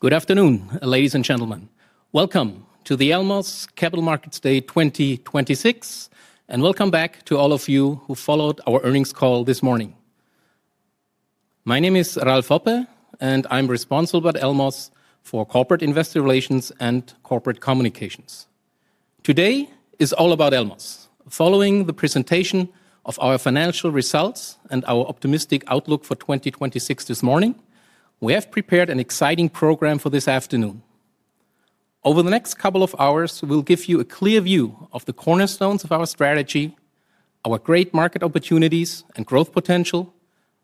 Good afternoon, ladies and gentlemen. Welcome to the Elmos Capital Markets Day 2026. Welcome back to all of you who followed our earnings call this morning. My name is Ralf Hoppe, and I'm responsible at Elmos for corporate investor relations and corporate communications. Today is all about Elmos. Following the presentation of our financial results and our optimistic outlook for 2026 this morning, we have prepared an exciting program for this afternoon. Over the next couple of hours, we'll give you a clear view of the cornerstones of our strategy, our great market opportunities and growth potential,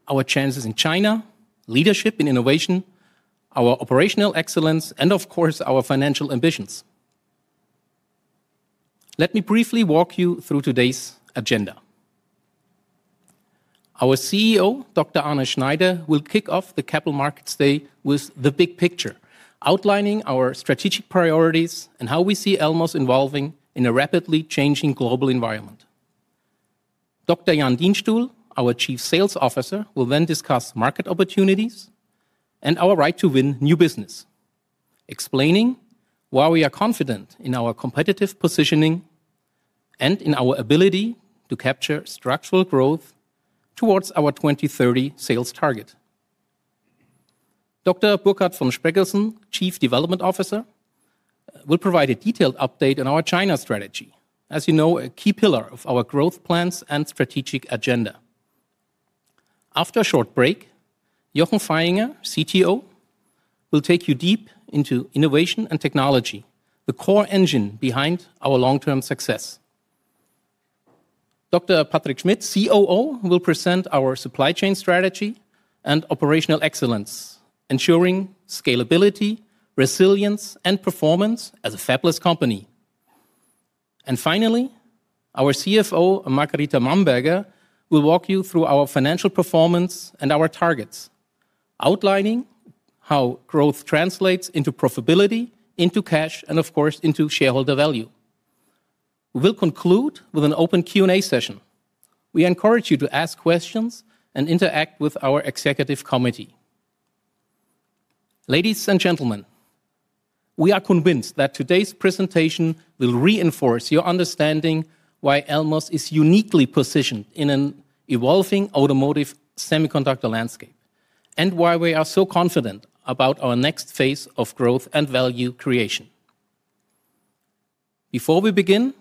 our chances in China, leadership in innovation, our operational excellence, and of course, our financial ambitions. Let me briefly walk you through today's agenda. Our CEO, Dr. Arne Schneider will kick off the Capital Markets Day with the big picture, outlining our strategic priorities and how we see Elmos evolving in a rapidly changing global environment. Dr. Jan Dienstuhl, our Chief Sales Officer, will then discuss market opportunities and our right to win new business, explaining why we are confident in our competitive positioning and in our ability to capture structural growth towards our 2030 sales target. Dr. Burkhard von Spreckelsen, Chief Development Officer, will provide a detailed update on our China strategy, as you know, a key pillar of our growth plans and strategic agenda. After a short break, Jochen Vaihinger, CTO, will take you deep into innovation and technology, the core engine behind our long-term success. Dr. Patrick Schmitt, COO, will present our supply chain strategy and operational excellence, ensuring scalability, resilience, and performance as a fabless company. Finally, our CFO, Margarita Mamberger, will walk you through our financial performance and our targets, outlining how growth translates into profitability, into cash, and of course, into shareholder value. We will conclude with an open Q&A session. We encourage you to ask questions and interact with our executive committee. Ladies and gentlemen, we are convinced that today's presentation will reinforce your understanding why Elmos is uniquely positioned in an evolving automotive semiconductor landscape, and why we are so confident about our next phase of growth and value creation. Before we begin,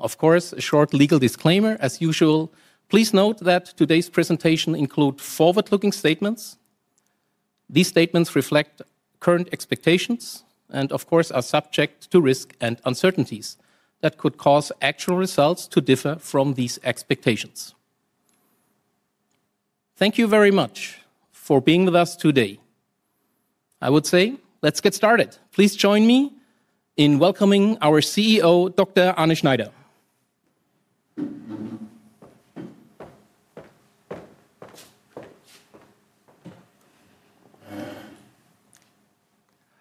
of course, a short legal disclaimer as usual. Please note that today's presentation include forward-looking statements. These statements reflect current expectations and of course, are subject to risk and uncertainties that could cause actual results to differ from these expectations. Thank you very much for being with us today. I would say, let's get started. Please join me in welcoming our CEO, Dr. Arne Schneider.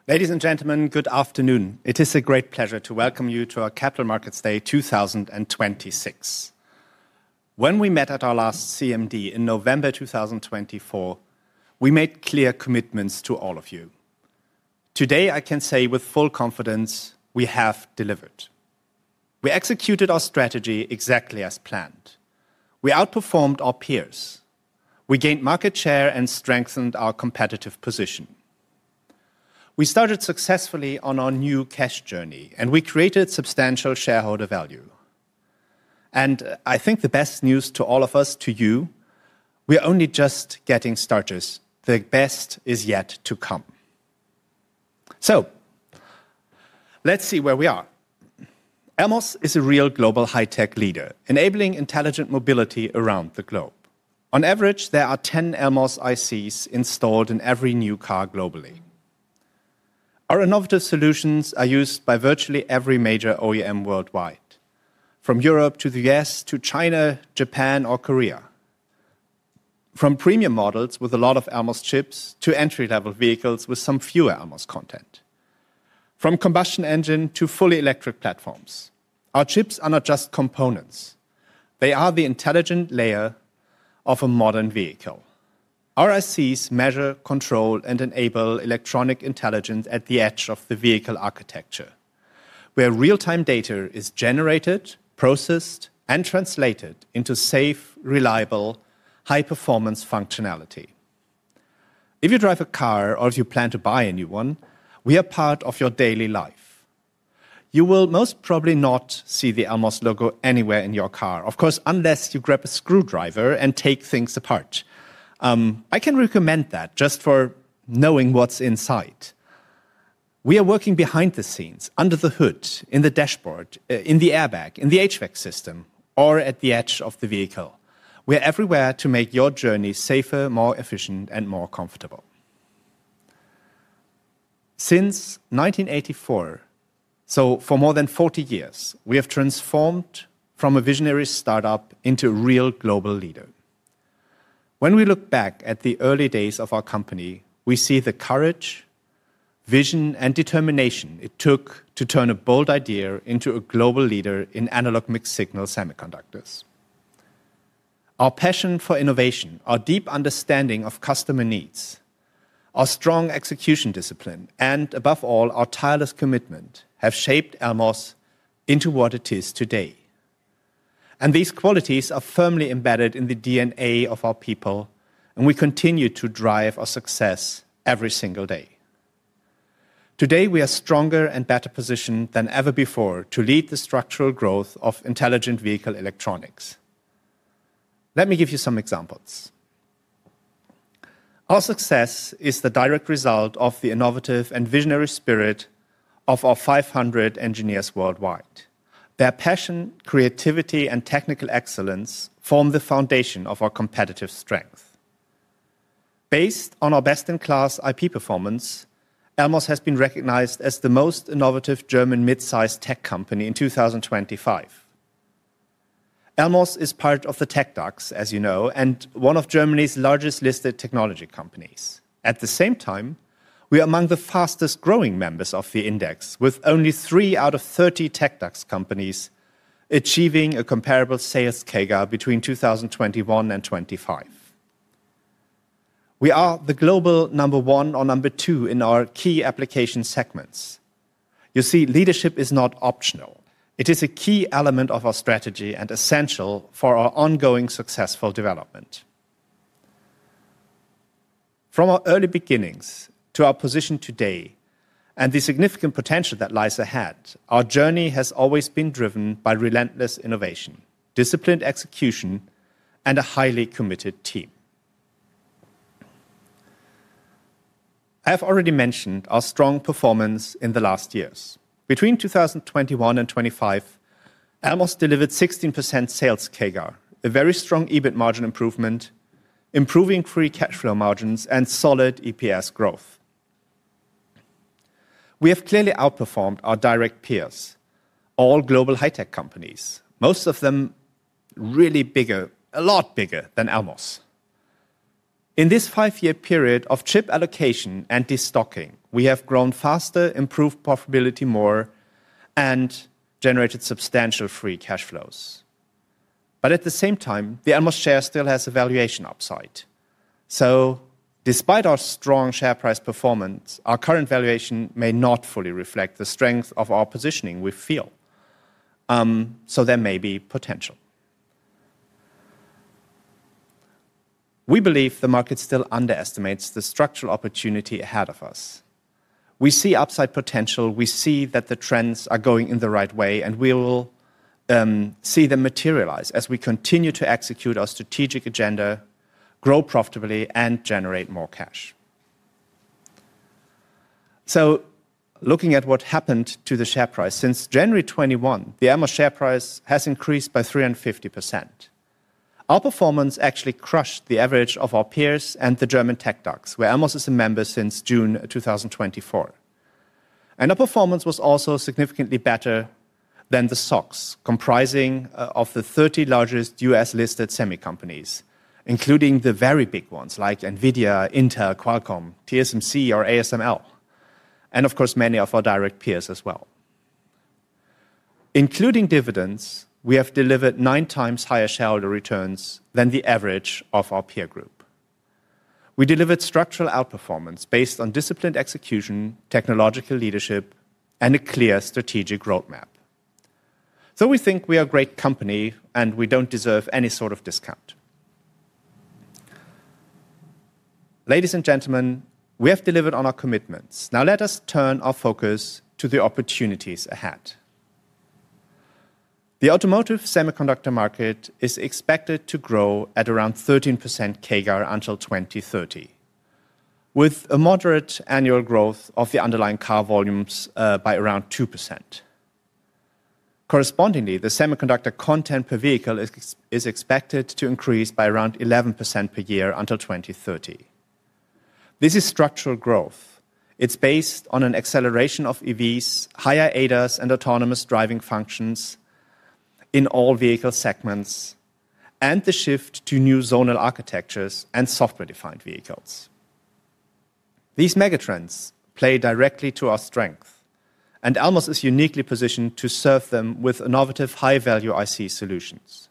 Ladies and gentlemen, good afternoon. It is a great pleasure to welcome you to our Capital Markets Day 2026. When we met at our last CMD in November 2024, we made clear commitments to all of you. Today, I can say with full confidence, we have delivered. We executed our strategy exactly as planned. We outperformed our peers. We gained market share and strengthened our competitive position. We started successfully on our new cash journey, and we created substantial shareholder value. I think the best news to all of us, to you, we are only just getting started. The best is yet to come. Let's see where we are. Elmos is a real global high-tech leader, enabling intelligent mobility around the globe. On average, there are 10 Elmos ICs installed in every new car globally. Our innovative solutions are used by virtually every major OEM worldwide, from Europe to the US to China, Japan, or Korea. From premium models with a lot of Elmos chips to entry-level vehicles with some fewer Elmos content, from combustion engine to fully electric platforms, our chips are not just components, they are the intelligent layer of a modern vehicle. Our ICs measure, control, and enable electronic intelligence at the edge of the vehicle architecture, where real-time data is generated, processed, and translated into safe, reliable, high-performance functionality. If you drive a car or if you plan to buy a new one, we are part of your daily life. You will most probably not see the Elmos logo anywhere in your car, of course, unless you grab a screwdriver and take things apart. I can recommend that just for knowing what's inside. We are working behind the scenes, under the hood, in the dashboard, in the airbag, in the HVAC system, or at the edge of the vehicle. We're everywhere to make your journey safer, more efficient, and more comfortable. Since 1984, for more than 40 years, we have transformed from a visionary startup into a real global leader. When we look back at the early days of our company, we see the courage, vision, and determination it took to turn a bold idea into a global leader in analog mixed-signal semiconductors. Our passion for innovation, our deep understanding of customer needs, our strong execution discipline, and above all, our tireless commitment, have shaped Elmos into what it is today. These qualities are firmly embedded in the DNA of our people, and we continue to drive our success every single day. Today, we are stronger and better positioned than ever before to lead the structural growth of intelligent vehicle electronics. Let me give you some examples. Our success is the direct result of the innovative and visionary spirit of our 500 engineers worldwide. Their passion, creativity, and technical excellence form the foundation of our competitive strength. Based on our best-in-class IP performance, Elmos has been recognized as the most innovative German mid-sized tech company in 2025. Elmos is part of the TecDAX, as you know, and one of Germany's largest listed technology companies. At the same time, we are among the fastest-growing members of the index, with only three out of 30 TecDAX companies achieving a comparable sales CAGR between 2021 and 2025. We are the global number one or number two in our key application segments. You see, leadership is not optional. It is a key element of our strategy and essential for our ongoing successful development. From our early beginnings to our position today and the significant potential that lies ahead, our journey has always been driven by relentless innovation, disciplined execution, and a highly committed team. I have already mentioned our strong performance in the last years. Between 2021 and 2025, Elmos delivered 16% sales CAGR, a very strong EBIT margin improvement, improving free cash flow margins, and solid EPS growth. We have clearly outperformed our direct peers, all global high-tech companies, most of them really bigger, a lot bigger than Elmos. In this five-year period of chip allocation and destocking, we have grown faster, improved profitability more, and generated substantial free cash flows. At the same time, the Elmos share still has a valuation upside. Despite our strong share price performance, our current valuation may not fully reflect the strength of our positioning we feel. There may be potential. We believe the market still underestimates the structural opportunity ahead of us. We see upside potential, we see that the trends are going in the right way, and we will see them materialize as we continue to execute our strategic agenda, grow profitably, and generate more cash. Looking at what happened to the share price, since January 2021, the Elmos share price has increased by 350%. Our performance actually crushed the average of our peers and the German TecDAX, where Elmos is a member since June 2024. Our performance was also significantly better than the SOXX, comprising of the 30 largest US-listed semi companies, including the very big ones like NVIDIA, Intel, Qualcomm, TSMC, or ASML, and of course, many of our direct peers as well. Including dividends, we have delivered nine times higher shareholder returns than the average of our peer group. We delivered structural outperformance based on disciplined execution, technological leadership, and a clear strategic roadmap. We think we are a great company, and we don't deserve any sort of discount. Ladies and gentlemen, we have delivered on our commitments. Let us turn our focus to the opportunities ahead. The automotive semiconductor market is expected to grow at around 13% CAGR until 2030, with a moderate annual growth of the underlying car volumes by around 2%. Correspondingly, the semiconductor content per vehicle is expected to increase by around 11% per year until 2030. This is structural growth. It's based on an acceleration of EVs, higher ADAS and autonomous driving functions in all vehicle segments, and the shift to new zonal architectures and software-defined vehicles. These megatrends play directly to our strength. Elmos is uniquely positioned to serve them with innovative, high-value IC solutions.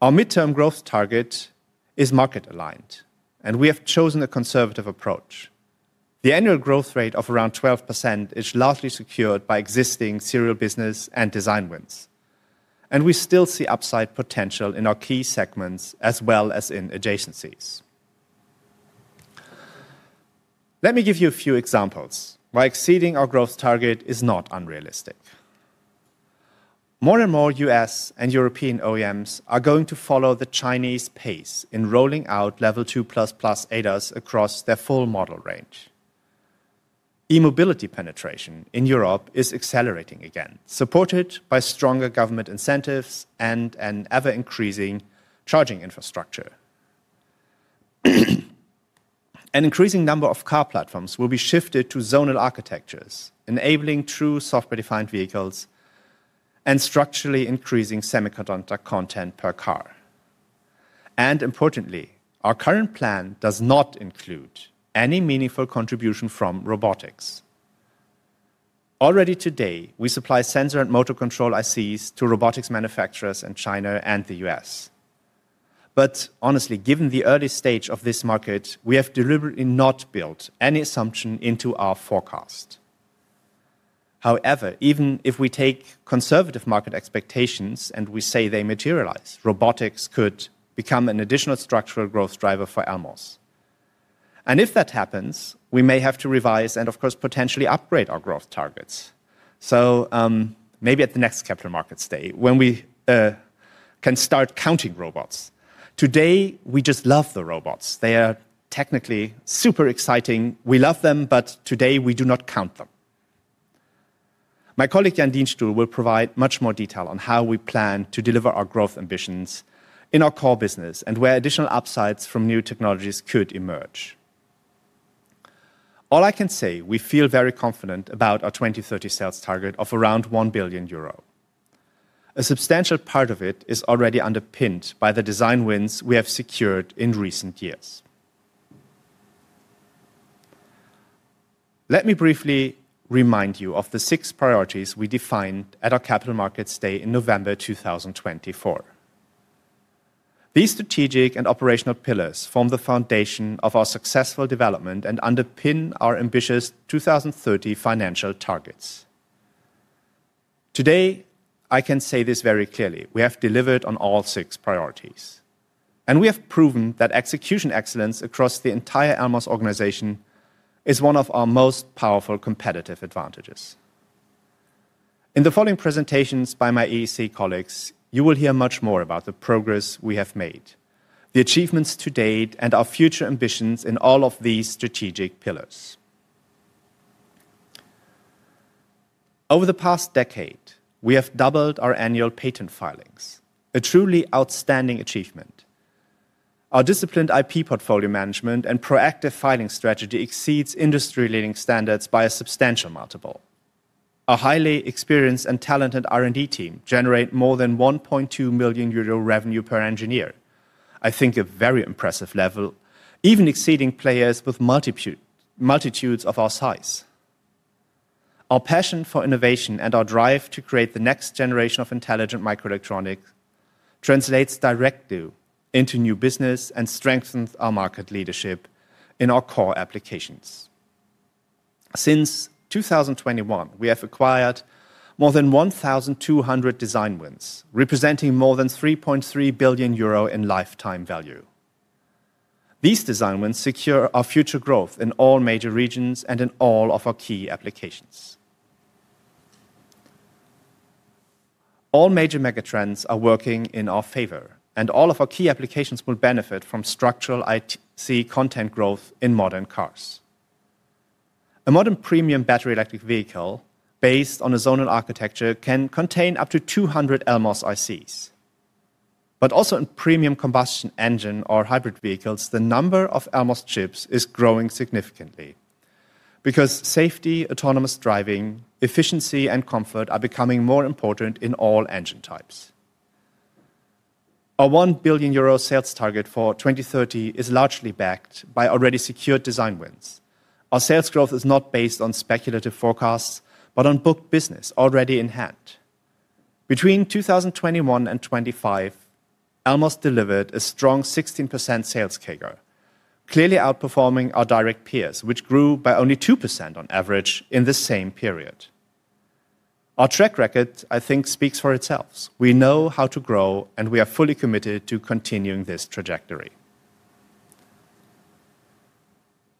Our midterm growth target is market aligned. We have chosen a conservative approach. The annual growth rate of around 12% is largely secured by existing serial business and design wins. We still see upside potential in our key segments as well as in adjacencies. Let me give you a few examples why exceeding our growth target is not unrealistic. More and more U.S. and European OEMs are going to follow the Chinese pace in rolling out Level 2++ ADAS across their full model range. e-mobility penetration in Europe is accelerating again, supported by stronger government incentives and an ever-increasing charging infrastructure. An increasing number of car platforms will be shifted to zonal architectures, enabling true software-defined vehicles and structurally increasing semiconductor content per car. Importantly, our current plan does not include any meaningful contribution from robotics. Already today, we supply sensor and motor control ICs to robotics manufacturers in China and the U.S. Honestly, given the early stage of this market, we have deliberately not built any assumption into our forecast. Even if we take conservative market expectations and we say they materialize, robotics could become an additional structural growth driver for Elmos. If that happens, we may have to revise and, of course, potentially upgrade our growth targets. Maybe at the next Capital Markets Day, when we can start counting robots. Today, we just love the robots. They are technically super exciting. We love them, but today we do not count them. My colleague, Jan Dienstuhl, will provide much more detail on how we plan to deliver our growth ambitions in our core business and where additional upsides from new technologies could emerge. All I can say, we feel very confident about our 2030 sales target of around 1 billion euro. A substantial part of it is already underpinned by the design wins we have secured in recent years. Let me briefly remind you of the six priorities we defined at the Capital Markets Day in November 2024. These strategic and operational pillars form the foundation of our successful development and underpin our ambitious 2030 financial targets. Today, I can say this very clearly, we have delivered on all six priorities, and we have proven that execution excellence across the entire Elmos organization is one of our most powerful competitive advantages. In the following presentations by my AEC colleagues, you will hear much more about the progress we have made, the achievements to date, and our future ambitions in all of these strategic pillars. Over the past decade, we have doubled our annual patent filings, a truly outstanding achievement. Our disciplined IP portfolio management and proactive filing strategy exceeds industry-leading standards by a substantial multiple. A highly experienced and talented R&D team generate more than 1.2 million euro revenue per engineer. I think a very impressive level, even exceeding players with multitudes of our size. Our passion for innovation and our drive to create the next generation of intelligent microelectronics translates directly into new business and strengthens our market leadership in our core applications. Since 2021, we have acquired more than 1,200 design wins, representing more than 3.3 billion euro in lifetime value. These design wins secure our future growth in all major regions and in all of our key applications. All major megatrends are working in our favor, and all of our key applications will benefit from structural IC content growth in modern cars. A modern premium battery electric vehicle, based on a zonal architecture, can contain up to 200 Elmos ICs. Also in premium combustion engine or hybrid vehicles, the number of Elmos chips is growing significantly because safety, autonomous driving, efficiency, and comfort are becoming more important in all engine types. Our 1 billion euro sales target for 2030 is largely backed by already secured design wins. Our sales growth is not based on speculative forecasts, but on booked business already in hand. Between 2021 and 2025, Elmos delivered a strong 16% sales CAGR, clearly outperforming our direct peers, which grew by only 2% on average in the same period. Our track record, I think, speaks for itself. We know how to grow, and we are fully committed to continuing this trajectory.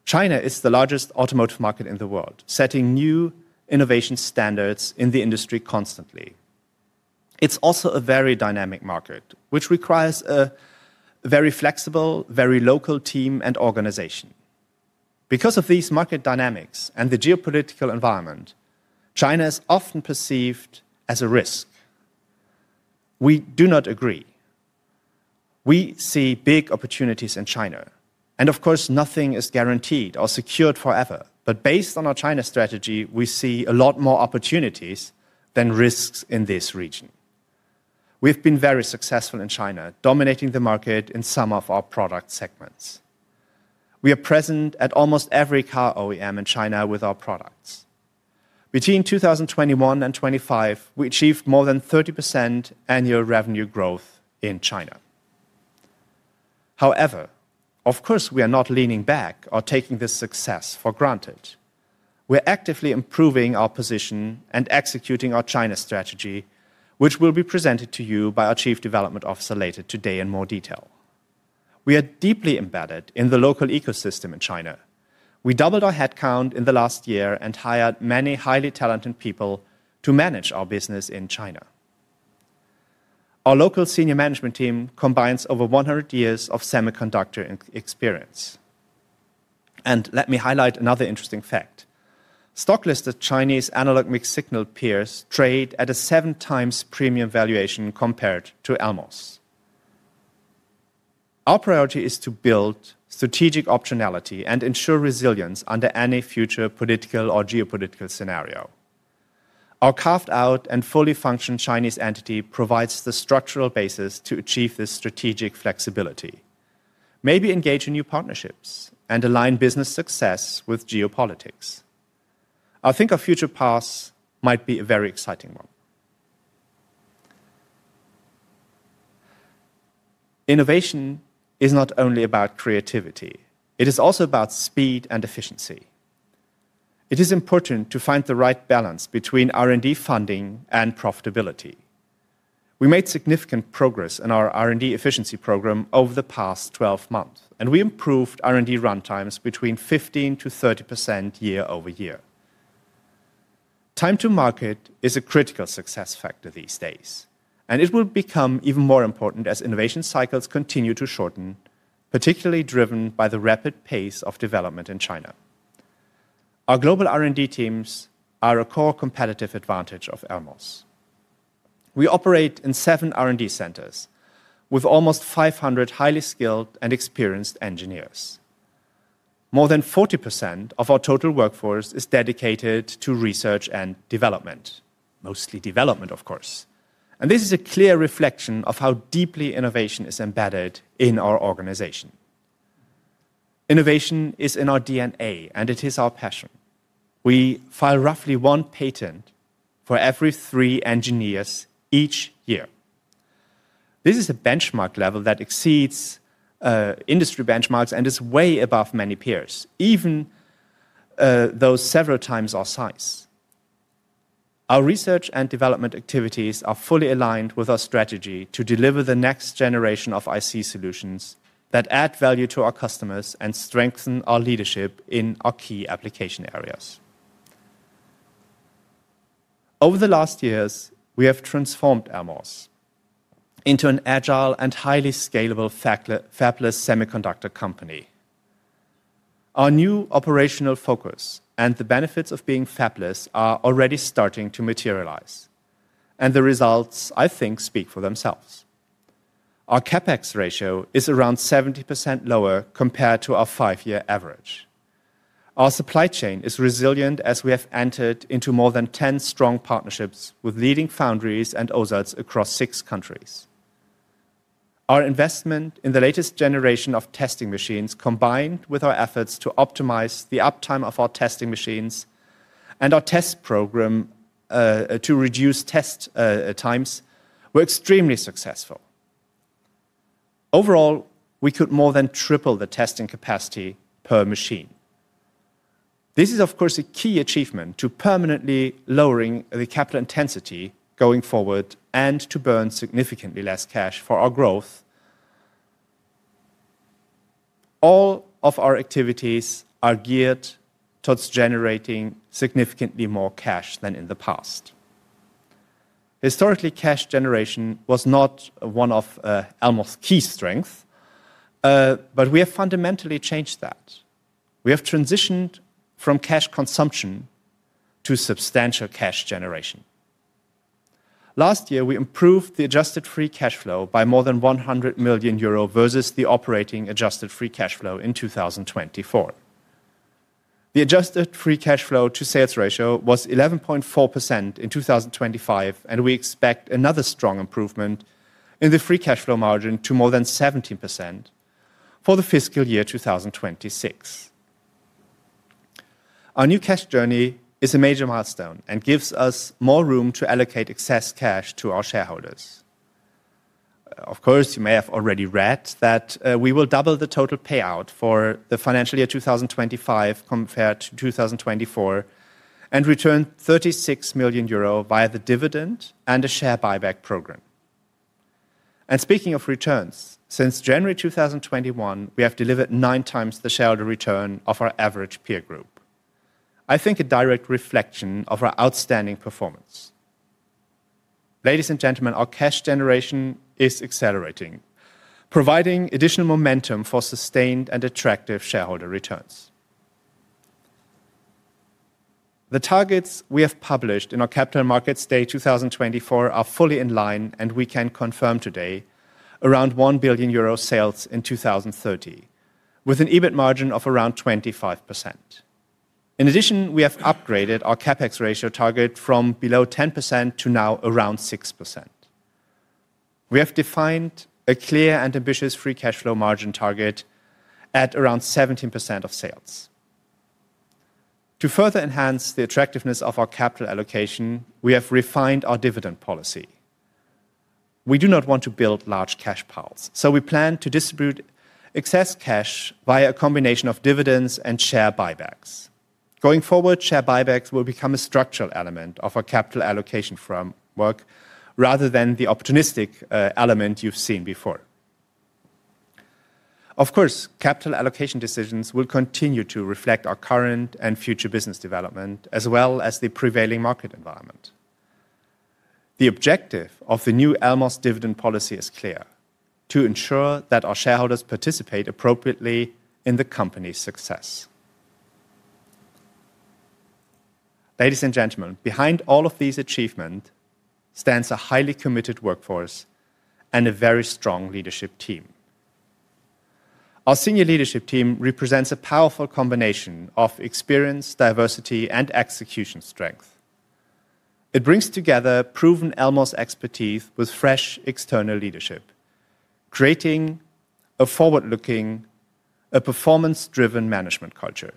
China is the largest automotive market in the world, setting new innovation standards in the industry constantly. It's also a very dynamic market, which requires a very flexible, very local team and organization. Because of these market dynamics and the geopolitical environment, China is often perceived as a risk. We do not agree. We see big opportunities in China, and of course, nothing is guaranteed or secured forever. Based on our China strategy, we see a lot more opportunities than risks in this region. We've been very successful in China, dominating the market in some of our product segments. We are present at almost every car OEM in China with our products. Between 2021 and 2025, we achieved more than 30% annual revenue growth in China. Of course, we are not leaning back or taking this success for granted. We're actively improving our position and executing our China strategy, which will be presented to you by our Chief Development Officer later today in more detail. We are deeply embedded in the local ecosystem in China. We doubled our headcount in the last year and hired many highly talented people to manage our business in China. Our local senior management team combines over 100 years of semiconductor ex-experience. Let me highlight another interesting fact: stock-listed Chinese analog mixed-signal peers trade at a seven times premium valuation compared to Elmos. Our priority is to build strategic optionality and ensure resilience under any future political or geopolitical scenario. Our carved-out and fully functioned Chinese entity provides the structural basis to achieve this strategic flexibility. Maybe engage in new partnerships and align business success with geopolitics. I think our future paths might be a very exciting one. Innovation is not only about creativity, it is also about speed and efficiency. It is important to find the right balance between R&D funding and profitability. We made significant progress in our R&D efficiency program over the past 12 months, and we improved R&D runtimes between 15%-30% year-over-year. Time to market is a critical success factor these days, and it will become even more important as innovation cycles continue to shorten, particularly driven by the rapid pace of development in China. Our global R&D teams are a core competitive advantage of Elmos. We operate in seven R&D centers, with almost 500 highly skilled and experienced engineers. More than 40% of our total workforce is dedicated to research and development, mostly development, of course, and this is a clear reflection of how deeply innovation is embedded in our organization. Innovation is in our DNA, and it is our passion. We file roughly one patent for every three engineers each year. This is a benchmark level that exceeds industry benchmarks and is way above many peers, even those several times our size. Our research and development activities are fully aligned with our strategy to deliver the next generation of IC solutions that add value to our customers and strengthen our leadership in our key application areas. Over the last years, we have transformed Elmos into an agile and highly scalable fabless semiconductor company. Our new operational focus and the benefits of being fabless are already starting to materialize, and the results, I think, speak for themselves. Our CapEx ratio is around 70% lower compared to our five-year average. Our supply chain is resilient as we have entered into more than 10 strong partnerships with leading foundries and OSATs across six countries. Our investment in the latest generation of testing machines, combined with our efforts to optimize the uptime of our testing machines and our test program, to reduce test times, were extremely successful. We could more than triple the testing capacity per machine. This is, of course, a key achievement to permanently lowering the capital intensity going forward and to burn significantly less cash for our growth. All of our activities are geared towards generating significantly more cash than in the past. Historically, cash generation was not one of Elmos' key strength, we have fundamentally changed that. We have transitioned from cash consumption to substantial cash generation. Last year, we improved the adjusted free cash flow by more than 100 million euro versus the operating adjusted free cash flow in 2024. The adjusted free cash flow to sales ratio was 11.4% in 2025. We expect another strong improvement in the free cash flow margin to more than 17% for the fiscal year 2026. Our new cash journey is a major milestone and gives us more room to allocate excess cash to our shareholders. Of course, you may have already read that we will double the total payout for the financial year 2025 compared to 2024 and return 36 million euro via the dividend and a share buyback program. Speaking of returns, since January 2021, we have delivered nine times the shareholder return of our average peer group. I think a direct reflection of our outstanding performance. Ladies and gentlemen, our cash generation is accelerating, providing additional momentum for sustained and attractive shareholder returns. The targets we have published in our Capital Markets Day 2024 are fully in line, we can confirm today around 1 billion euro sales in 2030, with an EBIT margin of around 25%. In addition, we have upgraded our CapEx ratio target from below 10% to now around 6%. We have defined a clear and ambitious free cash flow margin target at around 17% of sales. To further enhance the attractiveness of our capital allocation, we have refined our dividend policy. We do not want to build large cash piles, we plan to distribute excess cash via a combination of dividends and share buybacks. Going forward, share buybacks will become a structural element of our capital allocation framework, rather than the opportunistic element you've seen before. Of course, capital allocation decisions will continue to reflect our current and future business development, as well as the prevailing market environment. The objective of the new Elmos dividend policy is clear: to ensure that our shareholders participate appropriately in the company's success. Ladies and gentlemen, behind all of these achievement stands a highly committed workforce and a very strong leadership team. Our senior leadership team represents a powerful combination of experience, diversity, and execution strength. It brings together proven Elmos expertise with fresh external leadership, creating a forward-looking, a performance-driven management culture.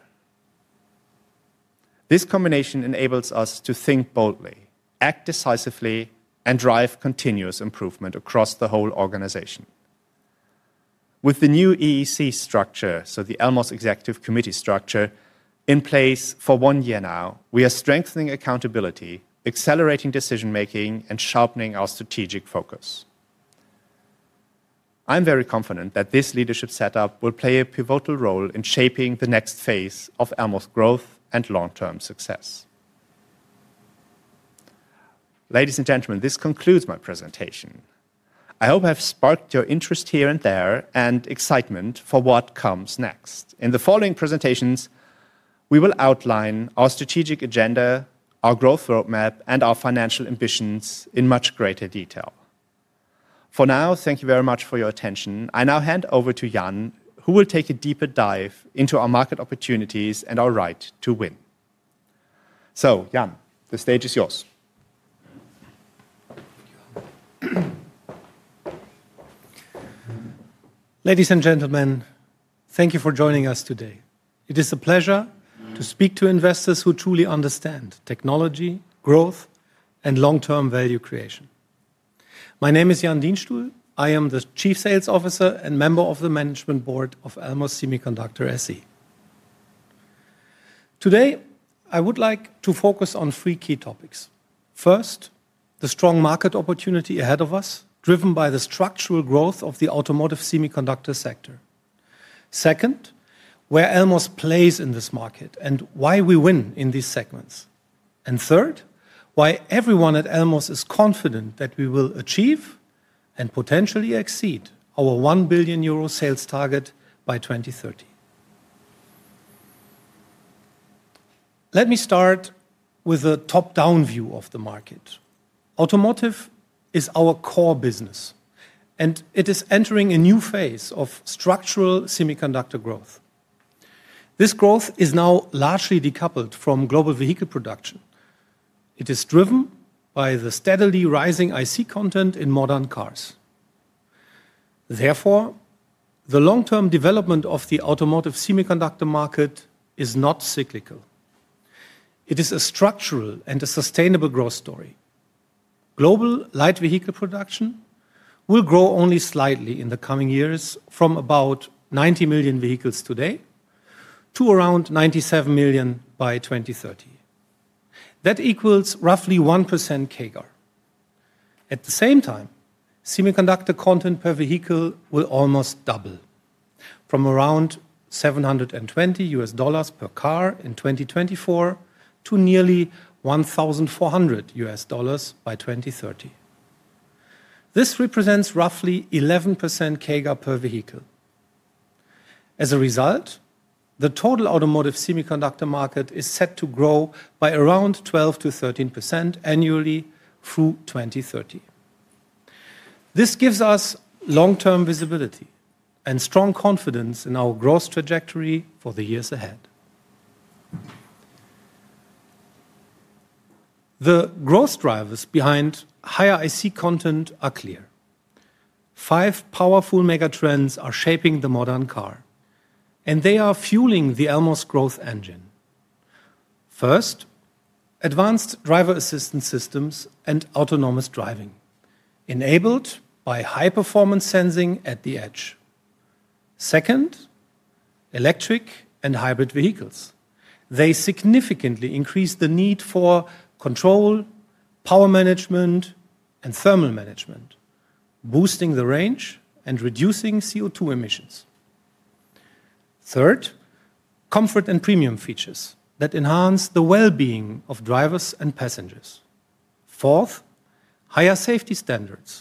This combination enables us to think boldly, act decisively, and drive continuous improvement across the whole organization. With the new EEC structure, so the Elmos executive committee structure, in place for one year now, we are strengthening accountability, accelerating decision-making, and sharpening our strategic focus. I'm very confident that this leadership setup will play a pivotal role in shaping the next phase of our Elmos growth and long-term success. Ladies and gentlemen, this concludes my presentation. I hope I've sparked your interest here and there, and excitement for what comes next. In the following presentations, we will outline our strategic agenda, our growth roadmap, and our financial ambitions in much greater detail. For now, thank you very much for your attention. I now hand over to Jan, who will take a deeper dive into our market opportunities and our right to win. Jan, the stage is yours. Ladies and gentlemen, thank you for joining us today. It is a pleasure to speak to investors who truly understand technology, growth, and long-term value creation. My name is Jan Dienstuhl. I am the Chief Sales Officer and member of the Management Board of Elmos Semiconductor SE. Today, I would like to focus on three key topics. First, the strong market opportunity ahead of us, driven by the structural growth of the automotive semiconductor sector. Second, where Elmos plays in this market and why we win in these segments. Third, why everyone at Elmos is confident that we will achieve and potentially exceed our 1 billion euro sales target by 2030. Let me start with a top-down view of the market. Automotive is our core business, and it is entering a new phase of structural semiconductor growth. This growth is now largely decoupled from global vehicle production. It is driven by the steadily rising IC content in modern cars. The long-term development of the automotive semiconductor market is not cyclical. It is a structural and a sustainable growth story. Global light vehicle production will grow only slightly in the coming years from about 90 million vehicles today to around 97 million by 2030. That equals roughly 1% CAGR. At the same time, semiconductor content per vehicle will almost double from around $720 per car in 2024 to nearly $1,400 by 2030. This represents roughly 11% CAGR per vehicle. The total automotive semiconductor market is set to grow by around 12%-13% annually through 2030. This gives us long-term visibility and strong confidence in our growth trajectory for the years ahead. The growth drivers behind higher IC content are clear. Five powerful megatrends are shaping the modern car, and they are fueling the Elmos growth engine. First, advanced driver-assistance systems and autonomous driving, enabled by high-performance sensing at the edge. Second, electric and hybrid vehicles. They significantly increase the need for control, power management, and thermal management, boosting the range and reducing CO₂ emissions. Third, comfort and premium features that enhance the well-being of drivers and passengers. Fourth, higher safety standards,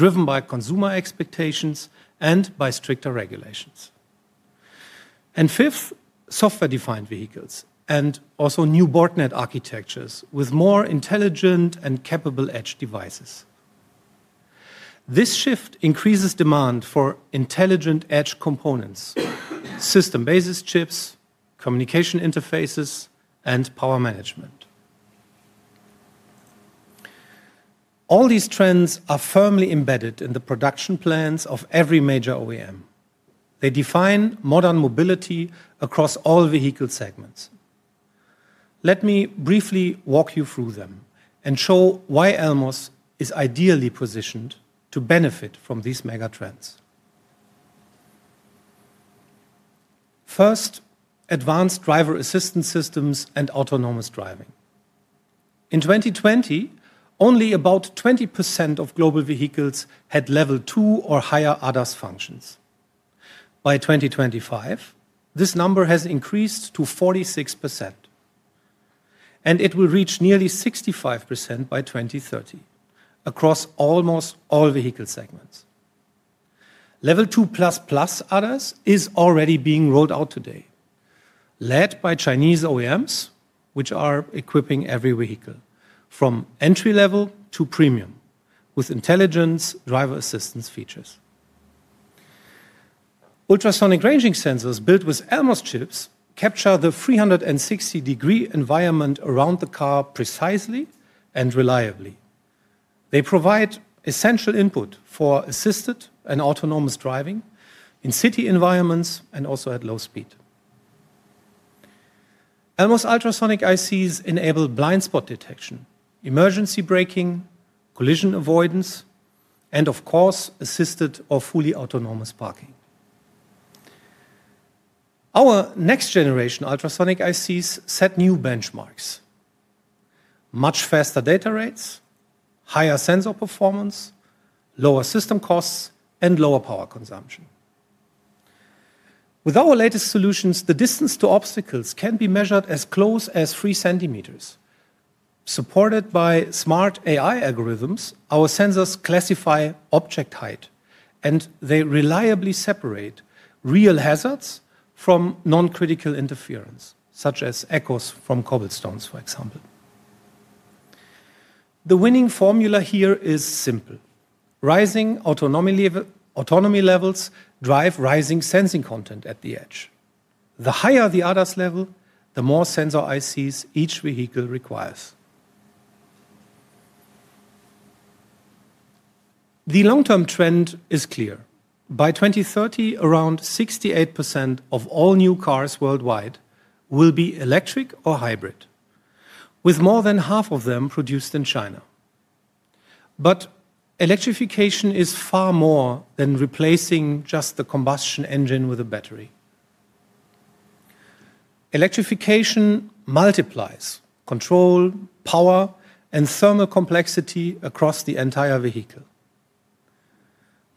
driven by consumer expectations and by stricter regulations. Fifth, software-defined vehicles and also new boardnet architectures with more intelligent and capable edge devices. This shift increases demand for intelligent edge components, system basis chips, communication interfaces, and power management. All these trends are firmly embedded in the production plans of every major OEM. They define modern mobility across all vehicle segments. Let me briefly walk you through them and show why Elmos is ideally positioned to benefit from these megatrends. First, advanced driver-assistance systems and autonomous driving. In 2020, only about 20% of global vehicles had Level two or higher ADAS functions. By 2025, this number has increased to 46%, and it will reach nearly 65% by 2030 across almost all vehicle segments. Level 2+ ADAS is already being rolled out today, led by Chinese OEMs, which are equipping every vehicle from entry-level to premium with intelligence driver-assistance features. Ultrasonic ranging sensors built with Elmos chips capture the 360-degree environment around the car precisely and reliably. They provide essential input for assisted and autonomous driving in city environments and also at low speed. Elmos ultrasonic ICs enable blind spot detection, emergency braking, collision avoidance, and of course, assisted or fully autonomous parking. Our next generation ultrasonic ICs set new benchmarks: much faster data rates, higher sensor performance, lower system costs, and lower power consumption. With our latest solutions, the distance to obstacles can be measured as close as 3 cms. Supported by smart AI algorithms, our sensors classify object height, and they reliably separate real hazards from non-critical interference, such as echoes from cobblestones, for example. The winning formula here is simple: rising autonomy levels drive rising sensing content at the edge. The higher the ADAS level, the more sensor ICs each vehicle requires. The long-term trend is clear. By 2030, around 68% of all new cars worldwide will be electric or hybrid, with more than half of them produced in China. Electrification is far more than replacing just the combustion engine with a battery. Electrification multiplies control, power, and thermal complexity across the entire vehicle.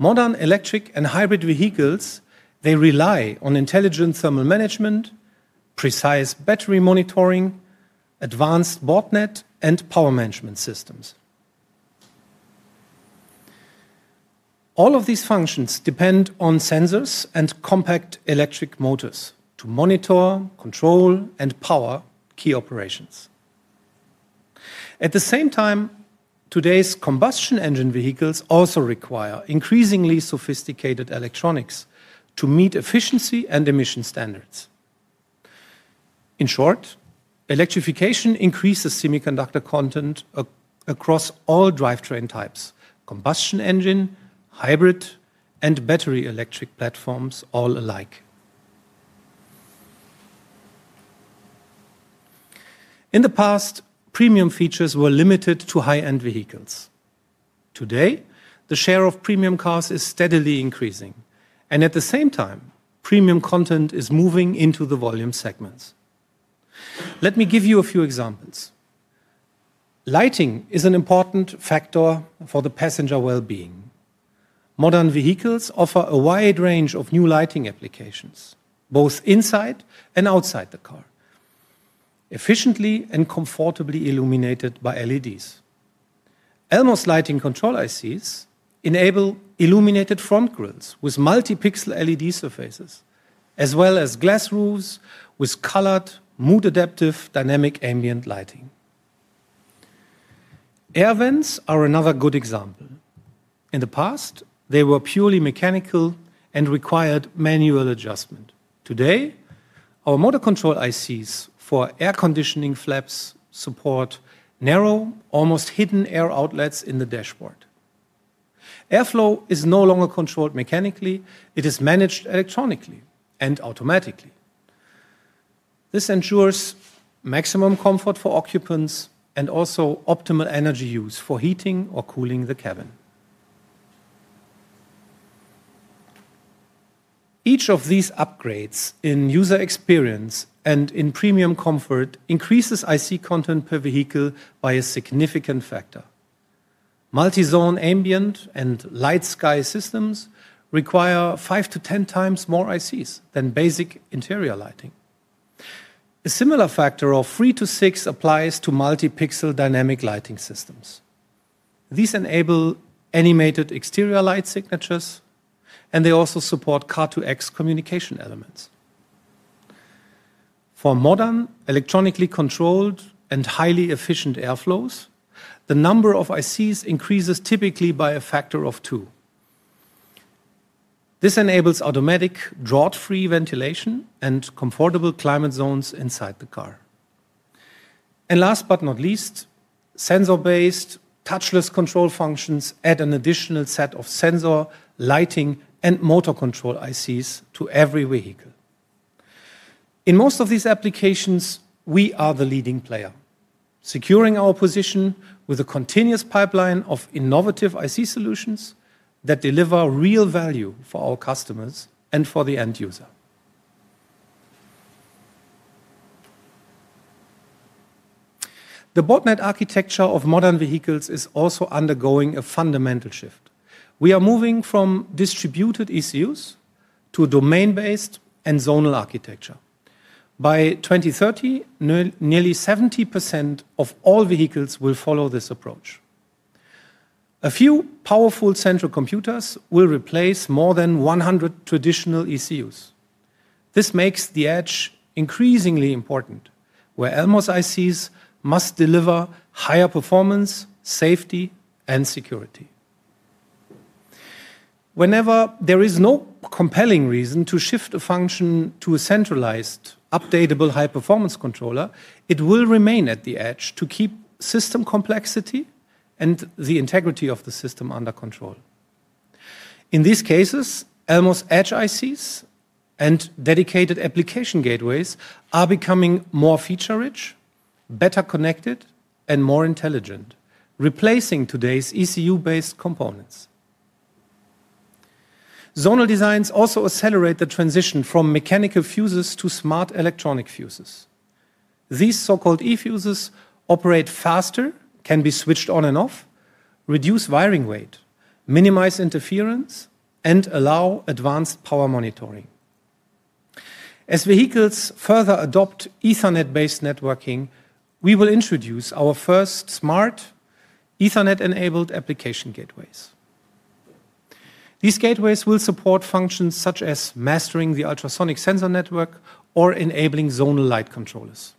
Modern electric and hybrid vehicles, they rely on intelligent thermal management, precise battery monitoring, advanced boardnet, and power management systems. All of these functions depend on sensors and compact electric motors to monitor, control, and power key operations. At the same time, today's combustion engine vehicles also require increasingly sophisticated electronics to meet efficiency and emission standards. In short, electrification increases semiconductor content across all drivetrain types, combustion engine, hybrid, and battery electric platforms all alike. In the past, premium features were limited to high-end vehicles. Today, the share of premium cars is steadily increasing, and at the same time, premium content is moving into the volume segments. Let me give you a few examples. Lighting is an important factor for the passenger well-being. Modern vehicles offer a wide range of new lighting applications, both inside and outside the car, efficiently and comfortably illuminated by LEDs. Elmos lighting control ICs enable illuminated front grills with multi-pixel LED surfaces, as well as glass roofs with colored, mood adaptive, dynamic ambient lighting. Air vents are another good example. In the past, they were purely mechanical and required manual adjustment. Today, our motor control ICs for air conditioning flaps support narrow, almost hidden air outlets in the dashboard. Airflow is no longer controlled mechanically, it is managed electronically and automatically. This ensures maximum comfort for occupants and also optimal energy use for heating or cooling the cabin. Each of these upgrades in user experience and in premium comfort increases IC content per vehicle by a significant factor. Multi-zone, ambient, and light sky systems require five to ten times more ICs than basic interior lighting. A similar factor of three to six applies to multi-pixel dynamic lighting systems. These enable animated exterior light signatures, and they also support car-to-X communication elements. For modern, electronically controlled, and highly efficient airflows, the number of ICs increases typically by a factor of two. This enables automatic, draught-free ventilation and comfortable climate zones inside the car. Last but not least, sensor-based, touchless control functions add an additional set of sensor, lighting, and motor control ICs to every vehicle. In most of these applications, we are the leading player, securing our position with a continuous pipeline of innovative IC solutions that deliver real value for our customers and for the end user. The board net architecture of modern vehicles is also undergoing a fundamental shift. We are moving from distributed ECUs to domain-based and zonal architecture. By 2030, nearly 70% of all vehicles will follow this approach. A few powerful central computers will replace more than 100 traditional ECUs. This makes the edge increasingly important, where Elmos ICs must deliver higher performance, safety, and security. Whenever there is no compelling reason to shift a function to a centralized, updatable, high-performance controller, it will remain at the edge to keep system complexity and the integrity of the system under control. In these cases, Elmos edge ICs and dedicated application gateways are becoming more feature-rich, better connected, and more intelligent, replacing today's ECU-based components. Zonal designs also accelerate the transition from mechanical fuses to smart electronic fuses. These so-called eFuses operate faster, can be switched on and off, reduce wiring weight, minimize interference, and allow advanced power monitoring. As vehicles further adopt Ethernet-based networking, we will introduce our first smart Ethernet-enabled application gateways. These gateways will support functions such as mastering the ultrasonic sensor network or enabling zonal light controllers.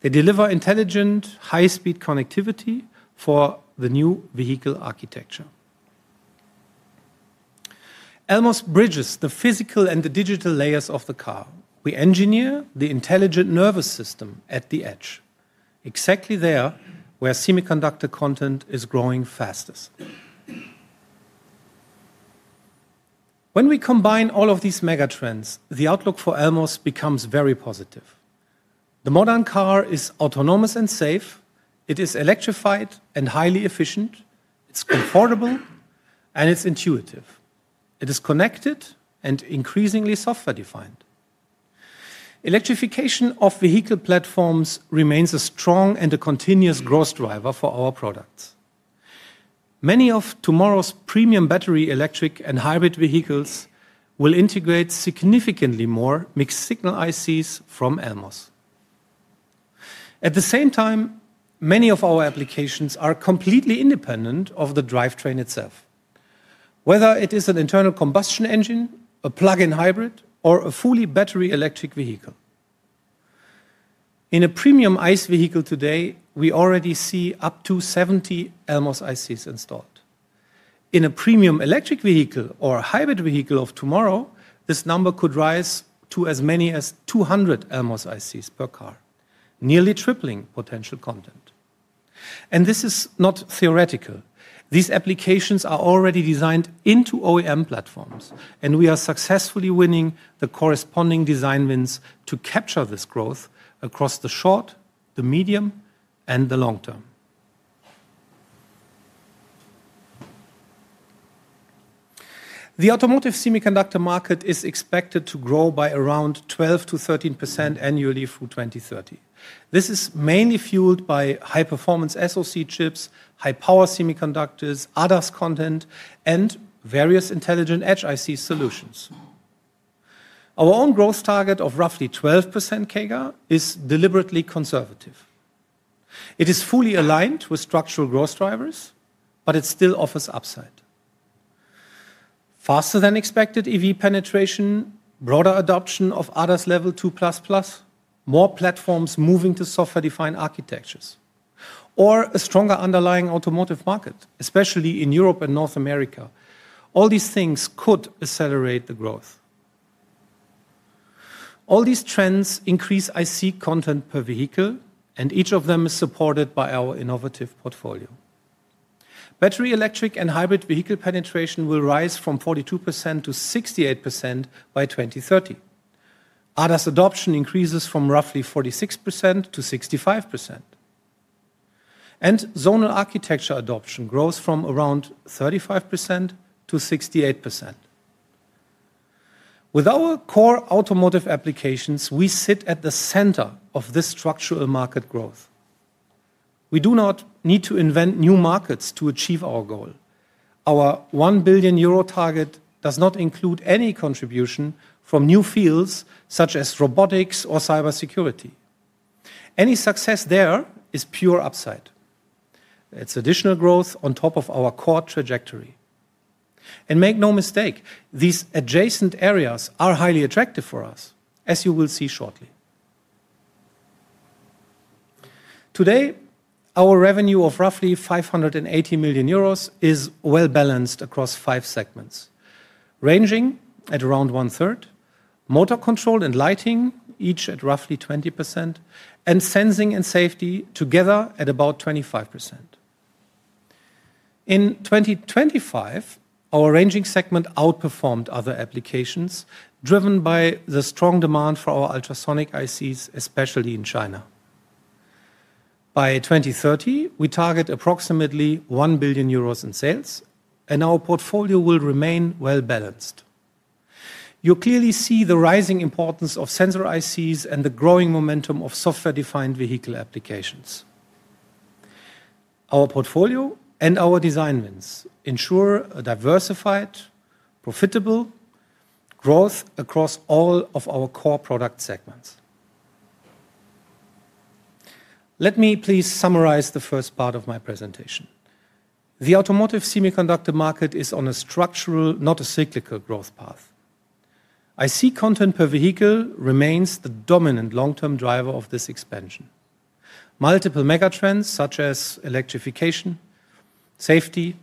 They deliver intelligent, high-speed connectivity for the new vehicle architecture. Elmos bridges the physical and the digital layers of the car. We engineer the intelligent nervous system at the edge, exactly there where semiconductor content is growing fastest. When we combine all of these mega trends, the outlook for Elmos becomes very positive. The modern car is autonomous and safe, it is electrified and highly efficient, it's comfortable, and it's intuitive. It is connected and increasingly software-defined. Electrification of vehicle platforms remains a strong and a continuous growth driver for our products. Many of tomorrow's premium battery, electric, and hybrid vehicles will integrate significantly more mixed-signal ICs from Elmos. At the same time, many of our applications are completely independent of the drivetrain itself, whether it is an internal combustion engine, a plug-in hybrid, or a fully battery electric vehicle. In a premium ICE vehicle today, we already see up to 70 Elmos ICs installed. In a premium electric vehicle or a hybrid vehicle of tomorrow, this number could rise to as many as 200 Elmos ICs per car, nearly tripling potential content. This is not theoretical. These applications are already designed into OEM platforms, and we are successfully winning the corresponding design wins to capture this growth across the short, the medium, and the long term. The automotive semiconductor market is expected to grow by around 12%-13% annually through 2030. This is mainly fueled by high-performance SoC chips, high-power semiconductors, ADAS content, and various intelligent edge IC solutions. Our own growth target of roughly 12% CAGR is deliberately conservative. It is fully aligned with structural growth drivers, it still offers upside. Faster than expected EV penetration, broader adoption of ADAS level 2++, more platforms moving to software-defined architectures, or a stronger underlying automotive market, especially in Europe and North America. All these things could accelerate the growth. All these trends increase IC content per vehicle, each of them is supported by our innovative portfolio. Battery, electric, and hybrid vehicle penetration will rise from 42%-68% by 2030. ADAS adoption increases from roughly 46%-65%, zonal architecture adoption grows from around 35%-68%. With our core automotive applications, we sit at the center of this structural market growth. We do not need to invent new markets to achieve our goal. Our 1 billion euro target does not include any contribution from new fields such as robotics or cybersecurity. Any success there is pure upside. It's additional growth on top of our core trajectory. Make no mistake, these adjacent areas are highly attractive for us, as you will see shortly. Today, our revenue of roughly 580 million euros is well-balanced across five segments, ranging at around one-third, motor control and lighting, each at roughly 20%, and sensing and safety together at about 25%. In 2025, our ranging segment outperformed other applications, driven by the strong demand for our ultrasonic ICs, especially in China. By 2030, we target approximately 1 billion euros in sales, and our portfolio will remain well-balanced. You clearly see the rising importance of sensor ICs and the growing momentum of software-defined vehicle applications. Our portfolio and our design wins ensure a diversified, profitable growth across all of our core product segments. Let me please summarize the first part of my presentation. The automotive semiconductor market is on a structural, not a cyclical, growth path. IC content per vehicle remains the dominant long-term driver of this expansion. Multiple mega trends, such as electrification, safety,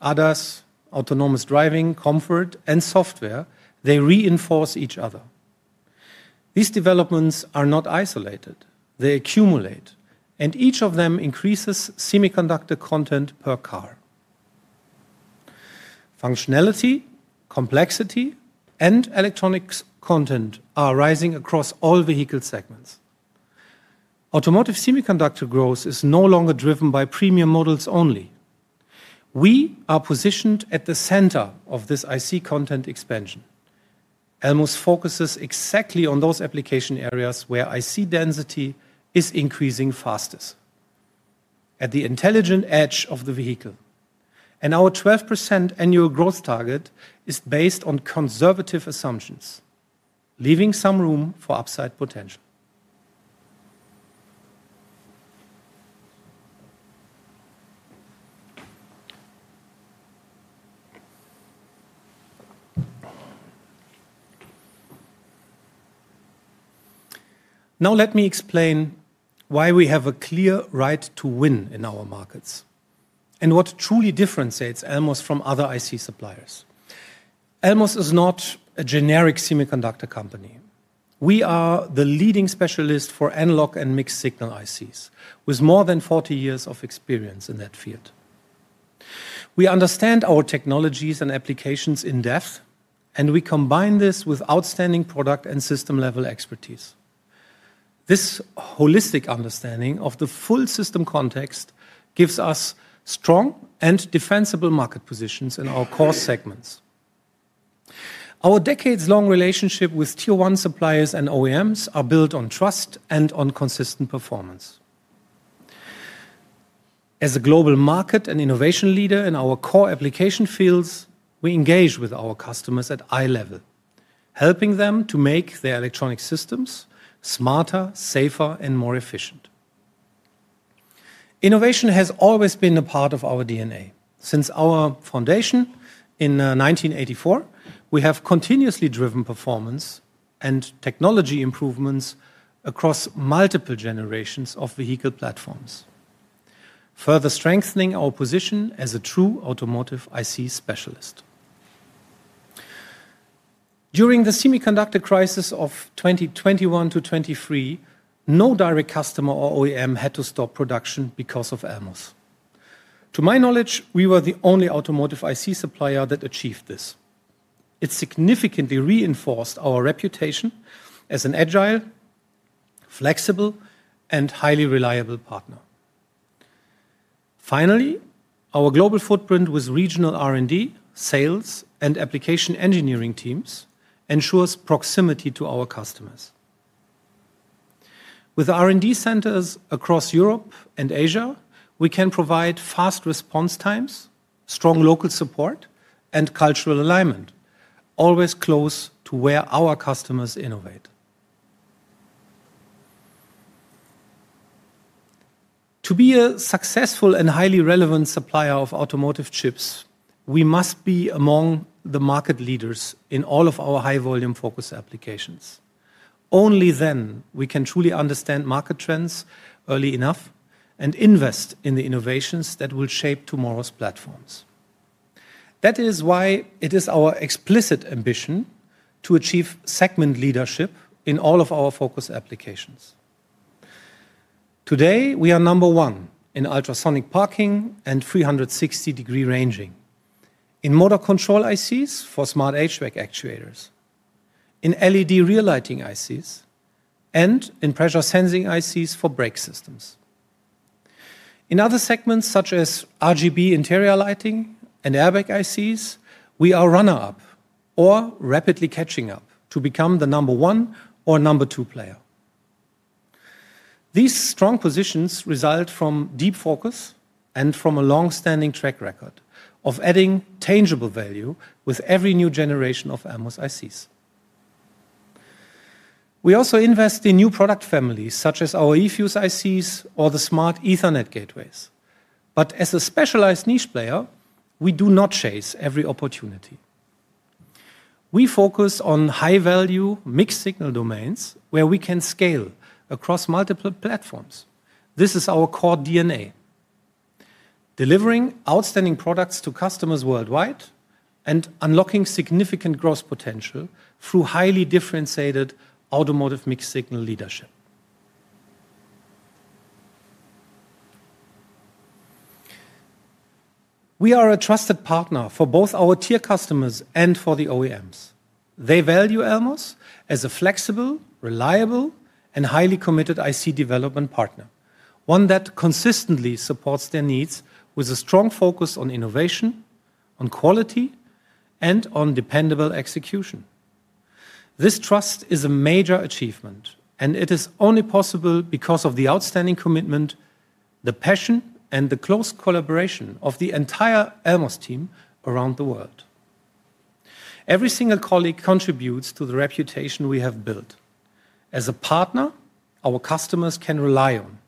ADAS, autonomous driving, comfort, and software, they reinforce each other. These developments are not isolated, they accumulate, and each of them increases semiconductor content per car. Functionality, complexity, and electronics content are rising across all vehicle segments. Automotive semiconductor growth is no longer driven by premium models only. We are positioned at the center of this IC content expansion. Elmos focuses exactly on those application areas where IC density is increasing fastest, at the intelligent edge of the vehicle. Our 12% annual growth target is based on conservative assumptions, leaving some room for upside potential. Let me explain why we have a clear right to win in our markets and what truly differentiates Elmos from other IC suppliers. Elmos is not a generic semiconductor company. We are the leading specialist for analog mixed-signal ICs, with more than 40 years of experience in that field. We understand our technologies and applications in depth, and we combine this with outstanding product and system-level expertise. This holistic understanding of the full system context gives us strong and defensible market positions in our core segments. Our decades-long relationship with Tier One suppliers and OEMs are built on trust and on consistent performance. As a global market and innovation leader in our core application fields, we engage with our customers at eye level, helping them to make their electronic systems smarter, safer, and more efficient. Innovation has always been a part of our DNA. Since our foundation in 1984, we have continuously driven performance and technology improvements across multiple generations of vehicle platforms, further strengthening our position as a true automotive IC specialist. During the semiconductor crisis of 2021 to 23, no direct customer or OEM had to stop production because of Elmos. To my knowledge, we were the only automotive IC supplier that achieved this. It significantly reinforced our reputation as an agile, flexible, and highly reliable partner. Finally, our global footprint with regional R&D, sales, and application engineering teams ensures proximity to our customers. With R&D centers across Europe and Asia, we can provide fast response times, strong local support, and cultural alignment, always close to where our customers innovate. To be a successful and highly relevant supplier of automotive chips, we must be among the market leaders in all of our high-volume focus applications. Only then we can truly understand market trends early enough and invest in the innovations that will shape tomorrow's platforms. That is why it is our explicit ambition to achieve segment leadership in all of our focus applications. Today, we are number one in ultrasonic parking and 360-degree ranging, in motor control ICs for smart HVAC actuators, in LED rear lighting ICs, and in pressure sensing ICs for brake systems. In other segments, such as RGB interior lighting and airbag ICs, we are runner-up or rapidly catching up to become the number one or number two player. These strong positions result from deep focus and from a long-standing track record of adding tangible value with every new generation of Elmos ICs. We also invest in new product families, such as our eFuse ICs or the smart Ethernet gateways. As a specialized niche player, we do not chase every opportunity. We focus on high-value, mixed-signal domains where we can scale across multiple platforms. This is our core DNA: delivering outstanding products to customers worldwide and unlocking significant growth potential through highly differentiated automotive mixed-signal leadership. We are a trusted partner for both our tier customers and for the OEMs. They value Elmos as a flexible, reliable, and highly committed IC development partner, one that consistently supports their needs with a strong focus on innovation, on quality, and on dependable execution. This trust is a major achievement, it is only possible because of the outstanding commitment, the passion, and the close collaboration of the entire Elmos team around the world. Every single colleague contributes to the reputation we have built. As a partner, our customers can rely on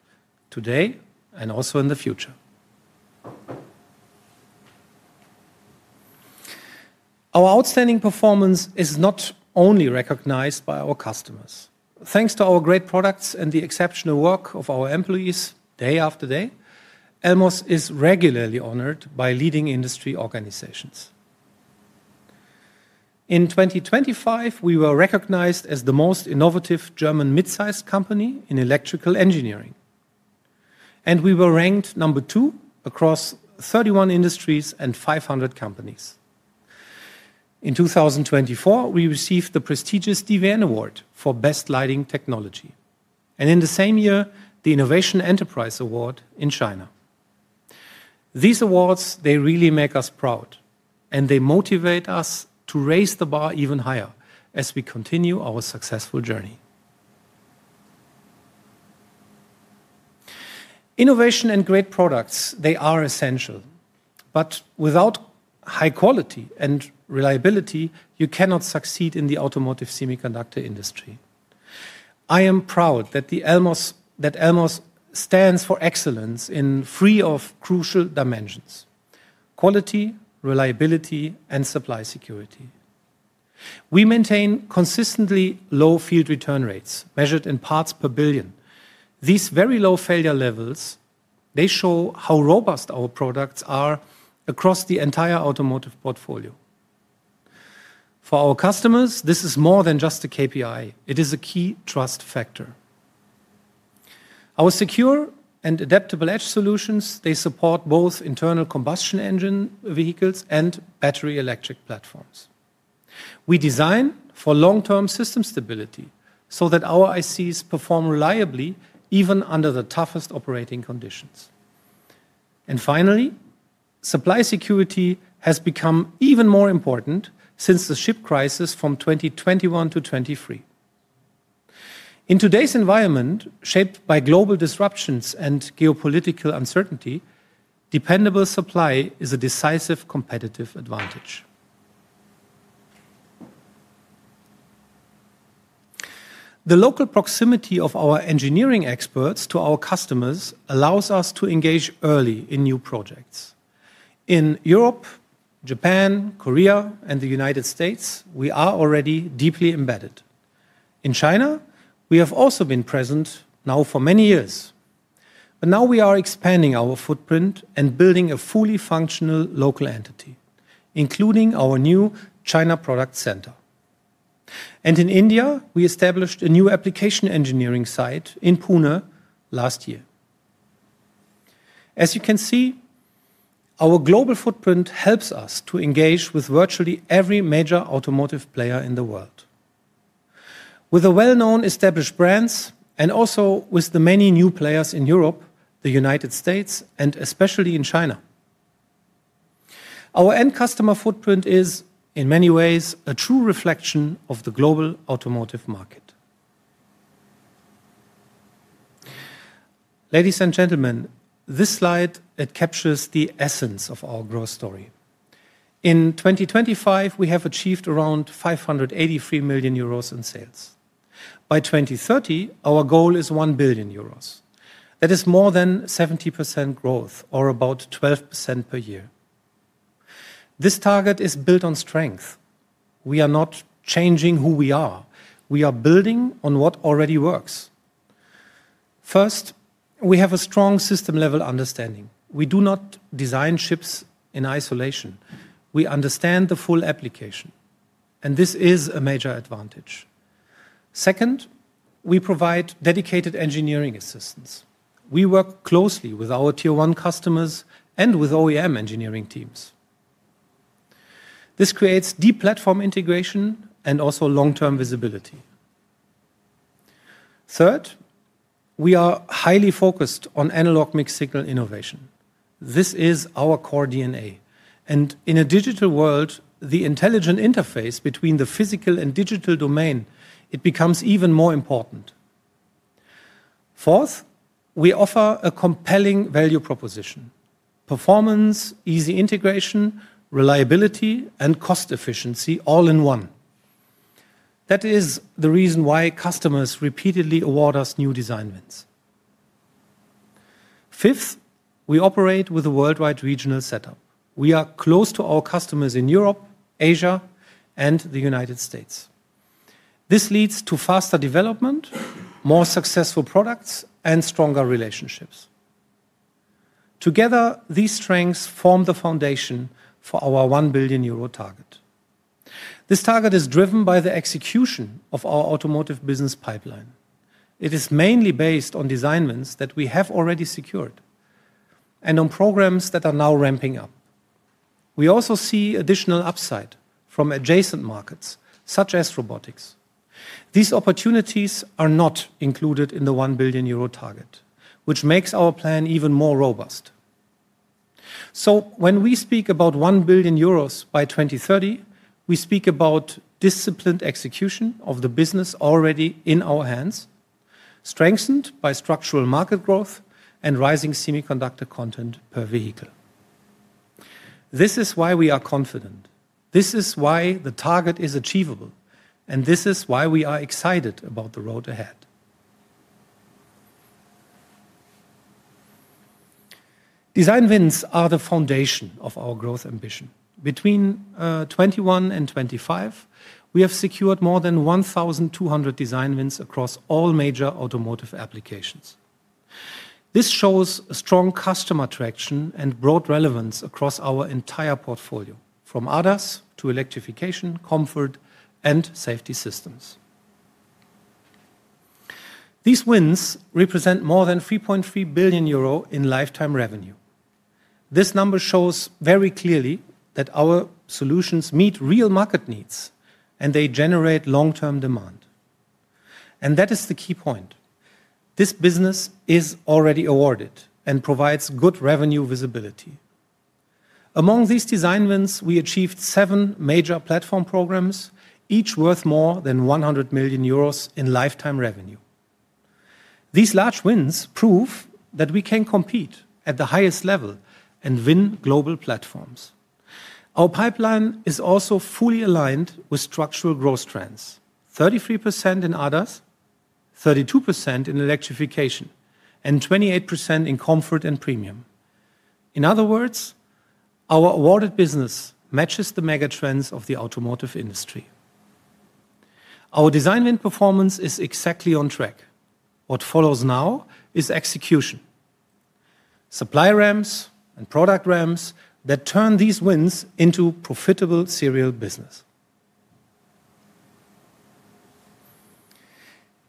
today and also in the future. Our outstanding performance is not only recognized by our customers. Thanks to our great products and the exceptional work of our employees day after day, Elmos is regularly honored by leading industry organizations. In 2025, we were recognized as the most innovative German mid-sized company in electrical engineering, and we were ranked number two across 31 industries and 500 companies. In 2024, we received the prestigious DiVern Award for best lighting technology, and in the same year, the Innovation Enterprise Award in China. These awards, they really make us proud, and they motivate us to raise the bar even higher as we continue our successful journey. Innovation and great products, they are essential, but without high quality and reliability, you cannot succeed in the automotive semiconductor industry. I am proud that Elmos stands for excellence in three of crucial dimensions: quality, reliability, and supply security. We maintain consistently low field return rates, measured in parts per billion. These very low failure levels, they show how robust our products are across the entire automotive portfolio. For our customers, this is more than just a KPI, it is a key trust factor. Our secure and adaptable edge solutions, they support both internal combustion engine vehicles and battery electric platforms. We design for long-term system stability so that our ICs perform reliably, even under the toughest operating conditions. Finally, supply security has become even more important since the chip crisis from 2021 to 2023. In today's environment, shaped by global disruptions and geopolitical uncertainty, dependable supply is a decisive competitive advantage. The local proximity of our engineering experts to our customers allows us to engage early in new projects. In Europe, Japan, Korea, and the United States, we are already deeply embedded. In China, we have also been present now for many years, but now we are expanding our footprint and building a fully functional local entity, including our new China Product Center. In India, we established a new application engineering site in Pune last year. As you can see, our global footprint helps us to engage with virtually every major automotive player in the world, with the well-known established brands and also with the many new players in Europe, the United States, and especially in China. Our end customer footprint is, in many ways, a true reflection of the global automotive market. Ladies and gentlemen, this slide, it captures the essence of our growth story. In 2025, we have achieved around 583 million euros in sales. By 2030, our goal is 1 billion euros. That is more than 70% growth or about 12% per year. This target is built on strength. We are not changing who we are. We are building on what already works. First, we have a strong system-level understanding. We do not design chips in isolation. We understand the full application, and this is a major advantage. Second, we provide dedicated engineering assistance. We work closely with our tier one customers and with OEM engineering teams. This creates deep platform integration and also long-term visibility. Third, we are highly focused on analog mixed-signal innovation. This is our core DNA, and in a digital world, the intelligent interface between the physical and digital domain, it becomes even more important. Fourth, we offer a compelling value proposition: performance, easy integration, reliability, and cost efficiency all in one. That is the reason why customers repeatedly award us new design wins. Fifth, we operate with a worldwide regional setup. We are close to our customers in Europe, Asia, and the United States. This leads to faster development, more successful products, and stronger relationships. Together, these strengths form the foundation for our 1 billion euro target. This target is driven by the execution of our automotive business pipeline. It is mainly based on design wins that we have already secured, and on programs that are now ramping up. We also see additional upside from adjacent markets, such as robotics. These opportunities are not included in the 1 billion euro target, which makes our plan even more robust. When we speak about 1 billion euros by 2030, we speak about disciplined execution of the business already in our hands, strengthened by structural market growth and rising semiconductor content per vehicle. This is why we are confident, this is why the target is achievable, and this is why we are excited about the road ahead. Design wins are the foundation of our growth ambition. Between 2021 and 2025, we have secured more than 1,200 design wins across all major automotive applications. This shows a strong customer traction and broad relevance across our entire portfolio, from ADAS to electrification, comfort, and safety systems. These wins represent more than 3.3 billion euro in lifetime revenue. This number shows very clearly that our solutions meet real market needs, and they generate long-term demand, and that is the key point. This business is already awarded and provides good revenue visibility. Among these design wins, we achieved seven major platform programs, each worth more than 100 million euros in lifetime revenue. These large wins prove that we can compete at the highest level and win global platforms. Our pipeline is also fully aligned with structural growth trends: 33% in ADAS, 32% in electrification, and 28% in comfort and premium. In other words, our awarded business matches the mega trends of the automotive industry. Our design win performance is exactly on track. What follows now is execution, supply ramps and product ramps that turn these wins into profitable serial business.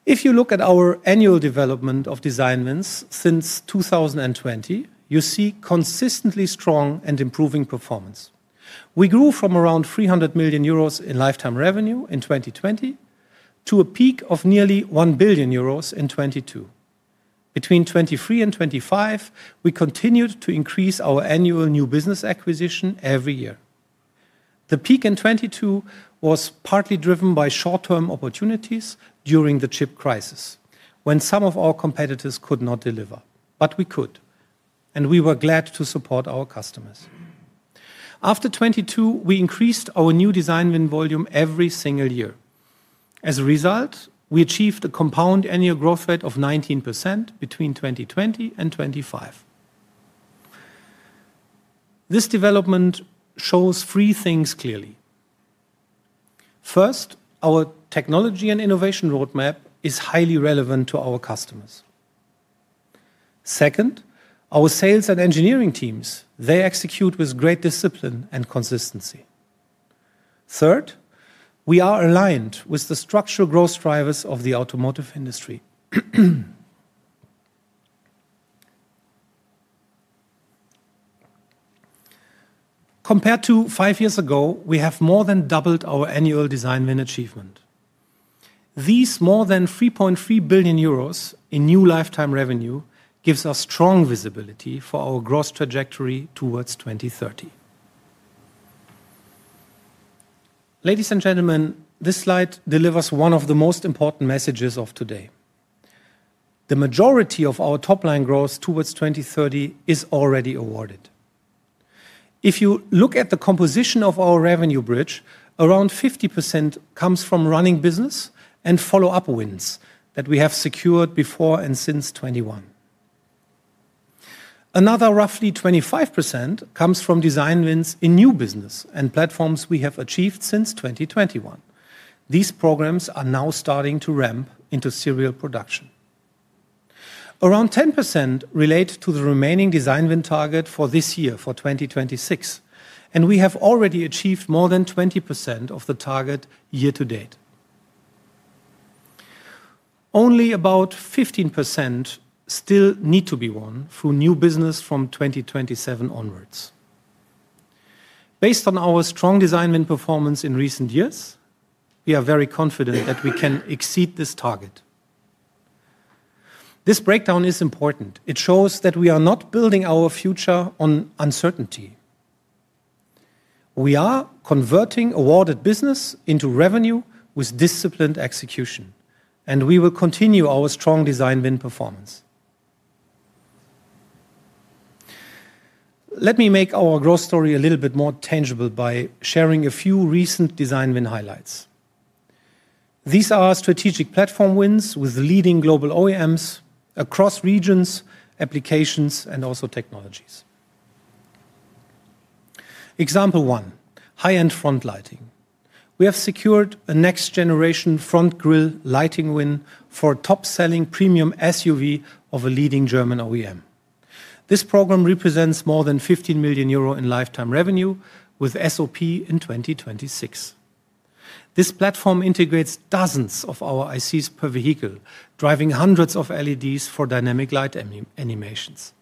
If you look at our annual development of design wins since 2020, you see consistently strong and improving performance. We grew from around 300 million euros in lifetime revenue in 2020 to a peak of nearly 1 billion euros in 2022. Between 2023 and 2025, we continued to increase our annual new business acquisition every year. The peak in 2022 was partly driven by short-term opportunities during the chip crisis, when some of our competitors could not deliver. We could, and we were glad to support our customers. After 2022, we increased our new design win volume every single year. As a result, we achieved a compound annual growth rate of 19% between 2020 and 2025. This development shows three things clearly. First, our technology and innovation roadmap is highly relevant to our customers. Second, our sales and engineering teams, they execute with great discipline and consistency. Third, we are aligned with the structural growth drivers of the automotive industry. Compared to five years ago, we have more than doubled our annual design win achievement. These more than 3.3 billion euros in new lifetime revenue gives us strong visibility for our growth trajectory towards 2030. Ladies and gentlemen, this slide delivers one of the most important messages of today. The majority of our top-line growth towards 2030 is already awarded. If you look at the composition of our revenue bridge, around 50% comes from running business and follow-up wins that we have secured before and since 2021. Another roughly 25% comes from design wins in new business and platforms we have achieved since 2021. These programs are now starting to ramp into serial production. Around 10% relate to the remaining design win target for this year, for 2026, and we have already achieved more than 20% of the target year to date. Only about 15% still need to be won through new business from 2027 onwards. Based on our strong design win performance in recent years, we are very confident that we can exceed this target. This breakdown is important. It shows that we are not building our future on uncertainty. We are converting awarded business into revenue with disciplined execution. We will continue our strong design win performance. Let me make our growth story a little bit more tangible by sharing a few recent design win highlights. These are strategic platform wins with leading global OEMs across regions, applications, and also technologies. Example one, high-end front lighting. We have secured a next-generation front grill lighting win for a top-selling premium SUV of a leading German OEM. This program represents more than 15 million euro in lifetime revenue, with SOP in 2026. This platform integrates dozens of our ICs per vehicle, driving hundreds of LEDs for dynamic light animations.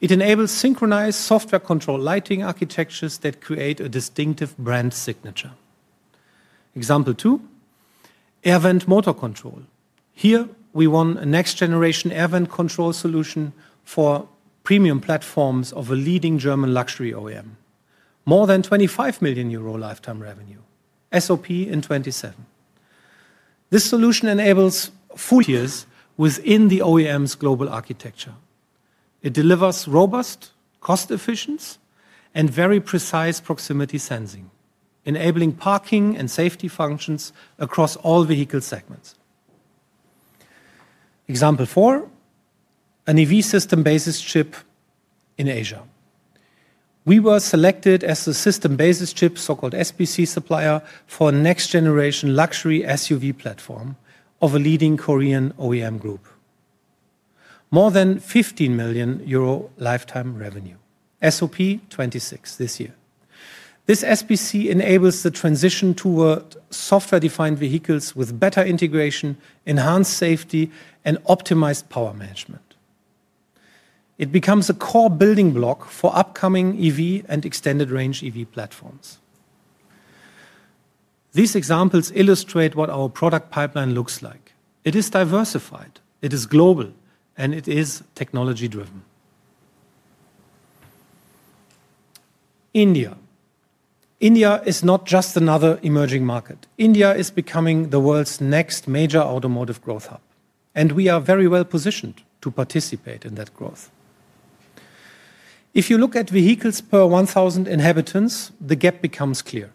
It enables synchronized software-controlled lighting architectures that create a distinctive brand signature. Example two, air vent motor control. Here, we won a next-generation air vent control solution for premium platforms of a leading German luxury OEM. more than 25 million euro lifetime revenue, SOP in 2027. This solution enables full years within the OEM's global architecture. It delivers robust, cost-efficient, and very precise proximity sensing, enabling parking and safety functions across all vehicle segments. Example four, an EV system basis chip in Asia. We were selected as the system basis chip, so-called SBC supplier, for next generation luxury SUV platform of a leading Korean OEM group. More than 15 million euro lifetime revenue, SOP 2026, this year. This SBC enables the transition toward software-defined vehicles with better integration, enhanced safety, and optimized power management. It becomes a core building block for upcoming EV and extended range EV platforms. These examples illustrate what our product pipeline looks like. It is diversified, it is global, and it is technology-driven. India. India is not just another emerging market. India is becoming the world's next major automotive growth hub. We are very well positioned to participate in that growth. If you look at vehicles per 1,000 inhabitants, the gap becomes clear.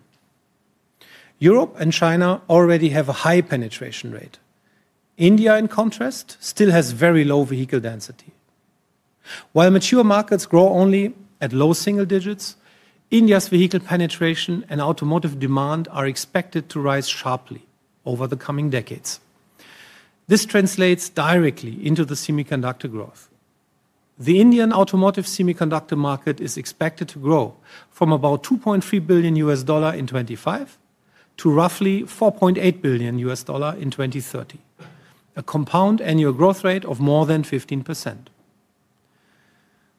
Europe and China already have a high penetration rate. India, in contrast, still has very low vehicle density. While mature markets grow only at low single digits, India's vehicle penetration and automotive demand are expected to rise sharply over the coming decades. This translates directly into the semiconductor growth. The Indian automotive semiconductor market is expected to grow from about $2.3 billion in 2025 to roughly $4.8 billion in 2030, a compound annual growth rate of more than 15%.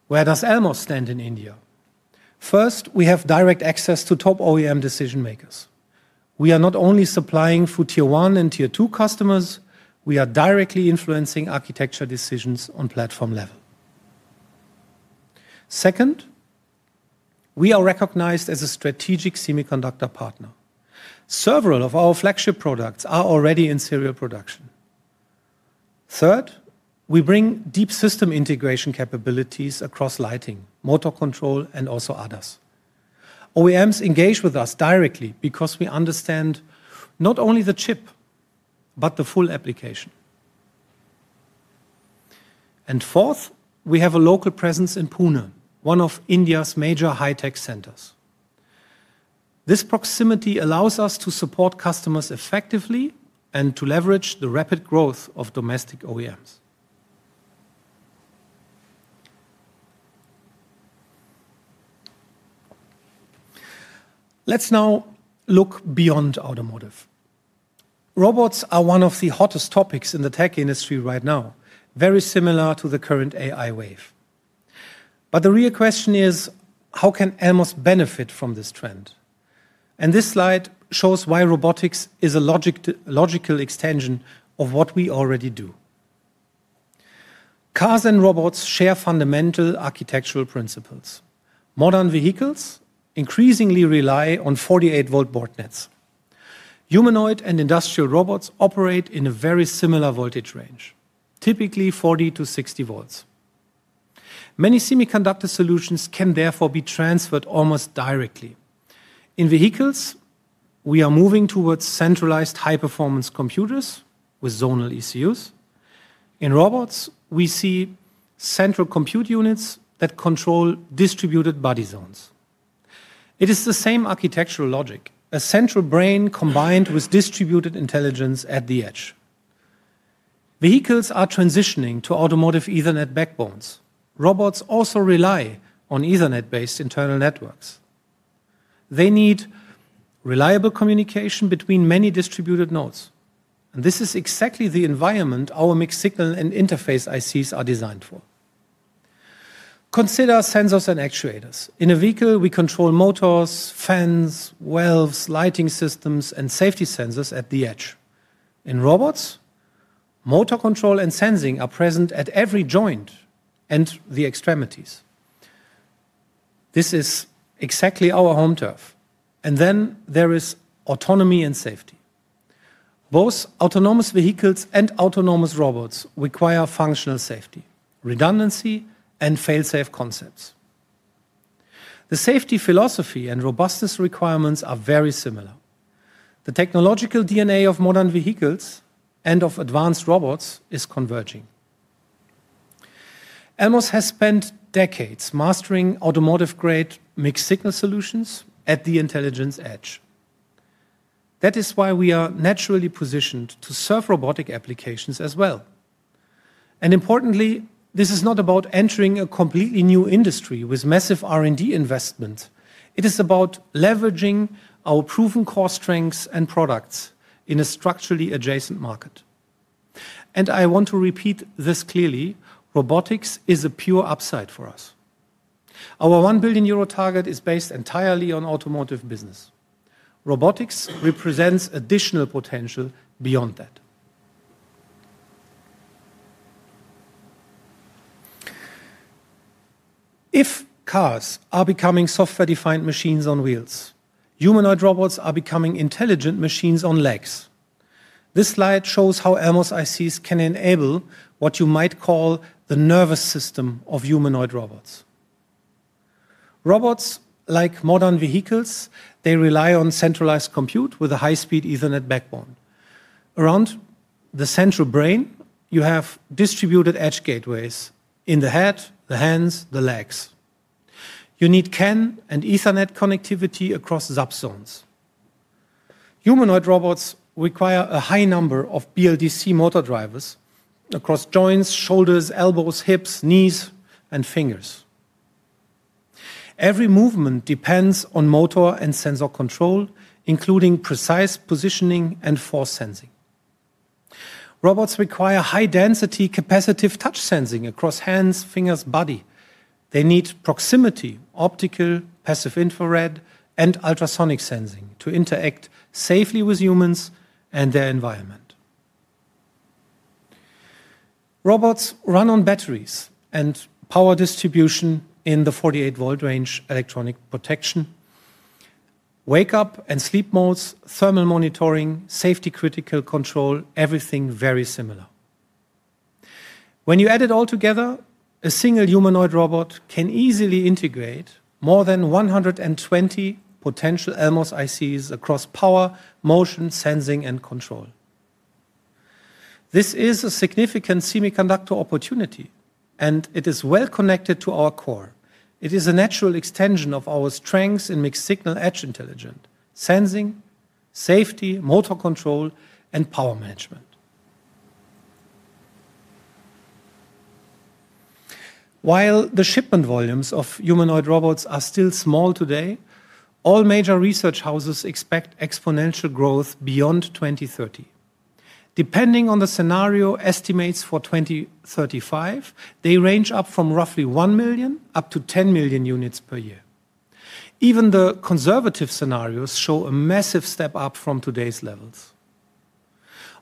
Where does Elmos stand in India? First, we have direct access to top OEM decision makers. We are not only supplying for tier one and tier two customers, we are directly influencing architecture decisions on platform level. Second, we are recognized as a strategic semiconductor partner. Several of our flagship products are already in serial production. Third, we bring deep system integration capabilities across lighting, motor control, and also others. OEMs engage with us directly because we understand not only the chip, but the full application. Fourth, we have a local presence in Pune, one of India's major high-tech centers. This proximity allows us to support customers effectively and to leverage the rapid growth of domestic OEMs. Let's now look beyond automotive. Robots are one of the hottest topics in the tech industry right now, very similar to the current AI wave. The real question is, how can Elmos benefit from this trend? This slide shows why robotics is a logical extension of what we already do. Cars and robots share fundamental architectural principles. Modern vehicles increasingly rely on 48 volt boardnets. Humanoid and industrial robots operate in a very similar voltage range, typically 40 to 60 volts. Many semiconductor solutions can therefore be transferred almost directly. In vehicles, we are moving towards centralized high-performance computers with zonal ECUs. In robots, we see central compute units that control distributed body zones. It is the same architectural logic, a central brain combined with distributed intelligence at the edge. Vehicles are transitioning to automotive Ethernet backbones. Robots also rely on Ethernet-based internal networks. They need reliable communication between many distributed nodes, and this is exactly the environment our mixed-signal and interface ICs are designed for. Consider sensors and actuators. In a vehicle, we control motors, fans, valves, lighting systems, and safety sensors at the edge. In robots, motor control and sensing are present at every joint and the extremities. This is exactly our home turf, and then there is autonomy and safety. Both autonomous vehicles and autonomous robots require functional safety, redundancy, and fail-safe concepts. The safety philosophy and robustness requirements are very similar. The technological DNA of modern vehicles and of advanced robots is converging. Elmos has spent decades mastering automotive-grade mixed signal solutions at the intelligence edge. That is why we are naturally positioned to serve robotic applications as well. Importantly, this is not about entering a completely new industry with massive R&D investment. It is about leveraging our proven core strengths and products in a structurally adjacent market. I want to repeat this clearly, robotics is a pure upside for us. Our 1 billion euro target is based entirely on automotive business. Robotics represents additional potential beyond that. If cars are becoming software-defined machines on wheels, humanoid robots are becoming intelligent machines on legs. This slide shows how Elmos ICs can enable what you might call the nervous system of humanoid robots. Robots, like modern vehicles, they rely on centralized compute with a high-speed Ethernet backbone. Around the central brain, you have distributed edge gateways in the head, the hands, the legs. You need CAN and Ethernet connectivity across subzones. Humanoid robots require a high number of BLDC motor drivers across joints, shoulders, elbows, hips, knees, and fingers. Every movement depends on motor and sensor control, including precise positioning and force sensing. Robots require high-density capacitive touch sensing across hands, fingers, body. They need proximity, optical, passive infrared, and ultrasonic sensing to interact safely with humans and their environment. Robots run on batteries and power distribution in the 48 volt range, electronic protection, wake up and sleep modes, thermal monitoring, safety-critical control, everything very similar. When you add it all together, a single humanoid robot can easily integrate more than 120 potential Elmos ICs across power, motion, sensing, and control. It is a significant semiconductor opportunity, it is well connected to our core. It is a natural extension of our strengths in mixed-signal, edge intelligent, sensing, safety, motor control, and power management. While the shipment volumes of humanoid robots are still small today, all major research houses expect exponential growth beyond 2030. Depending on the scenario, estimates for 2035, they range up from roughly one million up to 10 million units per year. Even the conservative scenarios show a massive step up from today's levels.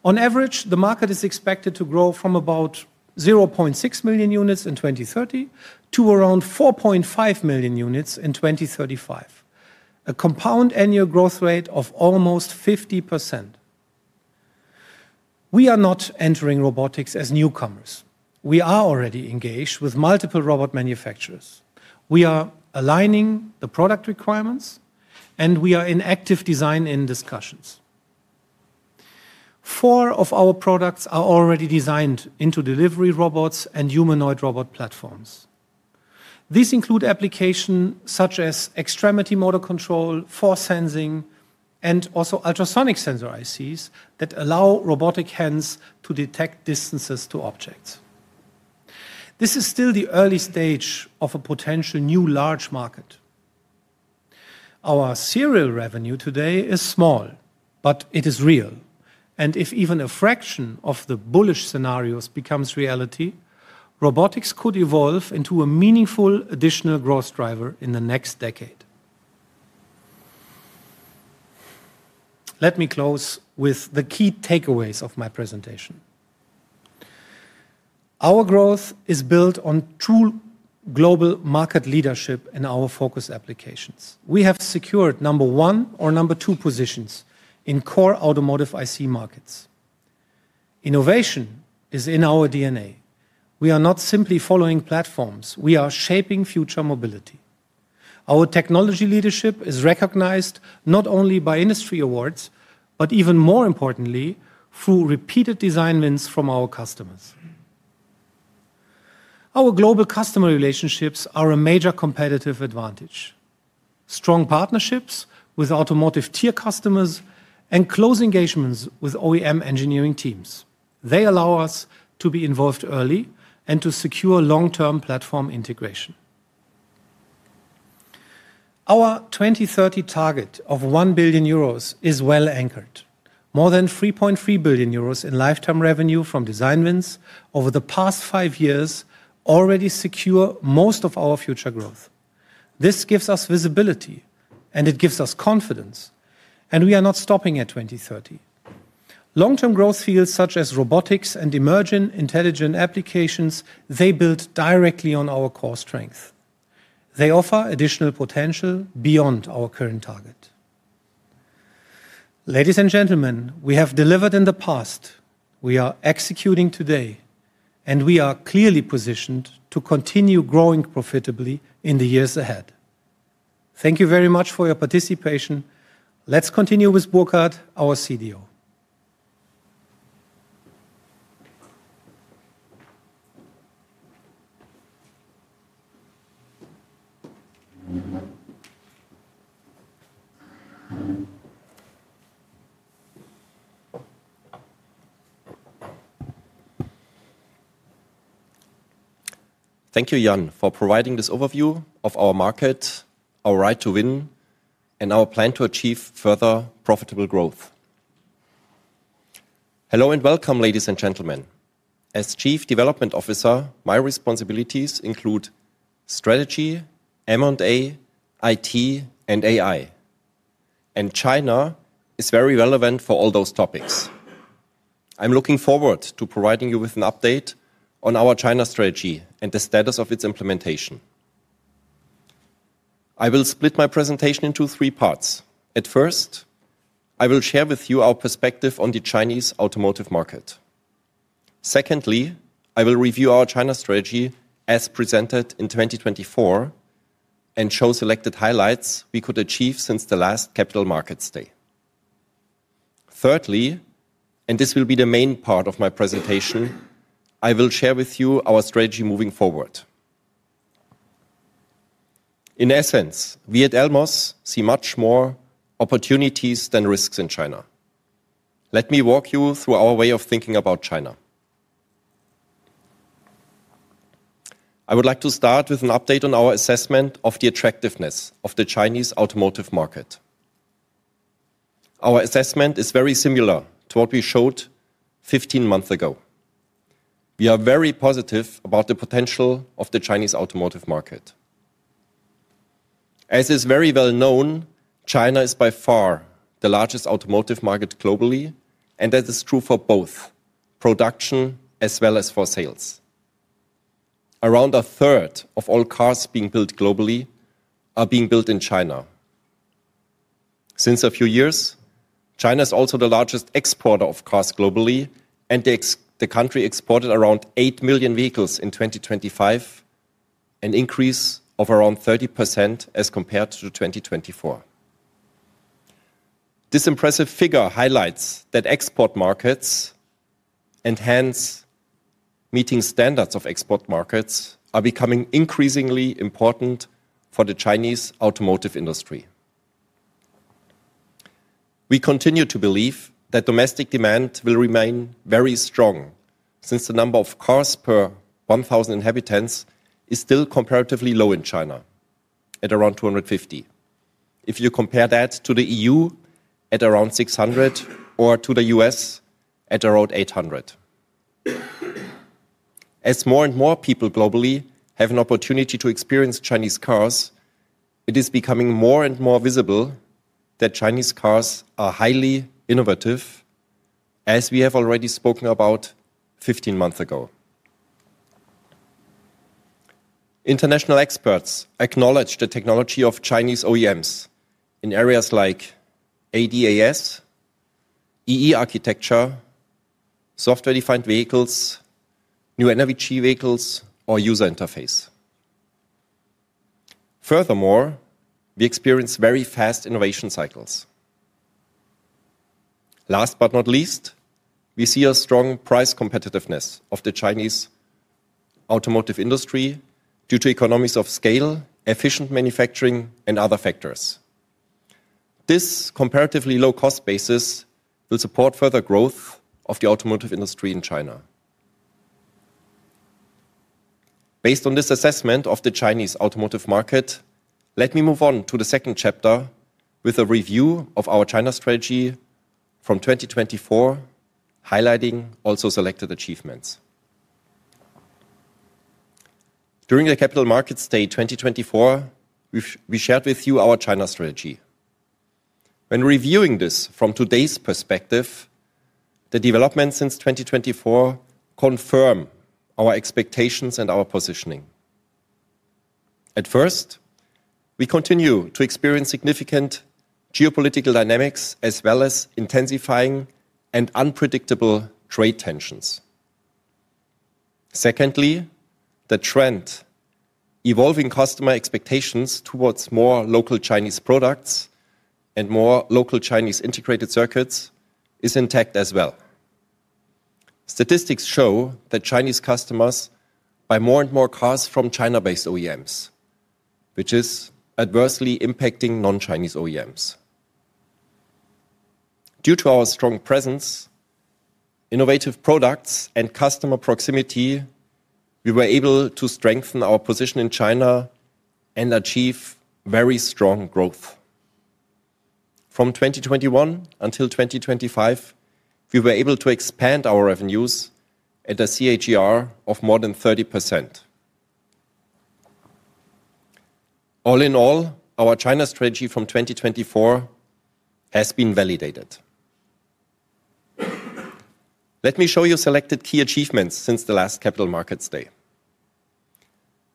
On average, the market is expected to grow from about 0.6 million units in 2030 to around 4.5 million units in 2035, a CAGR of almost 50%. We are not entering robotics as newcomers. We are already engaged with multiple robot manufacturers. We are aligning the product requirements, and we are in active design and discussions. Four of our products are already designed into delivery robots and humanoid robot platforms. These include application such as extremity motor control, force sensing, and also ultrasonic sensor ICs that allow robotic hands to detect distances to objects. This is still the early stage of a potential new large market. Our serial revenue today is small, but it is real, and if even a fraction of the bullish scenarios becomes reality, robotics could evolve into a meaningful additional growth driver in the next decade. Let me close with the key takeaways of my presentation. Our growth is built on true global market leadership in our focus applications. We have secured number one or number two positions in core automotive IC markets. Innovation is in our DNA. We are not simply following platforms; we are shaping future mobility. Our technology leadership is recognized not only by industry awards, but even more importantly, through repeated design wins from our customers. Our global customer relationships are a major competitive advantage. Strong partnerships with automotive tier customers and close engagements with OEM engineering teams, they allow us to be involved early and to secure long-term platform integration. Our 2030 target of 1 billion euros is well anchored. More than 3.3 billion euros in lifetime revenue from design wins over the past five years already secure most of our future growth. This gives us visibility, and it gives us confidence, and we are not stopping at 2030. Long-term growth fields such as robotics and emerging intelligent applications, they build directly on our core strength. They offer additional potential beyond our current target. Ladies and gentlemen, we have delivered in the past, we are executing today, and we are clearly positioned to continue growing profitably in the years ahead. Thank you very much for your participation. Let's continue with Burkhard, our CDO. Thank you, Jan, for providing this overview of our market, our right to win, and our plan to achieve further profitable growth. Hello and welcome, ladies and gentlemen. As Chief Development Officer, my responsibilities include strategy, M&A, IT, and AI. China is very relevant for all those topics. I'm looking forward to providing you with an update on our China strategy and the status of its implementation. I will split my presentation into three parts. At first, I will share with you our perspective on the Chinese automotive market. Secondly, I will review our China strategy as presented in 2024 and show selected highlights we could achieve since the last Capital Markets Day. Thirdly, and this will be the main part of my presentation, I will share with you our strategy moving forward. In essence, we at Elmos see much more opportunities than risks in China. Let me walk you through our way of thinking about China. I would like to start with an update on our assessment of the attractiveness of the Chinese automotive market. Our assessment is very similar to what we showed 15 months ago. We are very positive about the potential of the Chinese automotive market. As is very well known, China is by far the largest automotive market globally, and that is true for both production as well as for sales. Around a third of all cars being built globally are being built in China. Since a few years, China is also the largest exporter of cars globally, and the country exported around eight million vehicles in 2025, an increase of around 30% as compared to 2024. This impressive figure highlights that export markets, and hence meeting standards of export markets, are becoming increasingly important for the Chinese automotive industry. We continue to believe that domestic demand will remain very strong, since the number of cars per 1,000 inhabitants is still comparatively low in China at around 250. If you compare that to the EU, at around 600, or to the US, at around 800. As more and more people globally have an opportunity to experience Chinese cars, it is becoming more and more visible that Chinese cars are highly innovative, as we have already spoken about 15 months ago. International experts acknowledge the technology of Chinese OEMs in areas like ADAS, E/E architecture, software-defined vehicles, new energy vehicles, or user interface. Furthermore, we experience very fast innovation cycles. Last but not least, we see a strong price competitiveness of the Chinese automotive industry due to economies of scale, efficient manufacturing, and other factors. This comparatively low-cost basis will support further growth of the automotive industry in China. Based on this assessment of the Chinese automotive market, let me move on to the second chapter with a review of our China strategy from 2024, highlighting also selected achievements. During the Capital Markets Day 2024, we shared with you our China strategy. Reviewing this from today's perspective, the developments since 2024 confirm our expectations and our positioning. At first, we continue to experience significant geopolitical dynamics, as well as intensifying and unpredictable trade tensions. Secondly, the trend, evolving customer expectations towards more local Chinese products and more local Chinese integrated circuits, is intact as well. Statistics show that Chinese customers buy more and more cars from China-based OEMs, which is adversely impacting non-Chinese OEMs. Due to our strong presence, innovative products, and customer proximity, we were able to strengthen our position in China and achieve very strong growth. From 2021 until 2025, we were able to expand our revenues at a CAGR of more than 30%. All in all, our China strategy from 2024 has been validated. Let me show you selected key achievements since the last Capital Markets Day.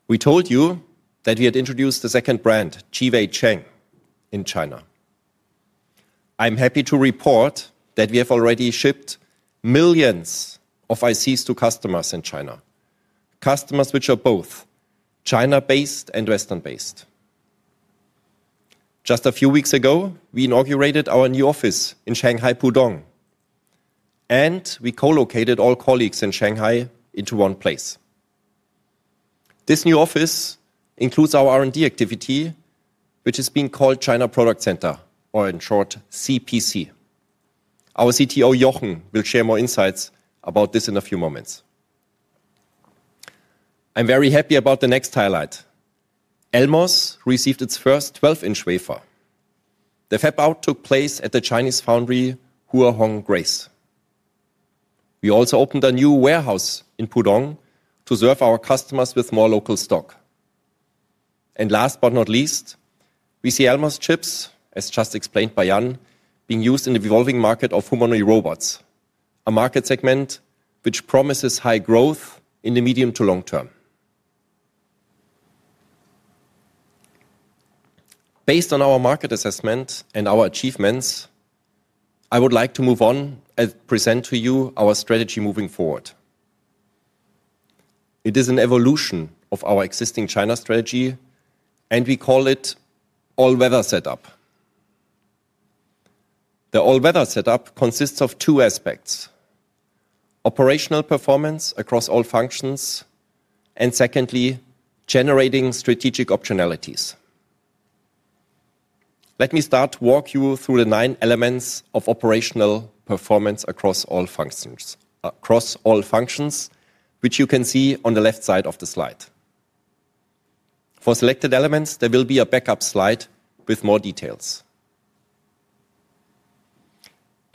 We told you that we had introduced the second brand, JiWeiCheng, in China. I'm happy to report that we have already shipped millions of ICs to customers in China, customers which are both China-based and Western-based. Just a few weeks ago, we inaugurated our new office in Shanghai, Pudong, and we co-located all colleagues in Shanghai into one place. This new office includes our R&D activity, which is being called China Product Center, or in short, CPC. Our CTO, Jochen, will share more insights about this in a few moments. I'm very happy about the next highlight. Elmos received its first 12-inch wafer. The fab out took place at the Chinese foundry, Hua Hong Grace. We also opened a new warehouse in Pudong to serve our customers with more local stock. Last but not least, we see Elmos chips, as just explained by Jan, being used in the evolving market of humanoid robots, a market segment which promises high growth in the medium to long term. Based on our market assessment and our achievements, I would like to move on and present to you our strategy moving forward. It is an evolution of our existing China strategy, and we call it All-Weather Setup. The All-Weather Setup consists of two aspects: operational performance across all functions, and secondly, generating strategic optionalities. Let me start to walk you through the nine elements of operational performance across all functions, which you can see on the left side of the slide. For selected elements, there will be a backup slide with more details.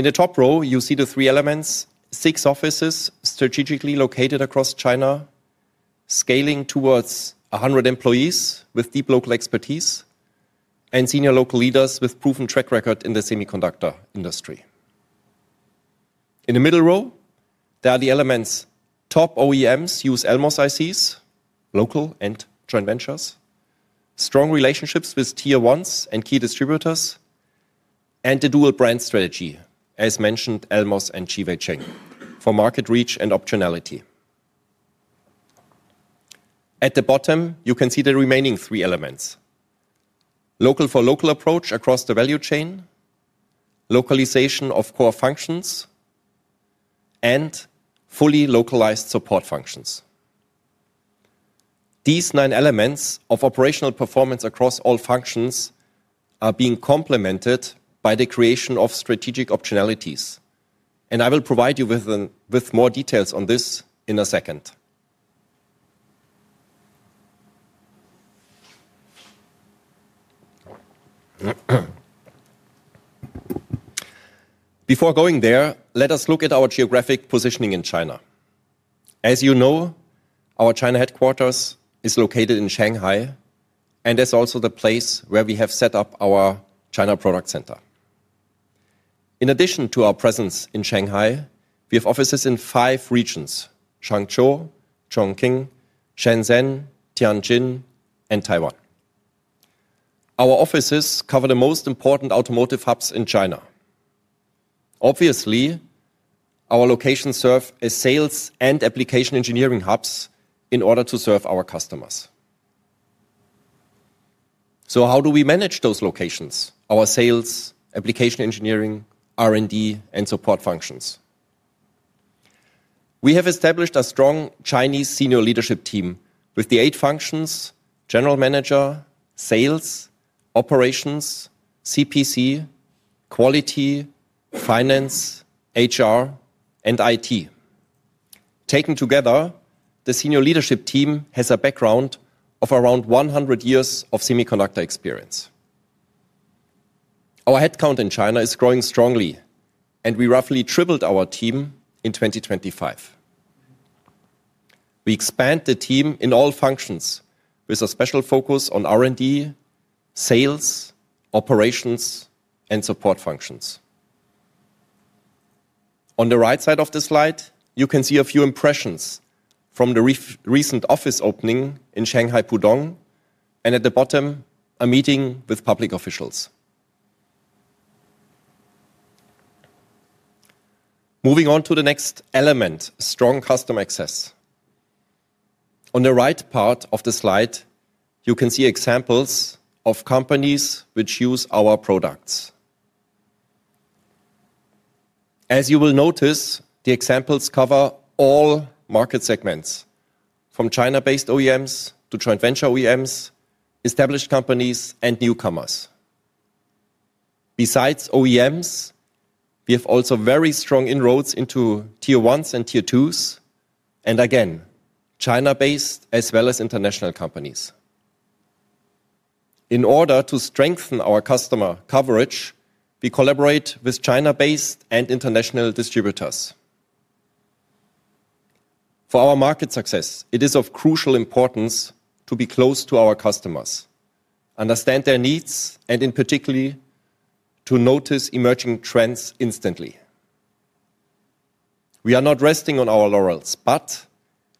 In the top row, you see the three elements, six offices strategically located across China, scaling towards 100 employees with deep local expertise and senior local leaders with proven track record in the semiconductor industry. In the middle row, there are the elements top OEMs use almost ICs, local and joint ventures, strong relationships with tier ones and key distributors, and the dual brand strategy, as mentioned, Elmos and JiWeiCheng, for market reach and optionality. At the bottom, you can see the remaining three elements: local for local approach across the value chain, localization of core functions, and fully localized support functions. These nine elements of operational performance across all functions are being complemented by the creation of strategic optionalities, and I will provide you with more details on this in a second. Before going there, let us look at our geographic positioning in China. As you know, our China headquarters is located in Shanghai and is also the place where we have set up our China Product Center. In addition to our presence in Shanghai, we have offices in five regions: Hangzhou, Chongqing, Shenzhen, Tianjin, and Taiwan. Our offices cover the most important automotive hubs in China. Obviously, our locations serve as sales and application engineering hubs in order to serve our customers. How do we manage those locations, our sales, application engineering, R&D, and support functions? We have established a strong Chinese senior leadership team with the eight functions: general manager, sales, operations, CPC, quality, finance, HR, and IT. Taken together, the senior leadership team has a background of around 100 years of semiconductor experience. Our headcount in China is growing strongly, and we roughly tripled our team in 2025. We expand the team in all functions with a special focus on R&D, sales, operations, and support functions. On the right side of the slide, you can see a few impressions from the recent office opening in Shanghai, Pudong, and at the bottom, a meeting with public officials. Moving on to the next element, strong customer access. On the right part of the slide, you can see examples of companies which use our products. As you will notice, the examples cover all market segments, from China-based OEMs to joint venture OEMs, established companies, and newcomers. Besides OEMs, we have also very strong inroads into tier ones and tier twos, and again, China-based as well as international companies. In order to strengthen our customer coverage, we collaborate with China-based and international distributors. For our market success, it is of crucial importance to be close to our customers, understand their needs, and in particularly, to notice emerging trends instantly. We are not resting on our laurels, but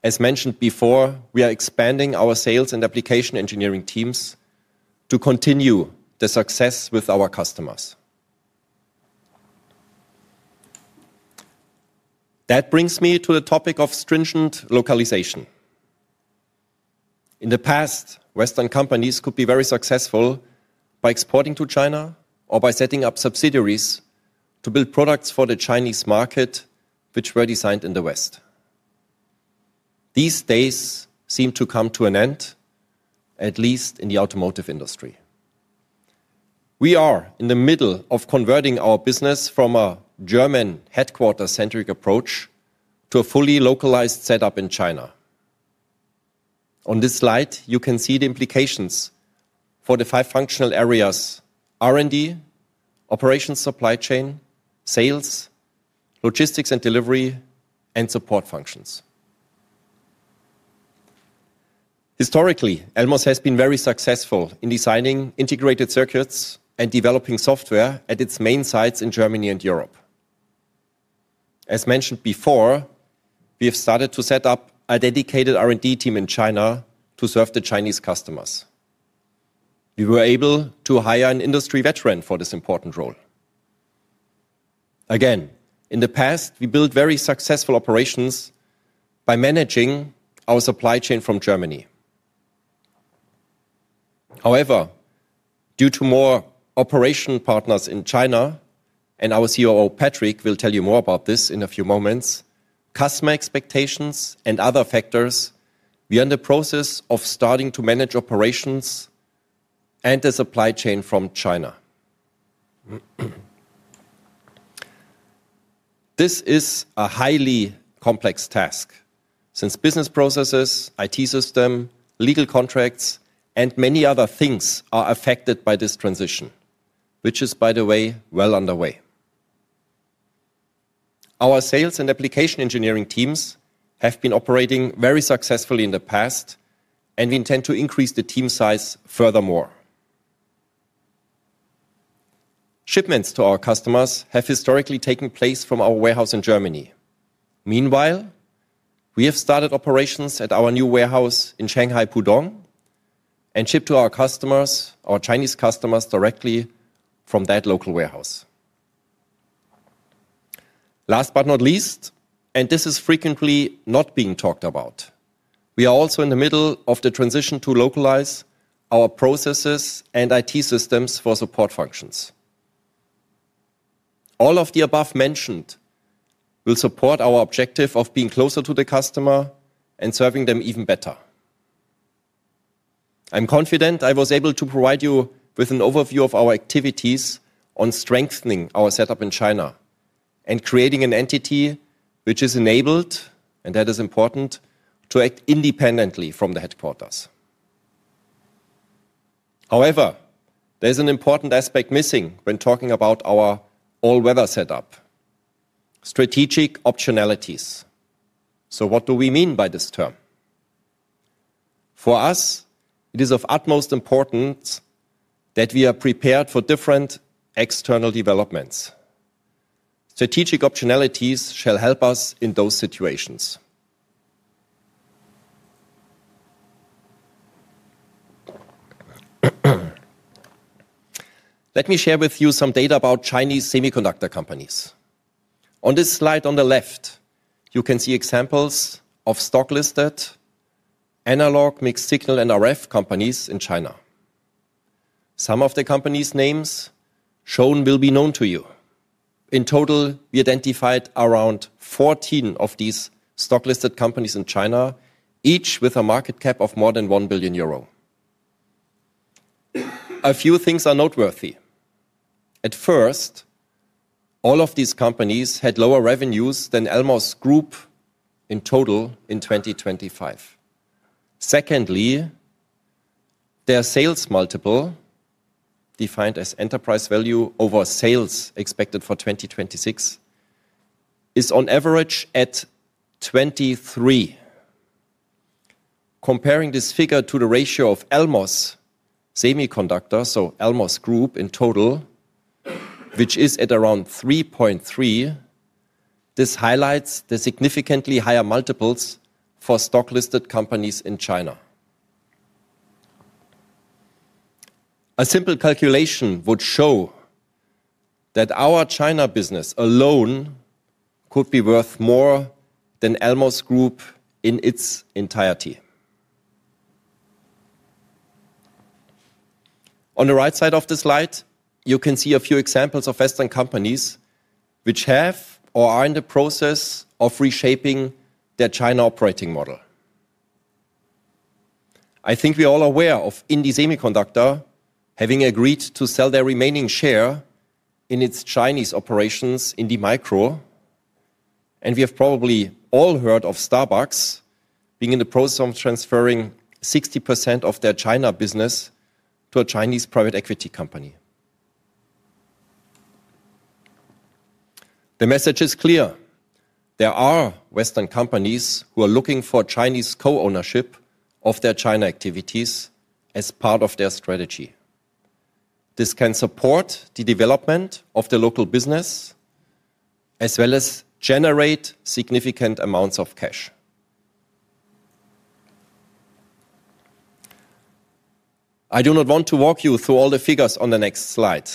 as mentioned before, we are expanding our sales and application engineering teams to continue the success with our customers. That brings me to the topic of stringent localization. In the past, Western companies could be very successful by exporting to China or by setting up subsidiaries to build products for the Chinese market, which were designed in the West. These days seem to come to an end, at least in the automotive industry. We are in the middle of converting our business from a German headquarter-centric approach to a fully localized setup in China. On this slide, you can see the implications for the five functional areas: R&D, operations supply chain, sales, logistics and delivery, and support functions. Historically, Elmos has been very successful in designing integrated circuits and developing software at its main sites in Germany and Europe. As mentioned before, we have started to set up a dedicated R&D team in China to serve the Chinese customers. We were able to hire an industry veteran for this important role. In the past, we built very successful operations by managing our supply chain from Germany. Due to more operation partners in China, and our COO, Patrick, will tell you more about this in a few moments, customer expectations and other factors, we are in the process of starting to manage operations and the supply chain from China. This is a highly complex task since business processes, IT system, legal contracts, and many other things are affected by this transition, which is, by the way, well underway. Our sales and application engineering teams have been operating very successfully in the past, and we intend to increase the team size furthermore. Shipments to our customers have historically taken place from our warehouse in Germany. Meanwhile, we have started operations at our new warehouse in Shanghai, Pudong, and ship to our customers, our Chinese customers, directly from that local warehouse. Last but not least, and this is frequently not being talked about, we are also in the middle of the transition to localize our processes and IT systems for support functions. All of the above mentioned will support our objective of being closer to the customer and serving them even better. I'm confident I was able to provide you with an overview of our activities on strengthening our setup in China and creating an entity which is enabled, and that is important, to act independently from the headquarters. However, there is an important aspect missing when talking about our All-Weather Setup: strategic optionalities. What do we mean by this term? For us, it is of utmost importance that we are prepared for different external developments. Strategic optionalities shall help us in those situations. Let me share with you some data about Chinese semiconductor companies. On this slide on the left, you can see examples of stock-listed analog mixed-signal and RF companies in China. Some of the companies' names shown will be known to you. In total, we identified around 14 of these stock-listed companies in China, each with a market cap of more than 1 billion euro. A few things are noteworthy. First, all of these companies had lower revenues than Elmos Semiconductor in total in 2025. Second, their sales multiple, defined as enterprise value over sales expected for 2026, is on average at 23. Comparing this figure to the ratio of Elmos Semiconductor, so Elmos Semiconductor in total, which is at around 3.3, this highlights the significantly higher multiples for stock-listed companies in China. A simple calculation would show that our China business alone could be worth more than Elmos Semiconductor in its entirety. On the right side of the slide, you can see a few examples of Western companies which have or are in the process of reshaping their China operating model. I think we are all aware of indie Semiconductor having agreed to sell their remaining share in its Chinese operations, Indie Micro, and we have probably all heard of Starbucks being in the process of transferring 60% of their China business to a Chinese private equity company. The message is clear: there are Western companies who are looking for Chinese co-ownership of their China activities as part of their strategy. This can support the development of the local business, as well as generate significant amounts of cash. I do not want to walk you through all the figures on the next slide,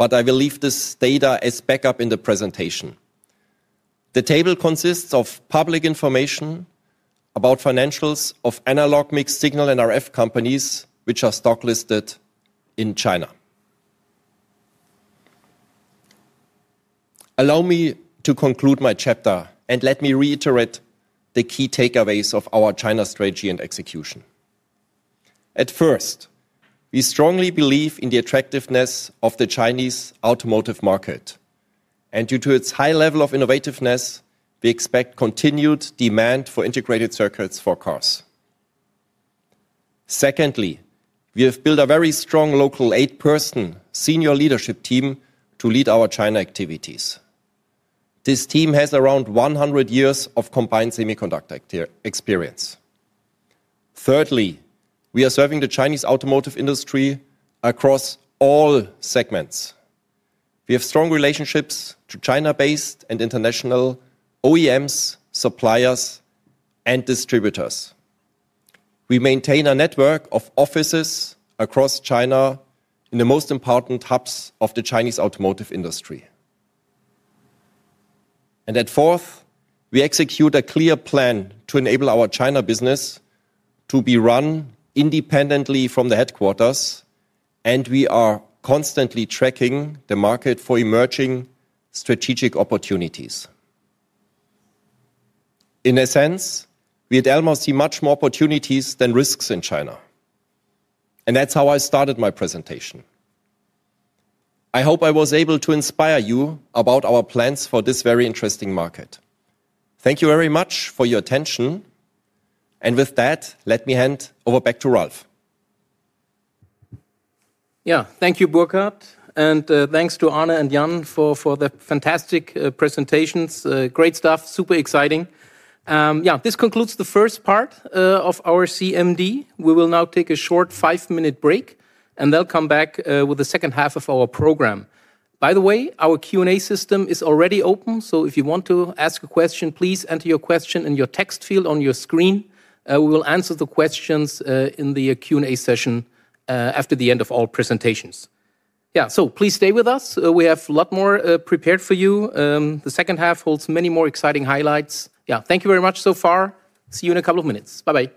I will leave this data as backup in the presentation. The table consists of public information about financials of analog mixed-signal and RF companies, which are stock-listed in China. Allow me to conclude my chapter, and let me reiterate the key takeaways of our China strategy and execution. First, we strongly believe in the attractiveness of the Chinese automotive market, and due to its high level of innovativeness, we expect continued demand for integrated circuits for cars. Secondly, we have built a very strong local eight-person senior leadership team to lead our China activities. This team has around 100 years of combined semiconductor experience. Thirdly, we are serving the Chinese automotive industry across all segments. We have strong relationships to China-based and international OEMs, suppliers, and distributors. We maintain a network of offices across China in the most important hubs of the Chinese automotive industry. At fourth, we execute a clear plan to enable our China business to be run independently from the headquarters, and we are constantly tracking the market for emerging strategic opportunities. In a sense, we at Elmos see much more opportunities than risks in China, and that's how I started my presentation. I hope I was able to inspire you about our plans for this very interesting market. Thank you very much for your attention, and with that, let me hand over back to Ralf. Thank you, Burkhard, and thanks to Anna and Jan for the fantastic presentations. Great stuff. Super exciting. This concludes the first part of our CMD. We will now take a short 5-minute break, and then come back with the second half of our program. By the way, our Q&A system is already open, so if you want to ask a question, please enter your question in your text field on your screen. We will answer the questions in the Q&A session after the end of all presentations. Please stay with us. We have a lot more prepared for you. The second half holds many more exciting highlights. Thank you very much so far. See you in a couple of minutes. Bye-bye.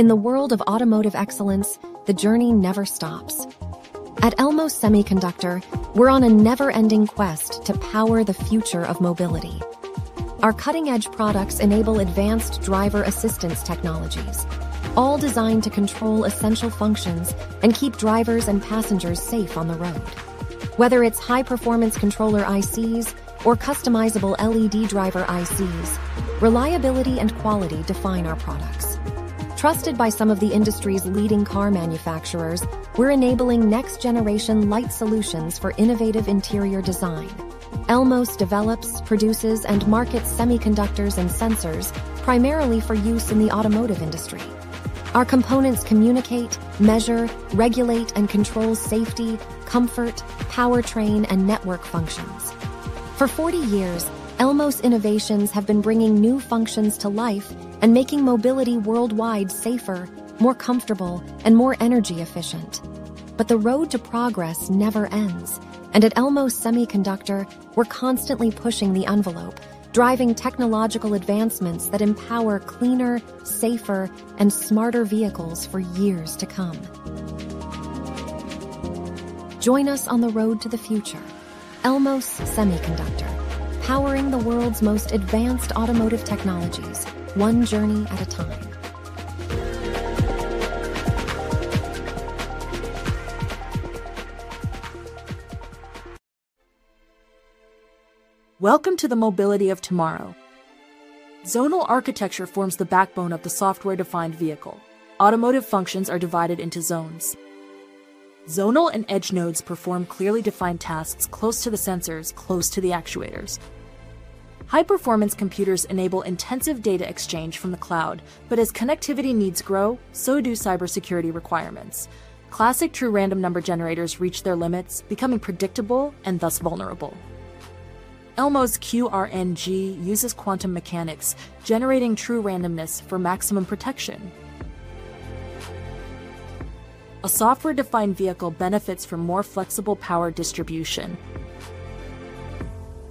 In the world of automotive excellence, the journey never stops. At Elmos Semiconductor, we're on a never-ending quest to power the future of mobility. Our cutting-edge products enable advanced driver assistance technologies, all designed to control essential functions and keep drivers and passengers safe on the road. Whether it's high-performance controller ICs or customizable LED driver ICs, reliability and quality define our products. Trusted by some of the industry's leading car manufacturers, we're enabling next-generation light solutions for innovative interior design. Elmos develops, produces, and markets semiconductors and sensors, primarily for use in the automotive industry. Our components communicate, measure, regulate, and control safety, comfort, powertrain, and network functions. For 40 years, Elmos innovations have been bringing new functions to life and making mobility worldwide safer, more comfortable, and more energy efficient. The road to progress never ends, and at Elmos Semiconductor, we're constantly pushing the envelope, driving technological advancements that empower cleaner, safer, and smarter vehicles for years to come. Join us on the road to the future. Elmos Semiconductor, powering the world's most advanced automotive technologies, one journey at a time. Welcome to the mobility of tomorrow. Zonal architecture forms the backbone of the software-defined vehicle. Automotive functions are divided into zones. Zonal and edge nodes perform clearly defined tasks close to the sensors, close to the actuators. High-performance computers enable intensive data exchange from the cloud, but as connectivity needs grow, so do cybersecurity requirements. Classic true random number generators reach their limits, becoming predictable and thus vulnerable. Elmos QRNG uses quantum mechanics, generating true randomness for maximum protection. A software-defined vehicle benefits from more flexible power distribution,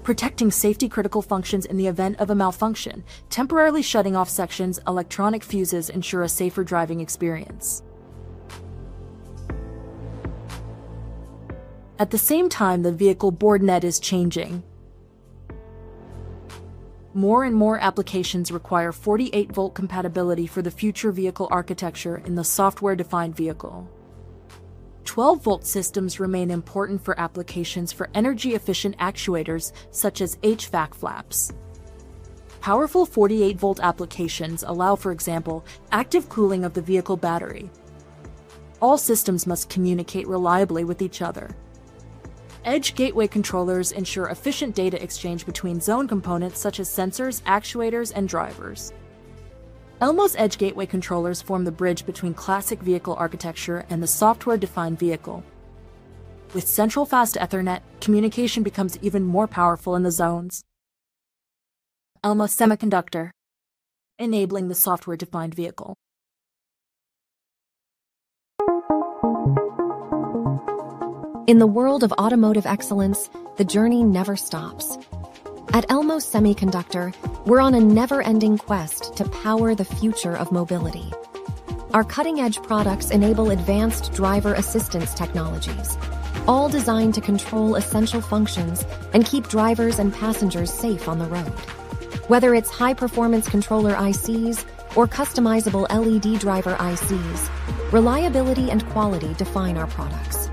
protecting safety-critical functions in the event of a malfunction. Temporarily shutting off sections, electronic fuses ensure a safer driving experience. At the same time, the vehicle boardnet is changing. More and more applications require 48-volt compatibility for the future vehicle architecture in the software-defined vehicle. 12-volt systems remain important for applications for energy-efficient actuators, such as HVAC flaps. Powerful 48 volt applications allow, for example, active cooling of the vehicle battery. All systems must communicate reliably with each other. Edge gateway controllers ensure efficient data exchange between zone components, such as sensors, actuators, and drivers. Elmos' edge gateway controllers form the bridge between classic vehicle architecture and the software-defined vehicle. With central fast Ethernet, communication becomes even more powerful in the zones. Elmos Semiconductor, enabling the software-defined vehicle. In the world of automotive excellence, the journey never stops. At Elmos Semiconductor, we're on a never-ending quest to power the future of mobility. Our cutting-edge products enable advanced driver assistance technologies, all designed to control essential functions and keep drivers and passengers safe on the road. Whether it's high-performance controller ICs or customizable LED driver ICs, reliability and quality define our products.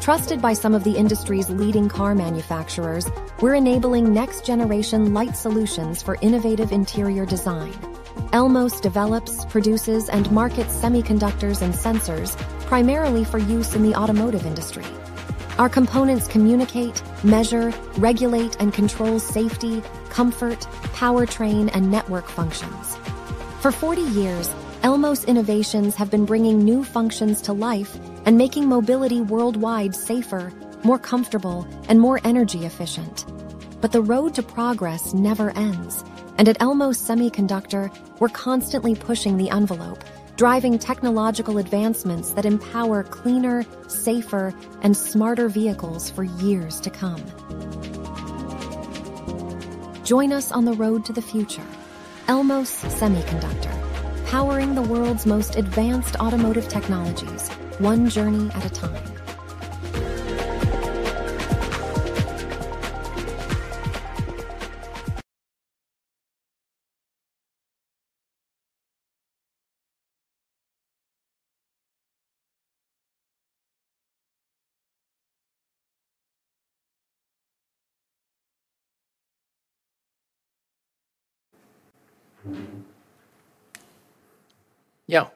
Trusted by some of the industry's leading car manufacturers, we're enabling next-generation light solutions for innovative interior design. Elmos develops, produces, and markets semiconductors and sensors primarily for use in the automotive industry. Our components communicate, measure, regulate, and control safety, comfort, powertrain, and network functions. For 40 years, Elmos innovations have been bringing new functions to life and making mobility worldwide safer, more comfortable, and more energy efficient. The road to progress never ends, and at Elmos Semiconductor, we're constantly pushing the envelope, driving technological advancements that empower cleaner, safer, and smarter vehicles for years to come. Join us on the road to the future. Elmos Semiconductor, powering the world's most advanced automotive technologies, one journey at a time.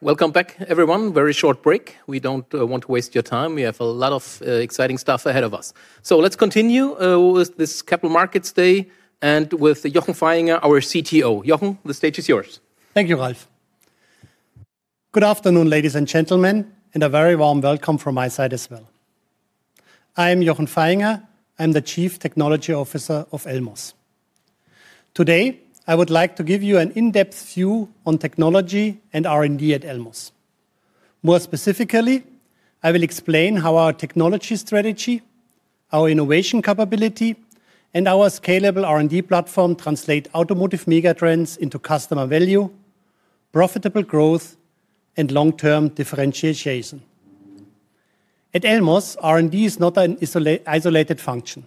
Welcome back, everyone. Very short break. We don't want to waste your time. We have a lot of exciting stuff ahead of us. Let's continue with this Capital Markets Day and with Jochen Vaihinger, our CTO. Jochen, the stage is yours. Thank you, Ralf. Good afternoon, ladies and gentlemen, and a very warm welcome from my side as well. I'm Jochen Vaihinger. I'm the Chief Technology Officer of Elmos. Today, I would like to give you an in-depth view on technology and R&D at Elmos. More specifically, I will explain how our technology strategy, our innovation capability, and our scalable R&D platform translate automotive megatrends into customer value, profitable growth, and long-term differentiation. At Elmos, R&D is not an isolated function.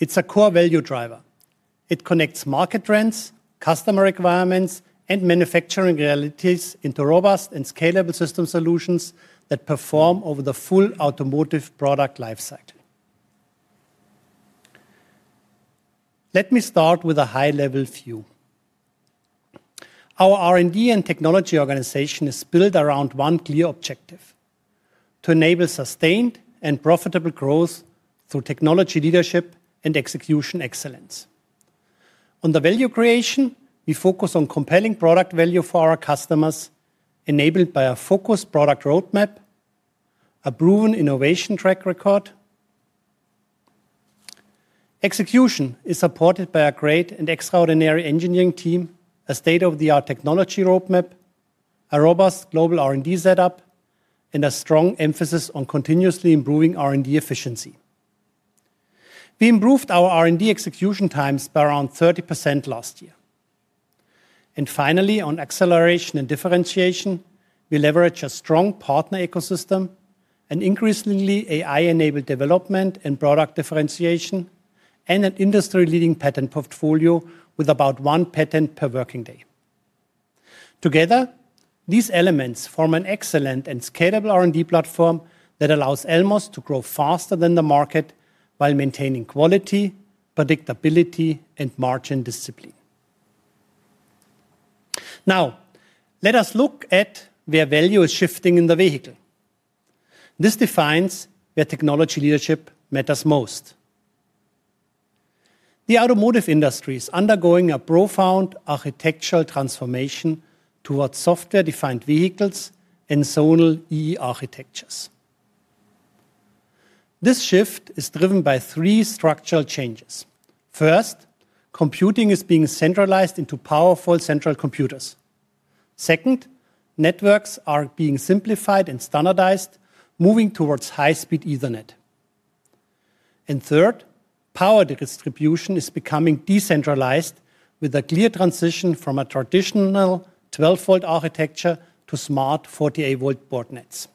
It's a core value driver. It connects market trends, customer requirements, and manufacturing realities into robust and scalable system solutions that perform over the full automotive product life cycle. Let me start with a high-level view. Our R&D and technology organization is built around one clear objective: to enable sustained and profitable growth through technology leadership and execution excellence. On the value creation, we focus on compelling product value for our customers, enabled by a focused product roadmap, a proven innovation track record. Execution is supported by a great and extraordinary engineering team, a state-of-the-art technology roadmap, a robust global R&D setup, and a strong emphasis on continuously improving R&D efficiency. We improved our R&D execution times by around 30% last year. Finally, on acceleration and differentiation, we leverage a strong partner ecosystem and increasingly AI-enabled development and product differentiation, and an industry-leading patent portfolio with about one patent per working day. Together, these elements form an excellent and scalable R&D platform that allows Elmos to grow faster than the market while maintaining quality, predictability, and margin discipline. Now, let us look at where value is shifting in the vehicle. This defines where technology leadership matters most. The automotive industry is undergoing a profound architectural transformation towards software-defined vehicles and zonal EV architectures. This shift is driven by three structural changes. First, computing is being centralized into powerful central computers. Second, networks are being simplified and standardized, moving towards high-speed Ethernet. Third, power distribution is becoming decentralized, with a clear transition from a traditional 12-volt architecture to smart 48-volt board nets.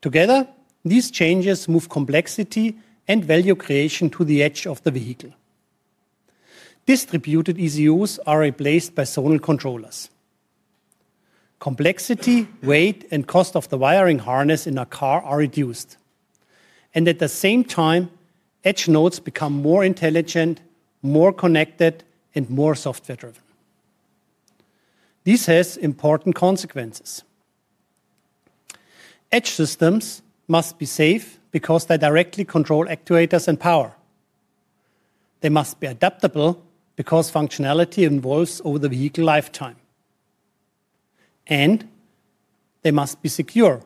Together, these changes move complexity and value creation to the edge of the vehicle. Distributed ECUs are replaced by zonal controllers. Complexity, weight, and cost of the wiring harness in a car are reduced, and at the same time, edge nodes become more intelligent, more connected, and more software-driven. This has important consequences. Edge systems must be safe because they directly control actuators and power. They must be adaptable because functionality evolves over the vehicle lifetime. They must be secure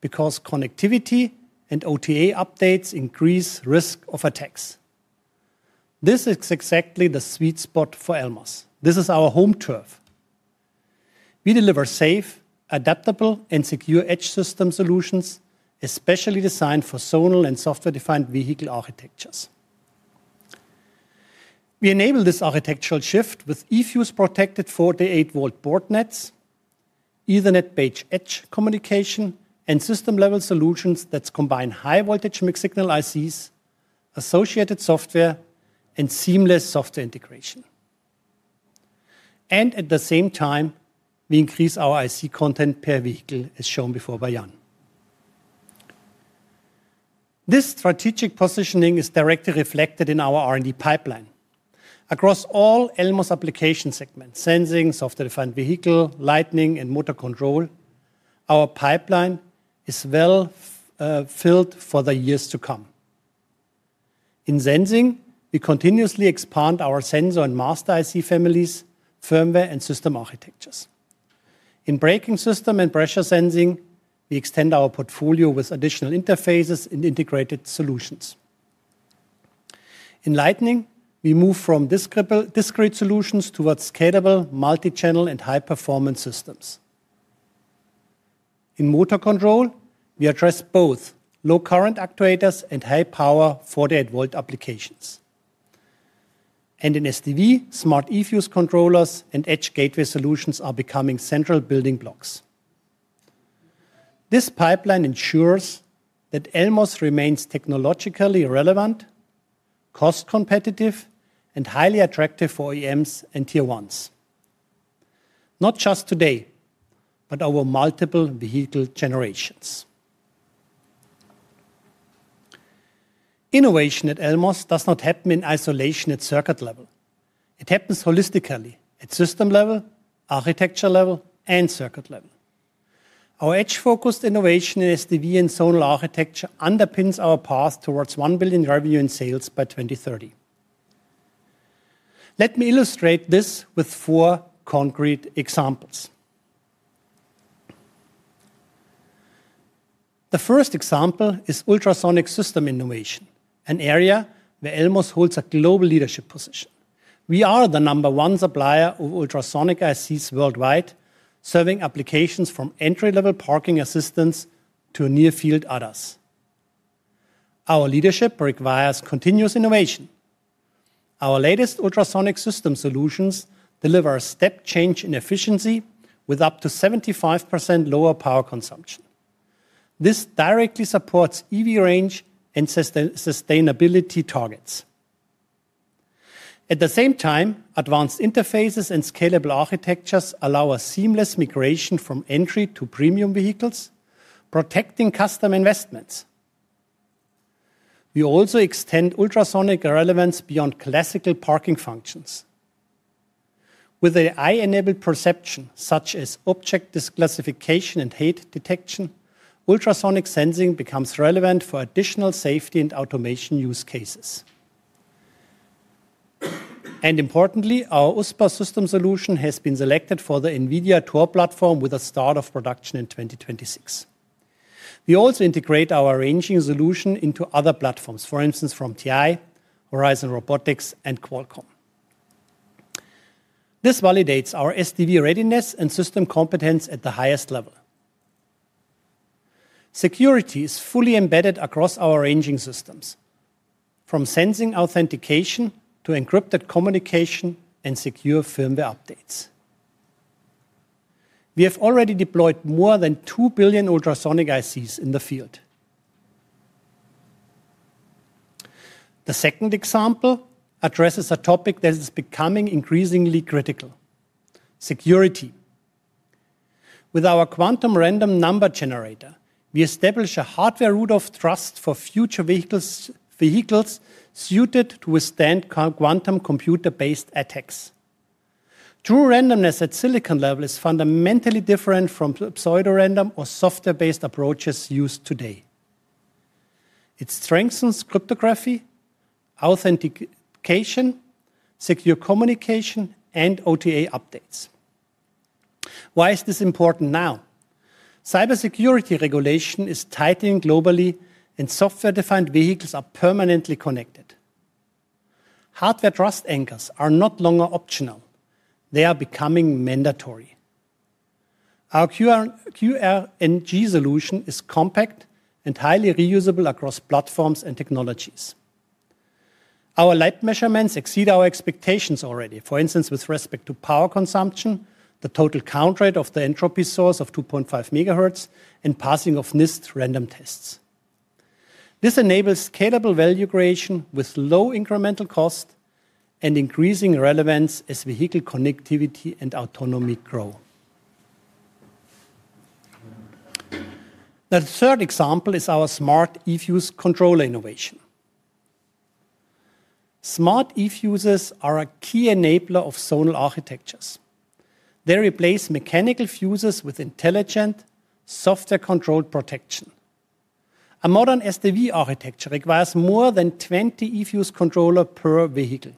because connectivity and OTA updates increase risk of attacks. This is exactly the sweet spot for Elmos. This is our home turf. We deliver safe, adaptable, and secure edge system solutions, especially designed for zonal and software-defined vehicle architectures. We enable this architectural shift with eFuse-protected 48V board nets, Ethernet-based edge communication, and system-level solutions that combine high-voltage mixed-signal ICs, associated software, and seamless software integration. At the same time, we increase our IC content per vehicle, as shown before by Jan. This strategic positioning is directly reflected in our R&D pipeline. Across all Elmos application segments, sensing, software-defined vehicle, lightning, and motor control, our pipeline is well filled for the years to come. In sensing, we continuously expand our sensor and master IC families, firmware, and system architectures. In braking system and pressure sensing, we extend our portfolio with additional interfaces and integrated solutions. In lighting, we move from discrete solutions towards scalable, multi-channel, and high-performance systems. In motor control, we address both low current actuators and high power 48 V applications. In SDV, smart eFuse controllers and edge gateway solutions are becoming central building blocks. This pipeline ensures that Elmos remains technologically relevant, cost competitive, and highly attractive for OEMs and tier ones, not just today, but over multiple vehicle generations. Innovation at Elmos does not happen in isolation at circuit level. It happens holistically at system level, architecture level, and circuit level. Our edge-focused innovation in SDV and zonal architecture underpins our path towards 1 billion revenue in sales by 2030. Let me illustrate this with four concrete examples. The first example is ultrasonic system innovation, an area where Elmos holds a global leadership position. We are the number one supplier of ultrasonic ICs worldwide, serving applications from entry-level parking assistance to near-field ADAS. Our leadership requires continuous innovation. Our latest ultrasonic system solutions deliver a step change in efficiency with up to 75% lower power consumption. This directly supports EV range and sustainability targets. At the same time, advanced interfaces and scalable architectures allow a seamless migration from entry to premium vehicles, protecting customer investments. We also extend ultrasonic relevance beyond classical parking functions. With the AI-enabled perception, such as object classification and heat detection, ultrasonic sensing becomes relevant for additional safety and automation use cases. Importantly, our USPA system solution has been selected for the NVIDIA Thor platform with a start of production in 2026. We also integrate our ranging solution into other platforms, for instance, from TI, Horizon Robotics, and Qualcomm. This validates our SDV readiness and system competence at the highest level. Security is fully embedded across our ranging systems, from sensing authentication to encrypted communication and secure firmware updates. We have already deployed more than two billion ultrasonic ICs in the field. The second example addresses a topic that is becoming increasingly critical: security. With our quantum random number generator, we establish a hardware root of trust for future vehicles suited to withstand quantum computer-based attacks. True randomness at silicon level is fundamentally different from pseudo-random or software-based approaches used today. It strengthens cryptography, authentication, secure communication, and OTA updates. Why is this important now? Cybersecurity regulation is tightening globally. Software-defined vehicles are permanently connected. Hardware trust anchors are not longer optional, they are becoming mandatory. Our QRNG solution is compact and highly reusable across platforms and technologies. Our lab measurements exceed our expectations already. For instance, with respect to power consumption, the total count rate of the entropy source of 2.5 megahertz, and passing of NIST random tests. This enables scalable value creation with low incremental cost and increasing relevance as vehicle connectivity and autonomy grow. The third example is our smart eFuse controller innovation. Smart eFuses are a key enabler of zonal architectures. They replace mechanical fuses with intelligent, software-controlled protection. A modern SDV architecture requires more than 20 eFuse controller per vehicle.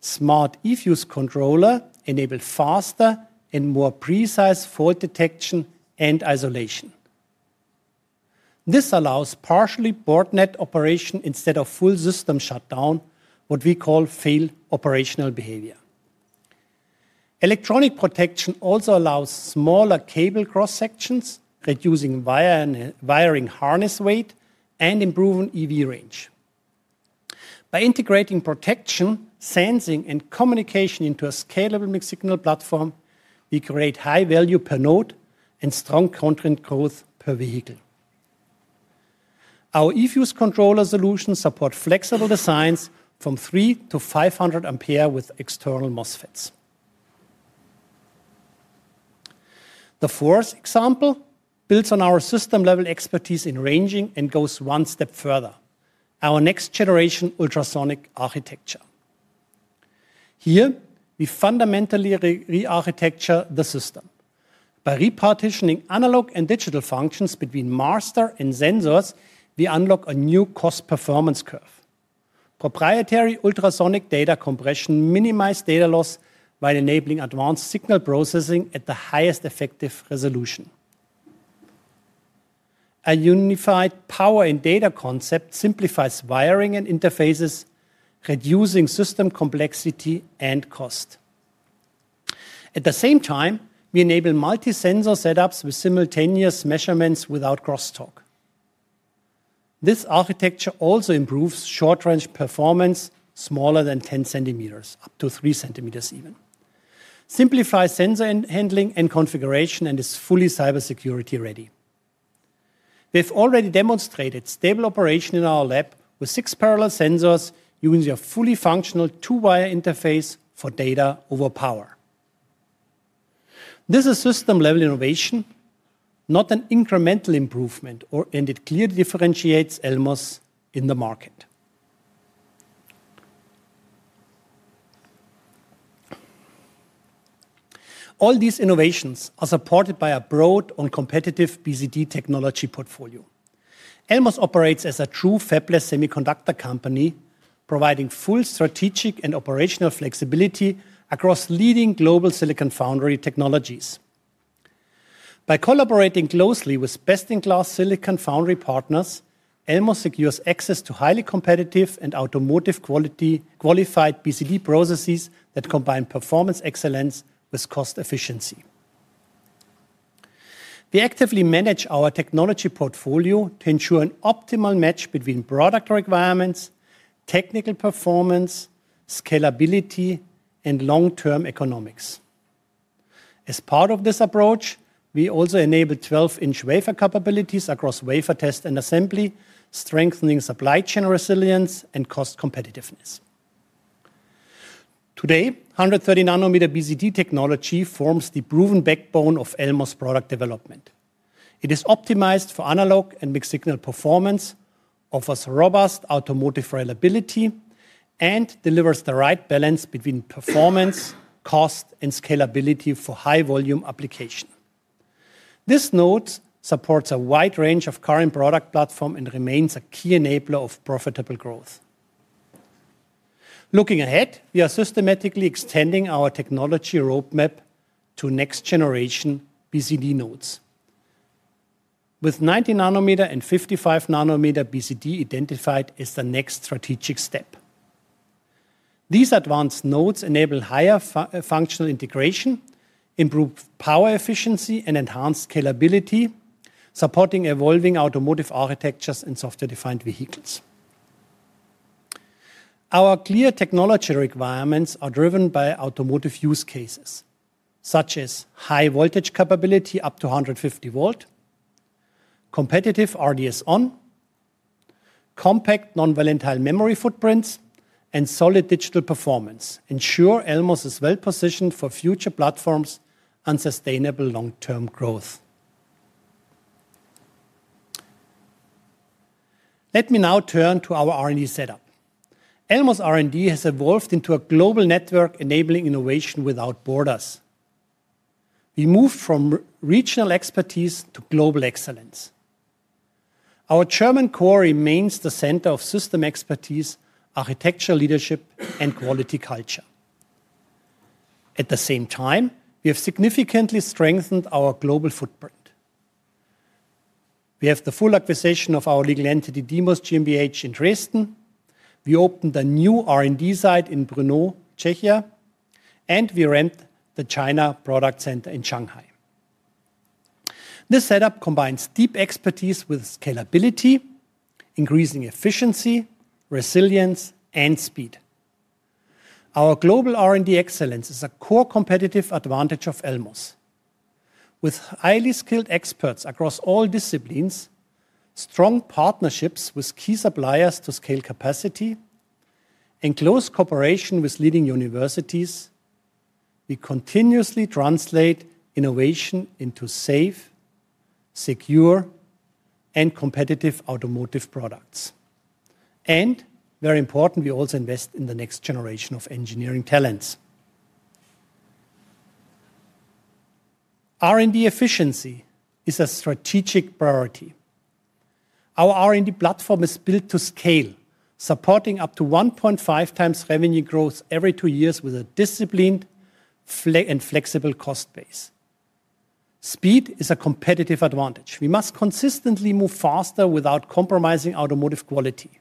Smart eFuse controller enable faster and more precise fault detection and isolation. This allows partially boardnet operation instead of full system shutdown, what we call failed operational behavior. Electronic protection also allows smaller cable cross-sections, reducing wire and wiring harness weight, and improving EV range. By integrating protection, sensing, and communication into a scalable mixed signal platform, we create high value per node and strong content growth per vehicle. Our eFuse controller solutions support flexible designs from three to 500 ampere with external MOSFETs. The fourth example builds on our system-level expertise in ranging and goes one step further, our next-generation ultrasonic architecture. Here, we fundamentally rearchitecture the system. By repartitioning analog and digital functions between master and sensors, we unlock a new cost performance curve. Proprietary ultrasonic data compression minimize data loss while enabling advanced signal processing at the highest effective resolution. A unified power and data concept simplifies wiring and interfaces, reducing system complexity and cost. At the same time, we enable multi-sensor setups with simultaneous measurements without crosstalk. This architecture also improves short-range performance, smaller than 10 centimeters, up to 3 cms even, simplifies sensor and handling and configuration, and is fully cybersecurity-ready. We've already demonstrated stable operation in our lab with six parallel sensors using a fully functional two-wire interface for data over power. This is system-level innovation, not an incremental improvement, and it clearly differentiates Elmos in the market. All these innovations are supported by a broad and competitive BCD technology portfolio. Elmos operates as a true fabless semiconductor company, providing full strategic and operational flexibility across leading global silicon foundry technologies. By collaborating closely with best-in-class silicon foundry partners, Elmos secures access to highly competitive and automotive quality, qualified BCD processes that combine performance excellence with cost efficiency. We actively manage our technology portfolio to ensure an optimal match between product requirements, technical performance, scalability, and long-term economics. As part of this approach, we also enable 12-inch wafer capabilities across wafer test and assembly, strengthening supply chain resilience and cost competitiveness. Today, 130-nanometer BCD technology forms the proven backbone of Elmos' product development. It is optimized for analog mixed-signal performance, offers robust automotive reliability, and delivers the right balance between performance, cost, and scalability for high-volume application. This node supports a wide range of current product platform and remains a key enabler of profitable growth. Looking ahead, we are systematically extending our technology roadmap to next-generation BCD nodes, with 90-nanometer and 55-nanometer BCD identified as the next strategic step. These advanced nodes enable higher functional integration, improve power efficiency, and enhance scalability, supporting evolving automotive architectures and software-defined vehicles. Our clear technology requirements are driven by automotive use cases, such as high voltage capability, up to 150 volt, competitive RDS(on), compact non-volatile memory footprints, and solid digital performance ensure Elmos is well positioned for future platforms and sustainable long-term growth. Let me now turn to our R&D setup. Elmos R&D has evolved into a global network, enabling innovation without borders. We moved from regional expertise to global excellence. Our German core remains the center of system expertise, architectural leadership, and quality culture. At the same time, we have significantly strengthened our global footprint. We have the full acquisition of our legal entity, DMOS GmbH, in Dresden. We opened a new R&D site in Brno, Czechia, and we rent the China Product Center in Shanghai. This setup combines deep expertise with scalability, increasing efficiency, resilience, and speed. Our global R&D excellence is a core competitive advantage of Elmos. With highly skilled experts across all disciplines, strong partnerships with key suppliers to scale capacity, in close cooperation with leading universities, we continuously translate innovation into safe, secure, and competitive automotive products. Very important, we also invest in the next generation of engineering talents. R&D efficiency is a strategic priority. Our R&D platform is built to scale, supporting up to 1.5 times revenue growth every two years with a disciplined and flexible cost base. Speed is a competitive advantage. We must consistently move faster without compromising automotive quality.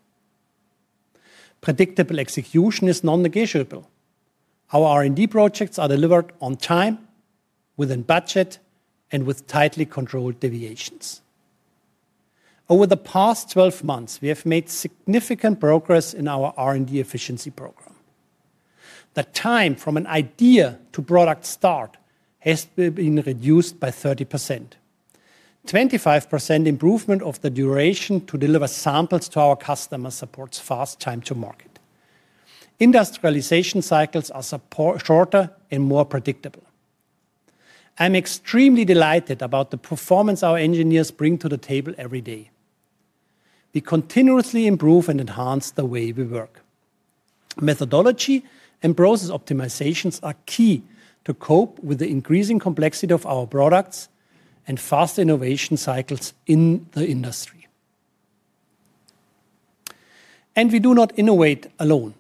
Predictable execution is non-negotiable. Our R&D projects are delivered on time, within budget, and with tightly controlled deviations. Over the past 12 months, we have made significant progress in our R&D efficiency program. The time from an idea to product start has been reduced by 30%. 25% improvement of the duration to deliver samples to our customers supports fast time to market. Industrialization cycles are shorter and more predictable. I'm extremely delighted about the performance our engineers bring to the table every day. We continuously improve and enhance the way we work. Methodology and process optimizations are key to cope with the increasing complexity of our products and fast innovation cycles in the industry. We do not innovate alone.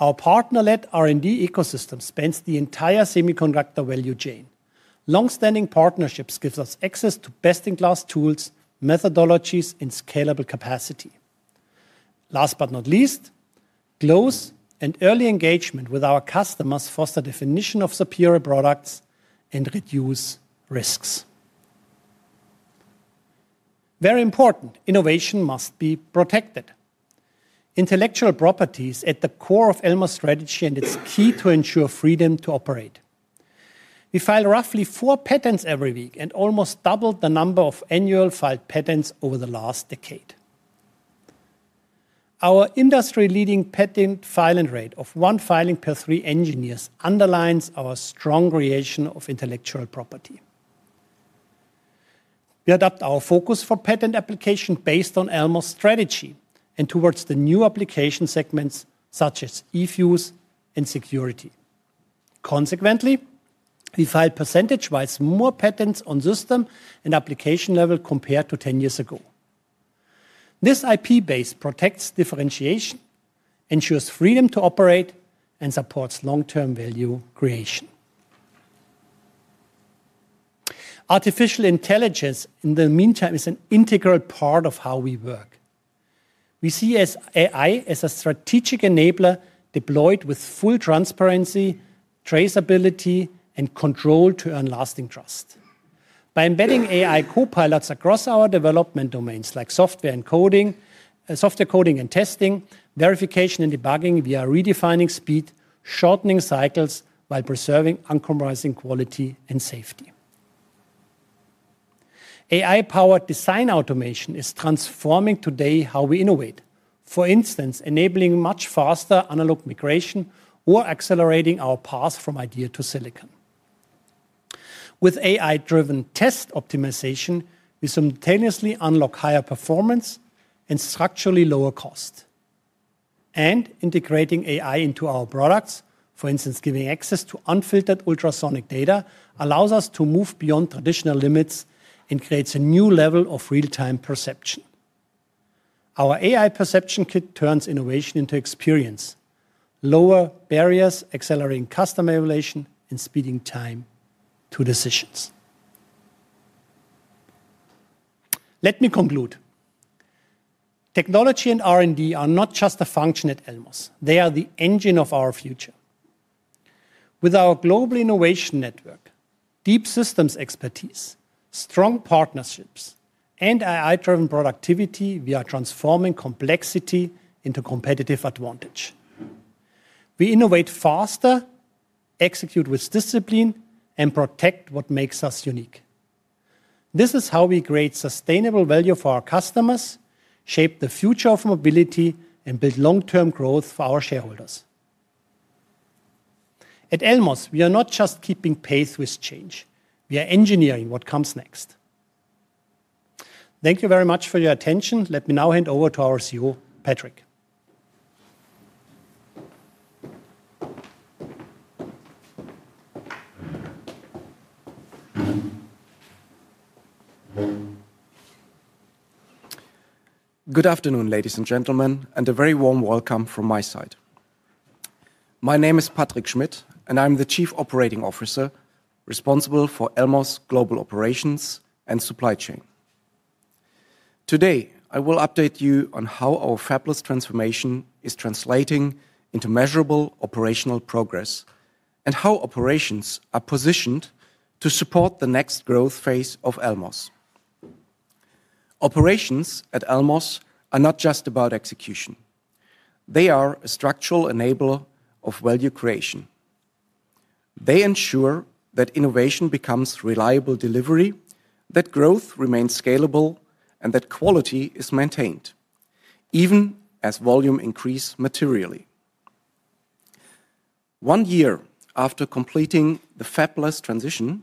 Our partner-led R&D ecosystem spans the entire semiconductor value chain. Long-standing partnerships gives us access to best-in-class tools, methodologies, and scalable capacity. Last but not least, close and early engagement with our customers foster definition of superior products and reduce risks. Very important, innovation must be protected. Intellectual property is at the core of Elmos' strategy, and it's key to ensure freedom to operate. We file roughly four patents every week and almost doubled the number of annual filed patents over the last decade. Our industry-leading patent filing rate of one filing per three engineers underlines our strong creation of intellectual property. We adapt our focus for patent application based on Elmos' strategy and towards the new application segments, such as eFuse and security. Consequently, we file percentage-wise more patents on system and application level compared to 10 years ago. This IP base protects differentiation, ensures freedom to operate, and supports long-term value creation. Artificial intelligence, in the meantime, is an integral part of how we work. We see AI as a strategic enabler, deployed with full transparency, traceability, and control to earn lasting trust. By embedding AI copilots across our development domains, like software and coding, software coding and testing, verification, and debugging, we are redefining speed, shortening cycles, while preserving uncompromising quality and safety. AI-powered design automation is transforming today how we innovate, for instance, enabling much faster analog migration or accelerating our path from idea to silicon. With AI-driven test optimization, we simultaneously unlock higher performance and structurally lower cost. Integrating AI into our products, for instance, giving access to unfiltered ultrasonic data, allows us to move beyond traditional limits and creates a new level of real-time perception. Our AI perception kit turns innovation into experience, lower barriers, accelerating customer relation, and speeding time to decisions. Let me conclude. Technology and R&D are not just a function at Elmos, they are the engine of our future. With our global innovation network, deep systems expertise, strong partnerships, and AI-driven productivity, we are transforming complexity into competitive advantage. We innovate faster, execute with discipline, and protect what makes us unique. This is how we create sustainable value for our customers, shape the future of mobility, and build long-term growth for our shareholders. At Elmos, we are not just keeping pace with change, we are engineering what comes next. Thank you very much for your attention. Let me now hand over to our CEO, Patrick. Good afternoon, ladies and gentlemen, and a very warm welcome from my side. My name is Dr. Patrick Schmitt, and I'm the Chief Operating Officer responsible for Elmos' global operations and supply chain. Today, I will update you on how our fabless transformation is translating into measurable operational progress and how operations are positioned to support the next growth phase of Elmos. Operations at Elmos are not just about execution, they are a structural enabler of value creation. They ensure that innovation becomes reliable delivery, that growth remains scalable, and that quality is maintained even as volume increase materially. One year after completing the fabless transition,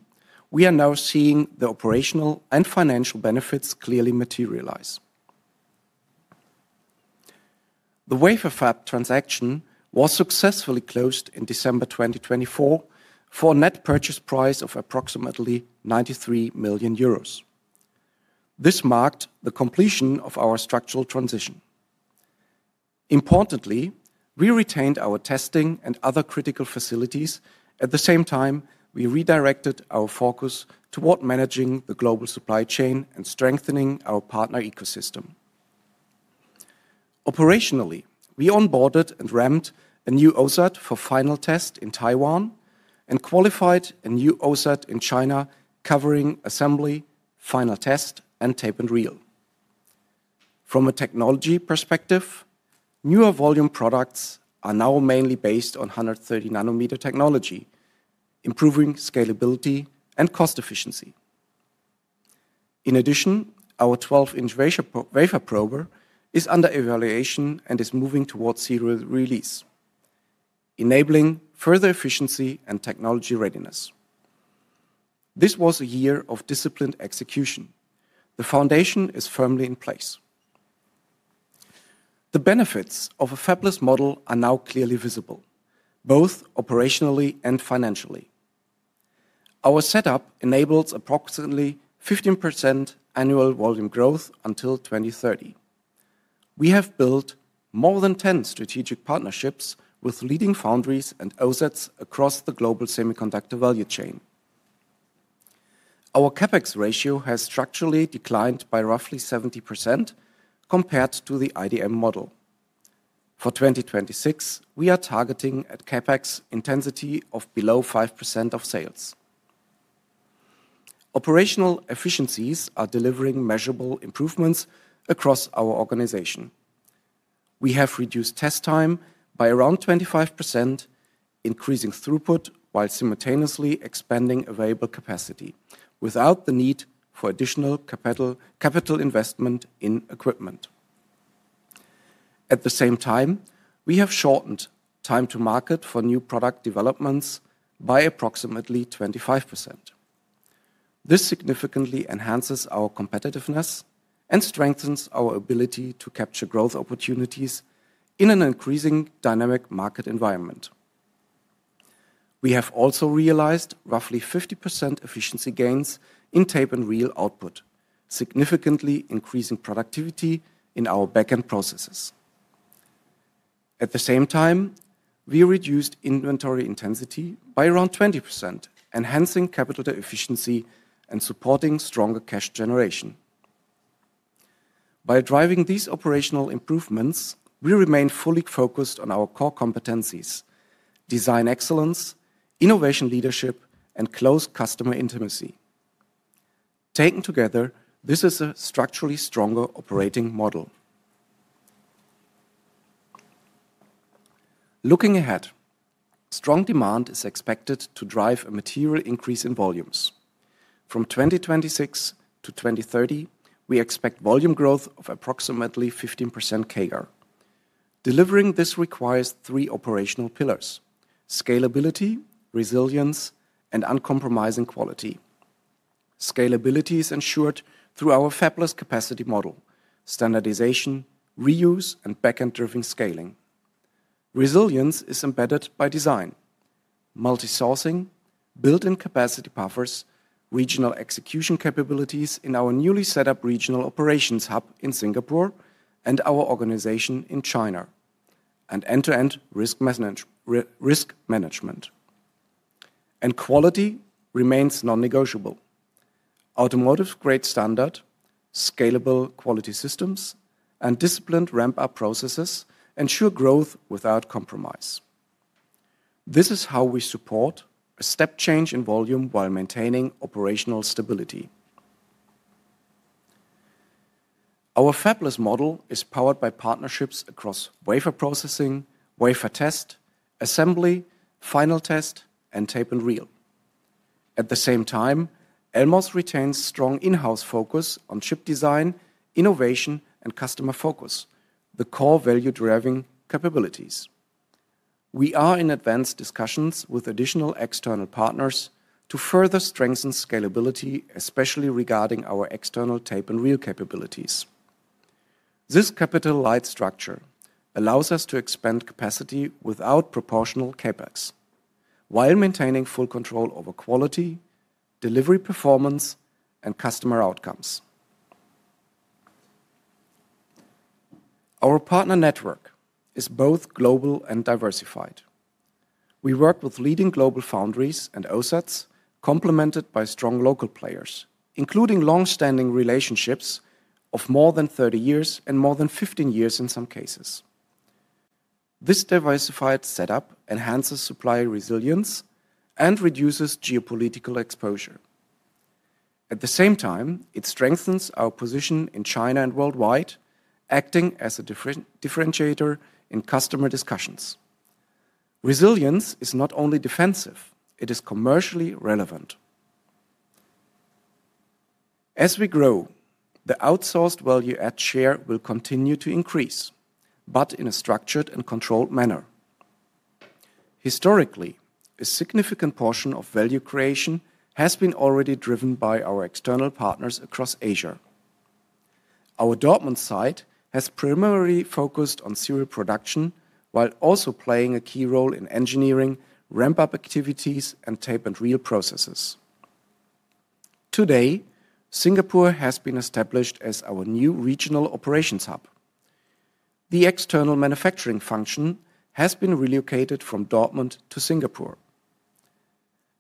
we are now seeing the operational and financial benefits clearly materialize. The wafer fab transaction was successfully closed in December 2024 for a net purchase price of approximately 93 million euros. This marked the completion of our structural transition. Importantly, we retained our testing and other critical facilities. We redirected our focus toward managing the global supply chain and strengthening our partner ecosystem. Operationally, we onboarded and ramped a new OSAT for final test in Taiwan and qualified a new OSAT in China, covering assembly, final test, and tape-and-reel. From a technology perspective, newer volume products are now mainly based on 130-nanometer technology, improving scalability and cost efficiency. Our 12-inch wafer prober is under evaluation and is moving towards serial release, enabling further efficiency and technology readiness. This was a year of disciplined execution. The foundation is firmly in place. The benefits of a fabless model are now clearly visible, both operationally and financially. Our setup enables approximately 15% annual volume growth until 2030. We have built more than 10 strategic partnerships with leading foundries and OSATs across the global semiconductor value chain. Our CapEx ratio has structurally declined by roughly 70% compared to the IDM model. For 2026, we are targeting a CapEx intensity of below 5% of sales. Operational efficiencies are delivering measurable improvements across our organization. We have reduced test time by around 25%, increasing throughput while simultaneously expanding available capacity, without the need for additional capital investment in equipment. At the same time, we have shortened time to market for new product developments by approximately 25%. This significantly enhances our competitiveness and strengthens our ability to capture growth opportunities in an increasing dynamic market environment. We have also realized roughly 50% efficiency gains in tape and reel output, significantly increasing productivity in our back-end processes. At the same time, we reduced inventory intensity by around 20%, enhancing capital efficiency and supporting stronger cash generation. By driving these operational improvements, we remain fully focused on our core competencies: design excellence, innovation leadership, and close customer intimacy. Taken together, this is a structurally stronger operating model. Looking ahead, strong demand is expected to drive a material increase in volumes. From 2026 to 2030, we expect volume growth of approximately 15% CAGR. Delivering this requires three operational pillars: scalability, resilience, and uncompromising quality. Scalability is ensured through our fabless capacity model, standardization, reuse, and back-end-driven scaling. Resilience is embedded by design, multi-sourcing, built-in capacity buffers, regional execution capabilities in our newly set up regional operations hub in Singapore and our organization in China, and end-to-end risk management. Quality remains non-negotiable. Automotive-grade standard, scalable quality systems, and disciplined ramp-up processes ensure growth without compromise. This is how we support a step change in volume while maintaining operational stability. Our fabless model is powered by partnerships across wafer processing, wafer test, assembly, final test, and tape-and-reel. At the same time, Elmos retains strong in-house focus on chip design, innovation, and customer focus, the core value-driving capabilities. We are in advanced discussions with additional external partners to further strengthen scalability, especially regarding our external tape-and-reel capabilities. This capital-light structure allows us to expand capacity without proportional CapEx, while maintaining full control over quality, delivery performance, and customer outcomes. Our partner network is both global and diversified. We work with leading global foundries and OSATs, complemented by strong local players, including long-standing relationships of more than 30 years and more than 15 years in some cases. This diversified setup enhances supply resilience and reduces geopolitical exposure. At the same time, it strengthens our position in China and worldwide, acting as a differentiator in customer discussions. Resilience is not only defensive, it is commercially relevant. As we grow, the outsourced value add share will continue to increase, but in a structured and controlled manner. Historically, a significant portion of value creation has been already driven by our external partners across Asia. Our Dortmund site has primarily focused on serial production, while also playing a key role in engineering, ramp-up activities, and tape-and-reel processes. Today, Singapore has been established as our new regional operations hub. The external manufacturing function has been relocated from Dortmund to Singapore.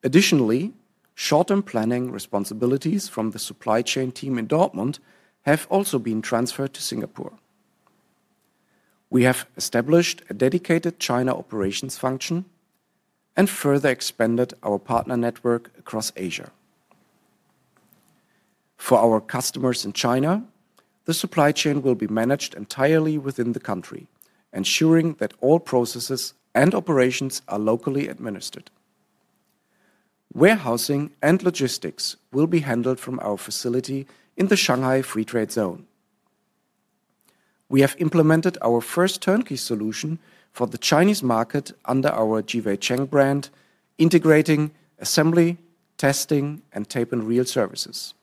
Additionally, short-term planning responsibilities from the supply chain team in Dortmund have also been transferred to Singapore. We have established a dedicated China operations function and further expanded our partner network across Asia. For our customers in China, the supply chain will be managed entirely within the country, ensuring that all processes and operations are locally administered. Warehousing and logistics will be handled from our facility in the Shanghai Free Trade Zone. We have implemented our first turnkey solution for the Chinese market under our JiWeiCheng brand, integrating, assembly, testing, and tape and reel services.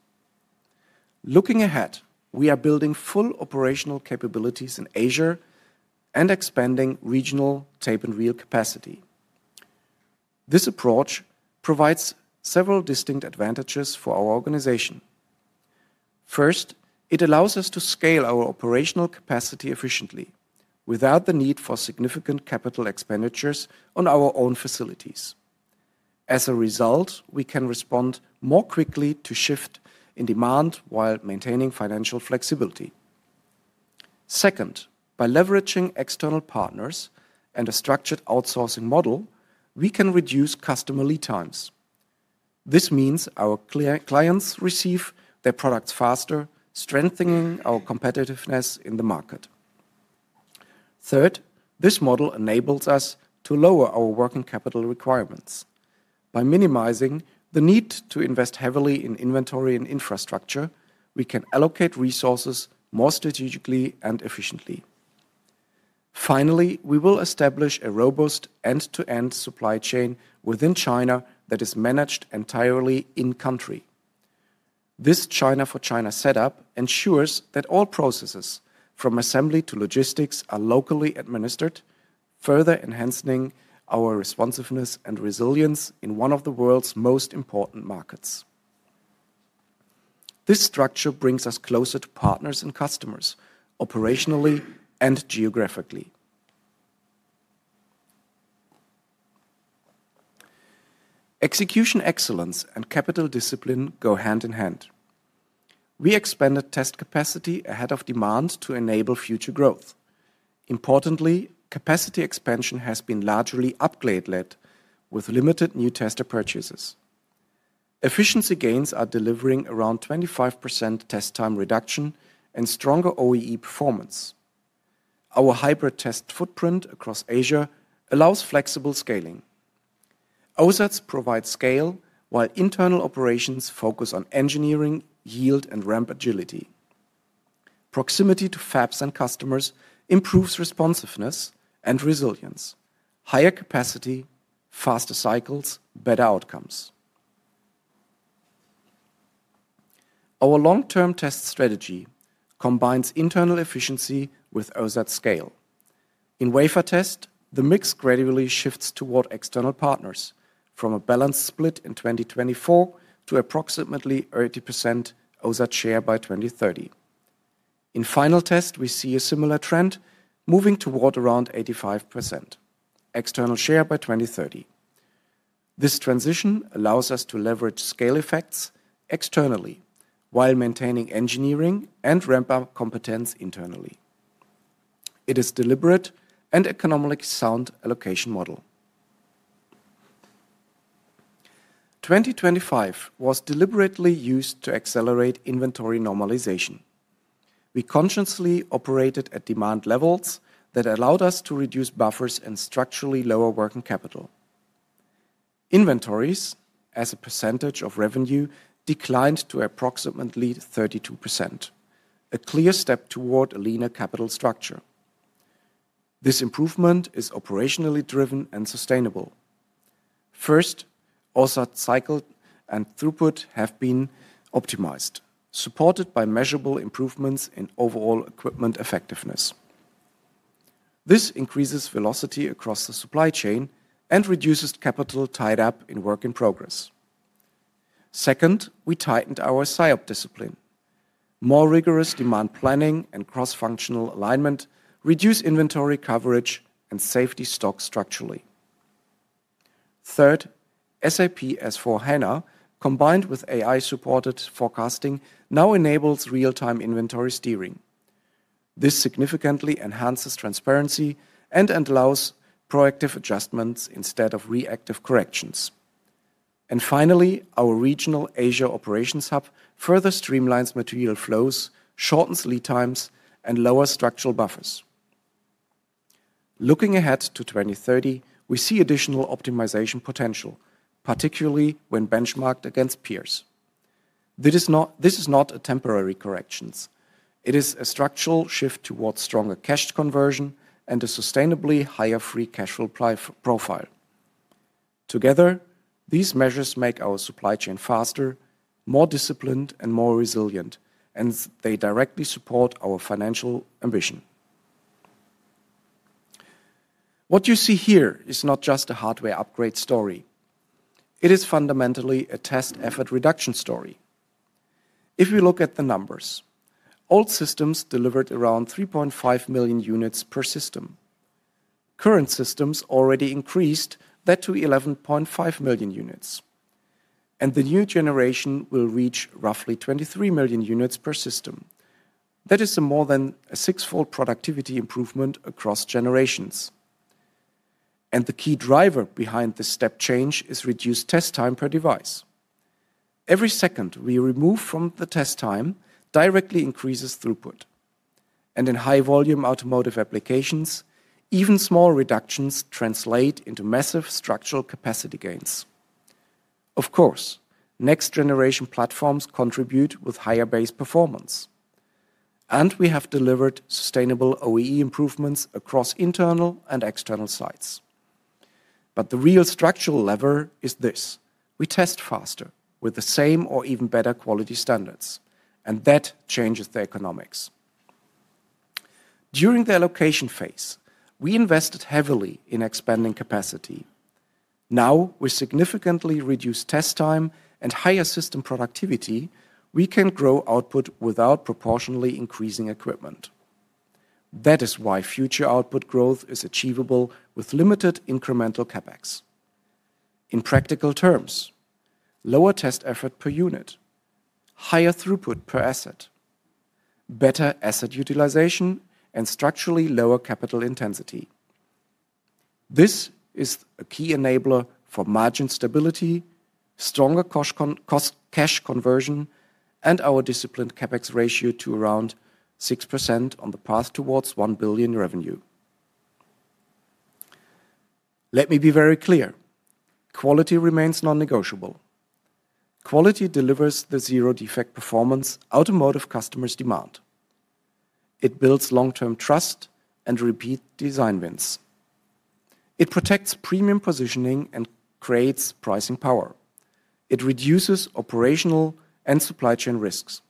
Looking ahead, we are building full operational capabilities in Asia and expanding regional tape and reel capacity. This approach provides several distinct advantages for our organization. First, it allows us to scale our operational capacity efficiently without the need for significant capital expenditures on our own facilities. As a result, we can respond more quickly to shift in demand while maintaining financial flexibility. Second, by leveraging external partners and a structured outsourcing model, we can reduce customer lead times. This means our clients receive their products faster, strengthening our competitiveness in the market. Third, this model enables us to lower our working capital requirements. By minimizing the need to invest heavily in inventory and infrastructure, we can allocate resources more strategically and efficiently. Finally, we will establish a robust end-to-end supply chain within China that is managed entirely in-country. This China for China setup ensures that all processes, from assembly to logistics, are locally administered, further enhancing our responsiveness and resilience in one of the world's most important markets. This structure brings us closer to partners and customers, operationally and geographically. Execution excellence and capital discipline go hand in hand. We expanded test capacity ahead of demand to enable future growth. Importantly, capacity expansion has been largely upgrade-led, with limited new tester purchases. Efficiency gains are delivering around 25% test time reduction and stronger OEE performance. Our hybrid test footprint across Asia allows flexible scaling. OSATs provide scale, while internal operations focus on engineering, yield, and ramp agility. Proximity to fabs and customers improves responsiveness and resilience, higher capacity, faster cycles, better outcomes. Our long-term test strategy combines internal efficiency with OSAT scale. In wafer test, the mix gradually shifts toward external partners from a balanced split in 2024 to approximately 80% OSAT share by 2030. In final test, we see a similar trend moving toward around 85% external share by 2030. This transition allows us to leverage scale effects externally while maintaining engineering and ramp-up competence internally. It is deliberate and economically sound allocation model. 2025 was deliberately used to accelerate inventory normalization. We consciously operated at demand levels that allowed us to reduce buffers and structurally lower working capital. Inventories, as a percentage of revenue, declined to approximately 32%, a clear step toward a leaner capital structure. This improvement is operationally driven and sustainable. First, OSAT cycle and throughput have been optimized, supported by measurable improvements in overall equipment effectiveness. This increases velocity across the supply chain and reduces capital tied up in work in progress. Second, we tightened our SIOP discipline. More rigorous demand planning and cross-functional alignment reduce inventory coverage and safety stock structurally. Third, SAP S/4HANA, combined with AI-supported forecasting, now enables real-time inventory steering. This significantly enhances transparency and allows proactive adjustments instead of reactive corrections. Finally, our regional Asia operations hub further streamlines material flows, shortens lead times, and lowers structural buffers. Looking ahead to 2030, we see additional optimization potential, particularly when benchmarked against peers. This is not a temporary corrections. It is a structural shift towards stronger cash conversion and a sustainably higher free cash flow profile. Together, these measures make our supply chain faster, more disciplined, and more resilient, and they directly support our financial ambition... What you see here is not just a hardware upgrade story, it is fundamentally a test effort reduction story. If you look at the numbers, old systems delivered around 3.5 million units per system. Current systems already increased that to 11.5 million units, and the new generation will reach roughly 23 million units per system. That is a more than a 6-fold productivity improvement across generations. The key driver behind this step change is reduced test time per device. Every second we remove from the test time directly increases throughput, and in high volume automotive applications, even small reductions translate into massive structural capacity gains. Of course, next generation platforms contribute with higher base performance, and we have delivered sustainable OEE improvements across internal and external sites. The real structural lever is this: we test faster with the same or even better quality standards, and that changes the economics. During the allocation phase, we invested heavily in expanding capacity. Now, with significantly reduced test time and higher system productivity, we can grow output without proportionally increasing equipment. That is why future output growth is achievable with limited incremental CapEx. In practical terms, lower test effort per unit, higher throughput per asset, better asset utilization, and structurally lower capital intensity. This is a key enabler for margin stability, stronger cost, cash conversion, and our disciplined CapEx ratio to around 6% on the path towards 1 billion revenue. Let me be very clear, quality remains non-negotiable. Quality delivers the zero defect performance automotive customers demand. It builds long-term trust and repeat design wins. It protects premium positioning and creates pricing power. It reduces operational and supply chain risks.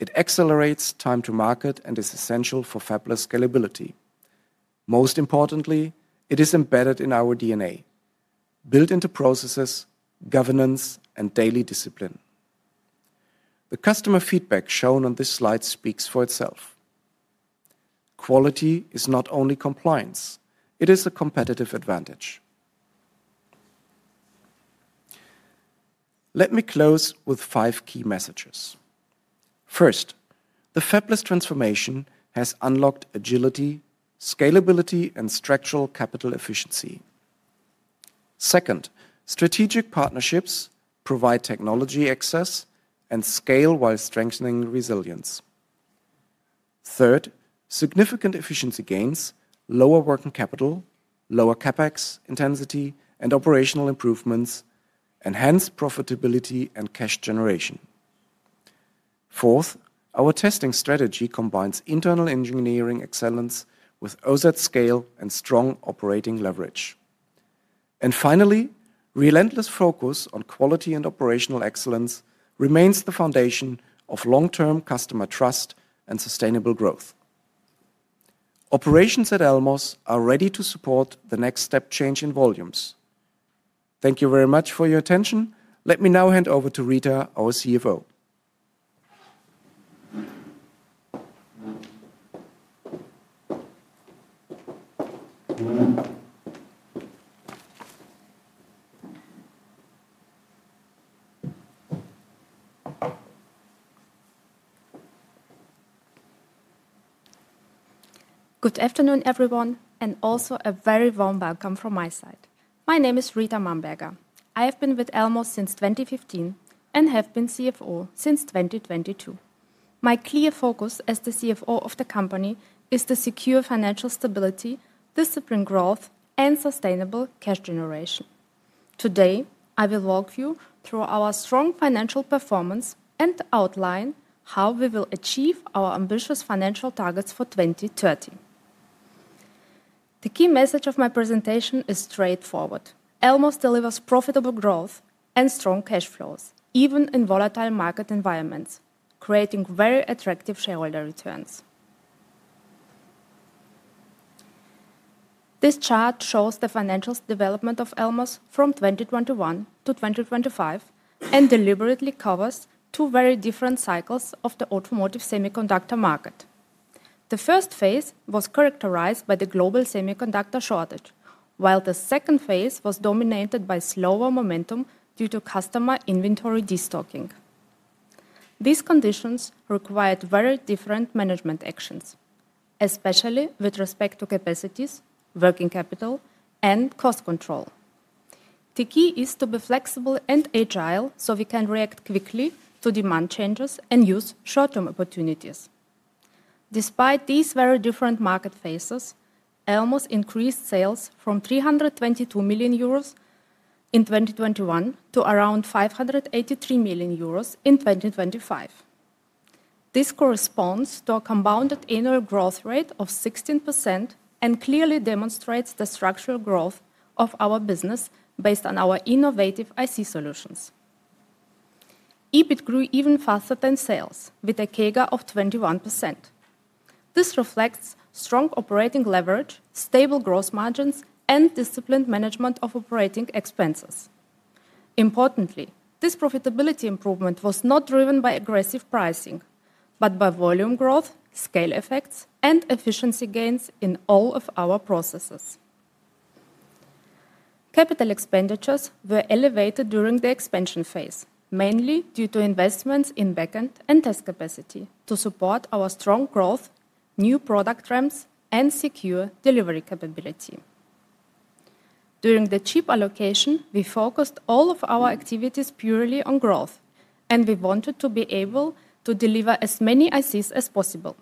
It accelerates time to market and is essential for fabless scalability. Most importantly, it is embedded in our DNA, built into processes, governance, and daily discipline. The customer feedback shown on this slide speaks for itself. Quality is not only compliance, it is a competitive advantage. Let me close with five key messages. First, the fabless transformation has unlocked agility, scalability, and structural capital efficiency. Second, strategic partnerships provide technology access and scale while strengthening resilience. Third, significant efficiency gains, lower working capital, lower CapEx intensity, and operational improvements enhance profitability and cash generation. Fourth, our testing strategy combines internal engineering excellence with OSAT scale and strong operating leverage. Finally, relentless focus on quality and operational excellence remains the foundation of long-term customer trust and sustainable growth. Operations at Elmos are ready to support the next step change in volumes. Thank you very much for your attention. Let me now hand over to Rita, our CFO. Good afternoon, everyone, and also a very warm welcome from my side. My name is Rita Mamberger. I have been with Elmos since 2015 and have been CFO since 2022. My clear focus as the CFO of the company is to secure financial stability, discipline growth, and sustainable cash generation. Today, I will walk you through our strong financial performance and outline how we will achieve our ambitious financial targets for 2030. The key message of my presentation is straightforward: Elmos delivers profitable growth and strong cash flows, even in volatile market environments, creating very attractive shareholder returns. This chart shows the financial development of Elmos from 2021 to 2025, and deliberately covers two very different cycles of the automotive semiconductor market. The first phase was characterized by the global semiconductor shortage, while the second phase was dominated by slower momentum due to customer inventory de-stocking. These conditions required very different management actions, especially with respect to capacities, working capital, and cost control. The key is to be flexible and agile, we can react quickly to demand changes and use short-term opportunities. Despite these very different market phases, Elmos increased sales from 322 million euros in 2021 to around 583 million euros in 2025. This corresponds to a compounded annual growth rate of 16% and clearly demonstrates the structural growth of our business based on our innovative IC solutions. EBIT grew even faster than sales, with a CAGR of 21%. This reflects strong operating leverage, stable growth margins, and disciplined management of operating expenses. Importantly, this profitability improvement was not driven by aggressive pricing, but by volume growth, scale effects, and efficiency gains in all of our processes. Capital expenditures were elevated during the expansion phase, mainly due to investments in backend and test capacity to support our strong growth, new product ramps, and secure delivery capability. During the chip allocation, we focused all of our activities purely on growth, and we wanted to be able to deliver as many ICs as possible.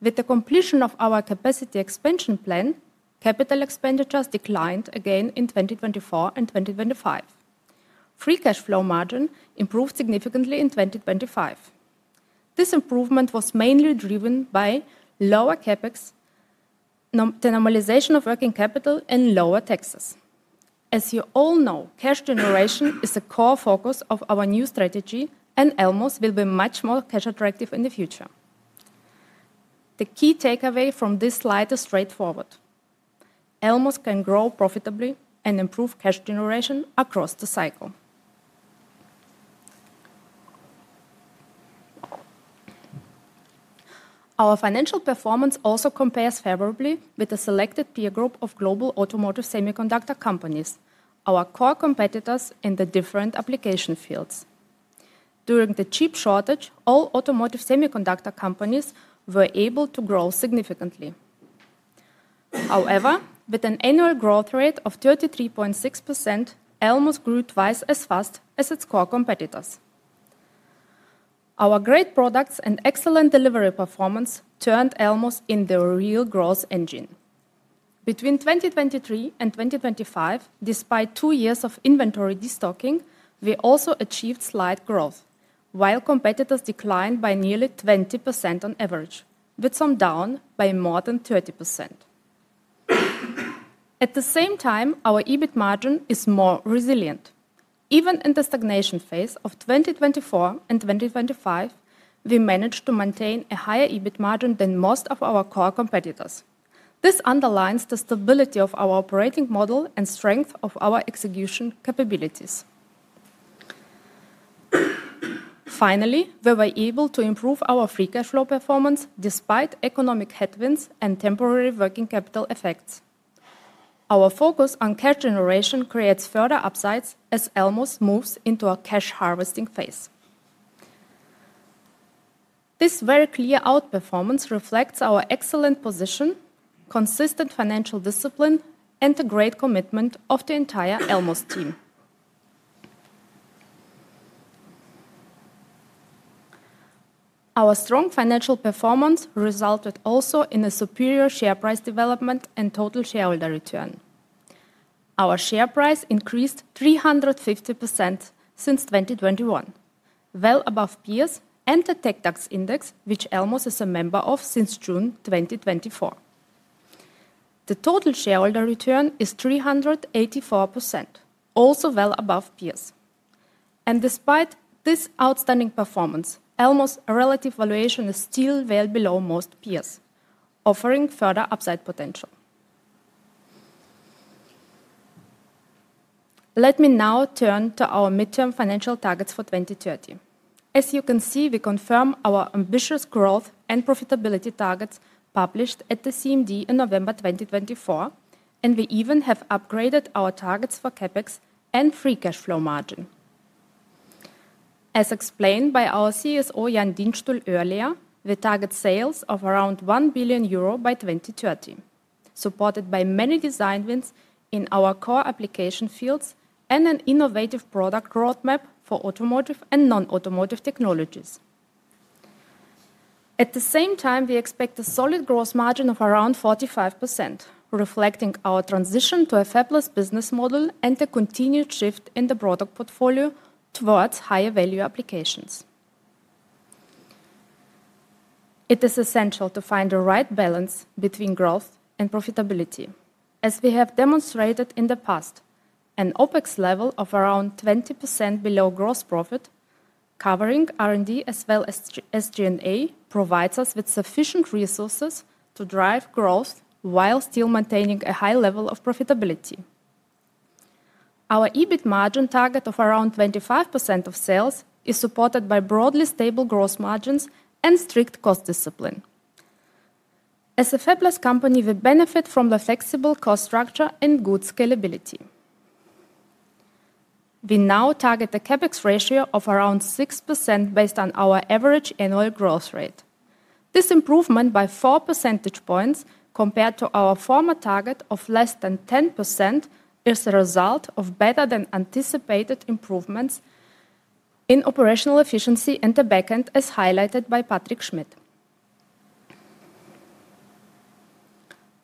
With the completion of our capacity expansion plan, capital expenditures declined again in 2024 and 2025. Free cash flow margin improved significantly in 2025. This improvement was mainly driven by lower CapEx, the normalization of working capital, and lower taxes. As you all know, cash generation is a core focus of our new strategy, and Elmos will be much more cash attractive in the future. The key takeaway from this slide is straightforward: Elmos can grow profitably and improve cash generation across the cycle. Our financial performance also compares favorably with a selected peer group of global automotive semiconductor companies, our core competitors in the different application fields. During the chip shortage, all automotive semiconductor companies were able to grow significantly. With an annual growth rate of 33.6%, Elmos grew twice as fast as its core competitors. Our great products and excellent delivery performance turned Elmos into a real growth engine. Between 2023 and 2025, despite two years of inventory destocking, we also achieved slight growth, while competitors declined by nearly 20% on average, with some down by more than 30%. Our EBIT margin is more resilient. Even in the stagnation phase of 2024 and 2025, we managed to maintain a higher EBIT margin than most of our core competitors. This underlines the stability of our operating model and strength of our execution capabilities. Finally, we were able to improve our free cash flow performance despite economic headwinds and temporary working capital effects. Our focus on cash generation creates further upsides as Elmos moves into a cash harvesting phase. This very clear outperformance reflects our excellent position, consistent financial discipline, and the great commitment of the entire Elmos team. Our strong financial performance resulted also in a superior share price development and total shareholder return. Our share price increased 350% since 2021, well above peers and the TecDAX index, which Elmos is a member of since June 2024. The total shareholder return is 384%, also well above peers. Despite this outstanding performance, Elmos' relative valuation is still well below most peers, offering further upside potential. Let me now turn to our midterm financial targets for 2030. As you can see, we confirm our ambitious growth and profitability targets published at the CMD in November 2024, and we even have upgraded our targets for CapEx and free cash flow margin. As explained by our CSO, Jan Dienstuhl earlier, we target sales of around 1 billion euro by 2030, supported by many design wins in our core application fields and an innovative product roadmap for automotive and non-automotive technologies. At the same time, we expect a solid growth margin of around 45%, reflecting our transition to a fabless business model and a continued shift in the product portfolio towards higher value applications. It is essential to find the right balance between growth and profitability. As we have demonstrated in the past, an OpEx level of around 20% below gross profit, covering R&D as well as G&A, provides us with sufficient resources to drive growth while still maintaining a high level of profitability. Our EBIT margin target of around 25% of sales is supported by broadly stable growth margins and strict cost discipline. As a fabless company, we benefit from the flexible cost structure and good scalability. We now target the CapEx ratio of around 6% based on our average annual growth rate. This improvement by four percentage points compared to our former target of less than 10%, is a result of better than anticipated improvements in operational efficiency and the backend, as highlighted by Patrick Schmitt.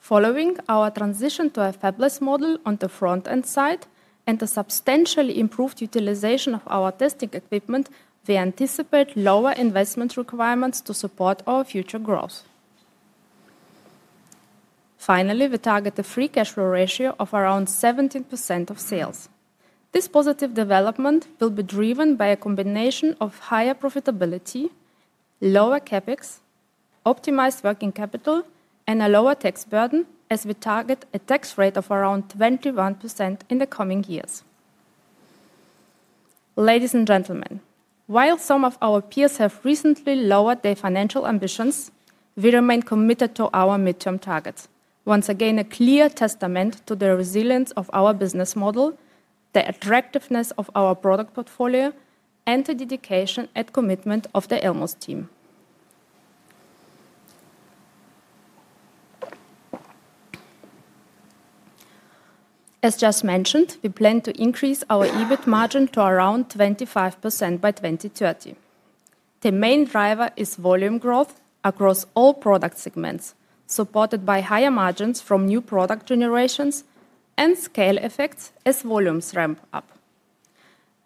Following our transition to a fabless model on the front and side, and a substantially improved utilization of our testing equipment, we anticipate lower investment requirements to support our future growth. Finally, we target a free cash flow ratio of around 17% of sales. This positive development will be driven by a combination of higher profitability, lower CapEx, optimized working capital, and a lower tax burden, as we target a tax rate of around 21% in the coming years. Ladies and gentlemen, while some of our peers have recently lowered their financial ambitions, we remain committed to our midterm targets. Once again, a clear testament to the resilience of our business model, the attractiveness of our product portfolio, and the dedication and commitment of the Elmos team. As just mentioned, we plan to increase our EBIT margin to around 25% by 2030. The main driver is volume growth across all product segments, supported by higher margins from new product generations and scale effects as volumes ramp up.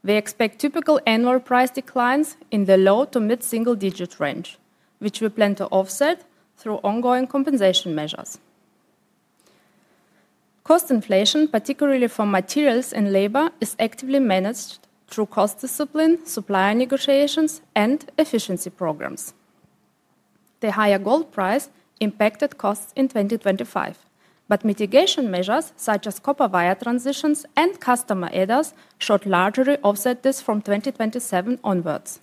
We expect typical annual price declines in the low to mid-single digit range, which we plan to offset through ongoing compensation measures. Cost inflation, particularly for materials and labor, is actively managed through cost discipline, supplier negotiations, and efficiency programs. The higher gold price impacted costs in 2025, but mitigation measures such as copper wire transitions and customer EDA should largely offset this from 2027 onwards.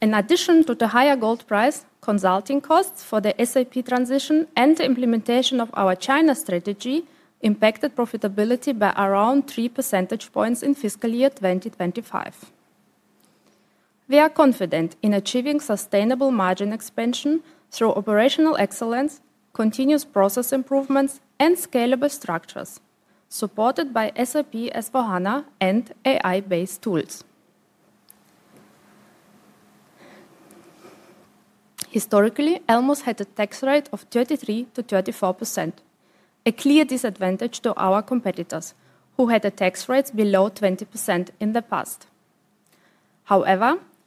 In addition to the higher gold price, consulting costs for the SAP transition and the implementation of our China strategy impacted profitability by around three percentage points in fiscal year 2025. We are confident in achieving sustainable margin expansion through operational excellence, continuous process improvements, and scalable structures, supported by SAP S/4HANA and AI-based tools. Historically, Elmos had a tax rate of 33%-34%, a clear disadvantage to our competitors, who had a tax rate below 20% in the past.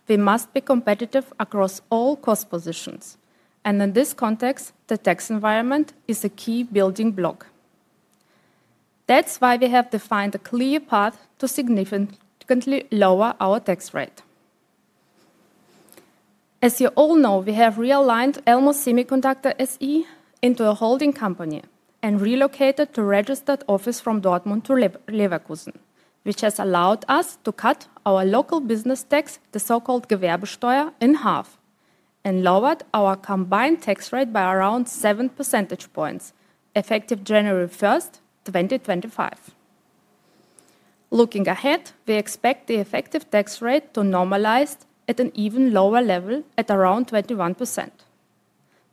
We must be competitive across all cost positions, and in this context, the tax environment is a key building block. We have defined a clear path to significantly lower our tax rate. As you all know, we have realigned Elmos Semiconductor SE into a holding company and relocated to registered office from Dortmund to Leverkusen, which has allowed us to cut our local business tax, the so-called Gewerbesteuer, in half and lowered our combined tax rate by around seven percentage points, effective January 1st, 2025. Looking ahead, we expect the effective tax rate to normalize at an even lower level at around 21%.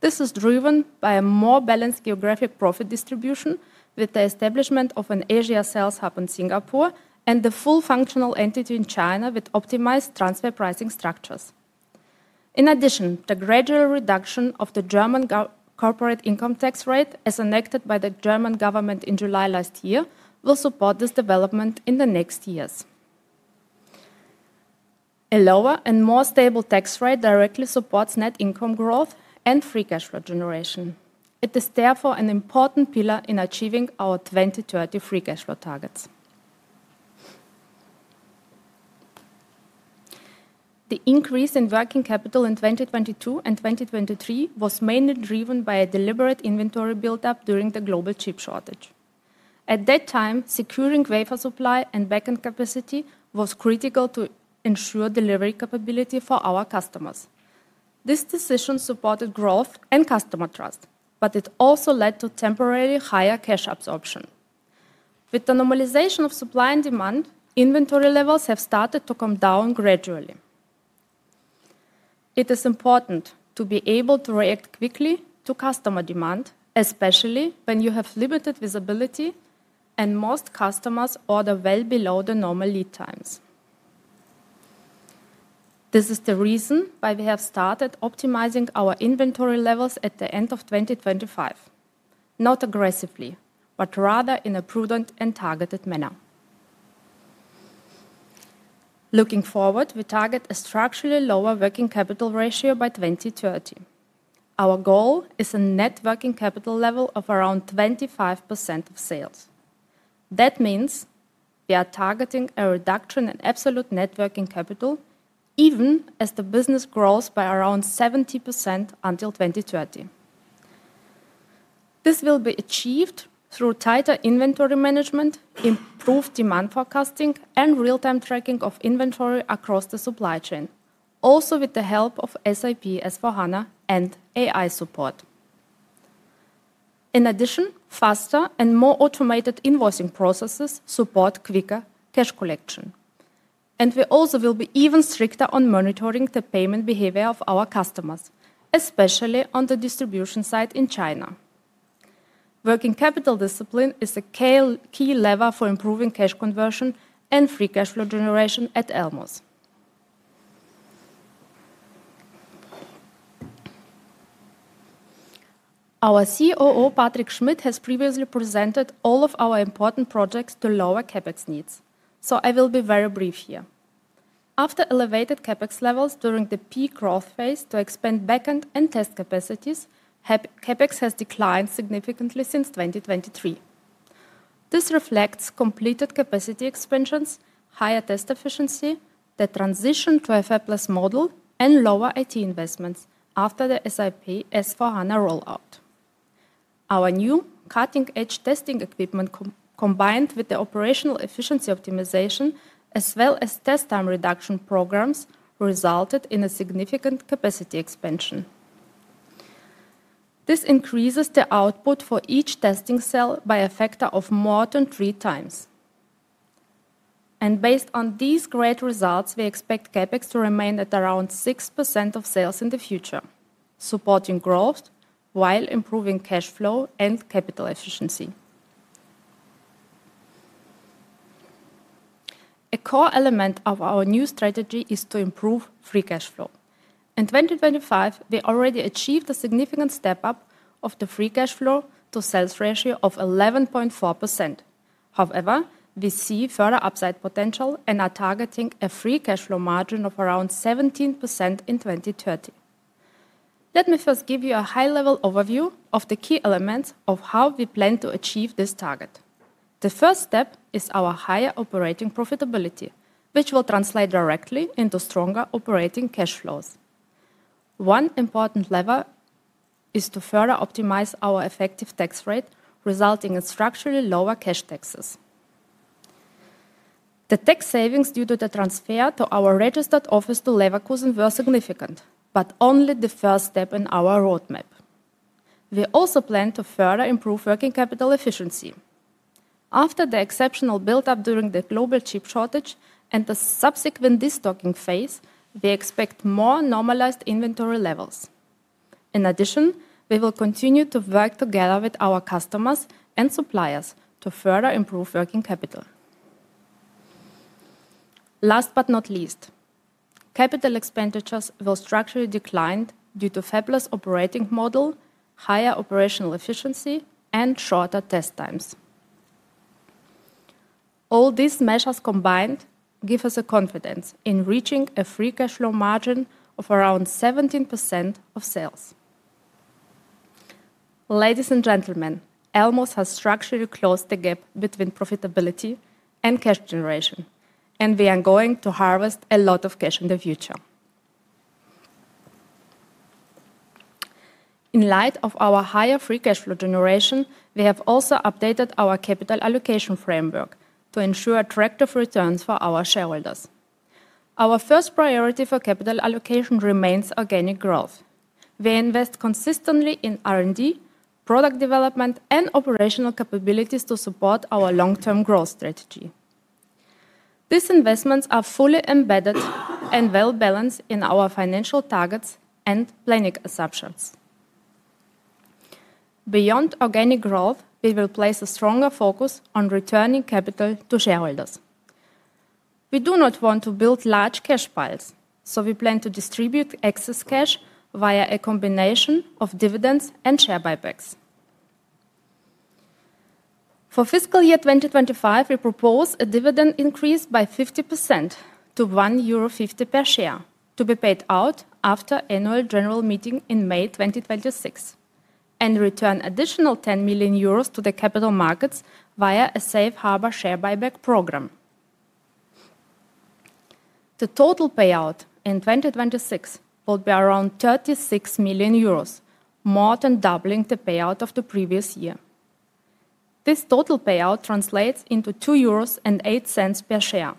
This is driven by a more balanced geographic profit distribution with the establishment of an Asia sales hub in Singapore and the full functional entity in China with optimized transfer pricing structures. In addition, the gradual reduction of the German corporate income tax rate, as enacted by the German government in July last year, will support this development in the next years. A lower and more stable tax rate directly supports net income growth and free cash flow generation. It is therefore an important pillar in achieving our 2030 free cash flow targets. The increase in working capital in 2022 and 2023 was mainly driven by a deliberate inventory build-up during the global chip shortage. At that time, securing wafer supply and backend capacity was critical to ensure delivery capability for our customers. This decision supported growth and customer trust, but it also led to temporary higher cash absorption. With the normalization of supply and demand, inventory levels have started to come down gradually. It is important to be able to react quickly to customer demand, especially when you have limited visibility and most customers order well below the normal lead times. This is the reason why we have started optimizing our inventory levels at the end of 2025. Not aggressively, but rather in a prudent and targeted manner. Looking forward, we target a structurally lower working capital ratio by 2030. Our goal is a net working capital level of around 25% of sales. That means we are targeting a reduction in absolute net working capital, even as the business grows by around 70% until 2030. This will be achieved through tighter inventory management, improved demand forecasting, and real-time tracking of inventory across the supply chain, also with the help of SAP S/4HANA and AI support. In addition, faster and more automated invoicing processes support quicker cash collection. We also will be even stricter on monitoring the payment behavior of our customers, especially on the distribution side in China. Working capital discipline is a key lever for improving cash conversion and free cash flow generation at Elmos. Our COO, Dr. Patrick Schmitt, has previously presented all of our important projects to lower CapEx needs, so I will be very brief here. After elevated CapEx levels during the peak growth phase to expand backend and test capacities, CapEx has declined significantly since 2023. This reflects completed capacity expansions, higher test efficiency, the transition to a fabless model, and lower IT investments after the SAP S/4HANA rollout. Our new cutting-edge testing equipment combined with the operational efficiency optimization, as well as test time reduction programs, resulted in a significant capacity expansion. This increases the output for each testing cell by a factor of more than three times. Based on these great results, we expect CapEx to remain at around 6% of sales in the future, supporting growth while improving cash flow and capital efficiency. A core element of our new strategy is to improve free cash flow. In 2025, we already achieved a significant step up of the free cash flow to sales ratio of 11.4%. However, we see further upside potential and are targeting a free cash flow margin of around 17% in 2030. Let me first give you a high-level overview of the key elements of how we plan to achieve this target. The first step is our higher operating profitability, which will translate directly into stronger operating cash flows. One important lever is to further optimize our effective tax rate, resulting in structurally lower cash taxes. The tax savings due to the transfer to our registered office to Leverkusen were significant. Only the first step in our roadmap. We also plan to further improve working capital efficiency. After the exceptional buildup during the global chip shortage and the subsequent destocking phase, we expect more normalized inventory levels. We will continue to work together with our customers and suppliers to further improve working capital. CapEx will structurally decline due to fabless operating model, higher operational efficiency, and shorter test times. All these measures combined give us the confidence in reaching a free cash flow margin of around 17% of sales. Ladies and gentlemen, Elmos has structurally closed the gap between profitability and cash generation. We are going to harvest a lot of cash in the future. In light of our higher free cash flow generation, we have also updated our capital allocation framework to ensure attractive returns for our shareholders. Our first priority for capital allocation remains organic growth. We invest consistently in R&D, product development, and operational capabilities to support our long-term growth strategy. These investments are fully embedded and well-balanced in our financial targets and planning assumptions. Beyond organic growth, we will place a stronger focus on returning capital to shareholders. We do not want to build large cash piles, so we plan to distribute excess cash via a combination of dividends and share buybacks. For fiscal year 2025, we propose a dividend increase by 50% to 1.50 euro per share, to be paid out after annual general meeting in May 2026, and return additional 10 million euros to the capital markets via a safe harbor share buyback program. The total payout in 2026 will be around 36 million euros, more than doubling the payout of the previous year. This total payout translates into 2.08 euros per share.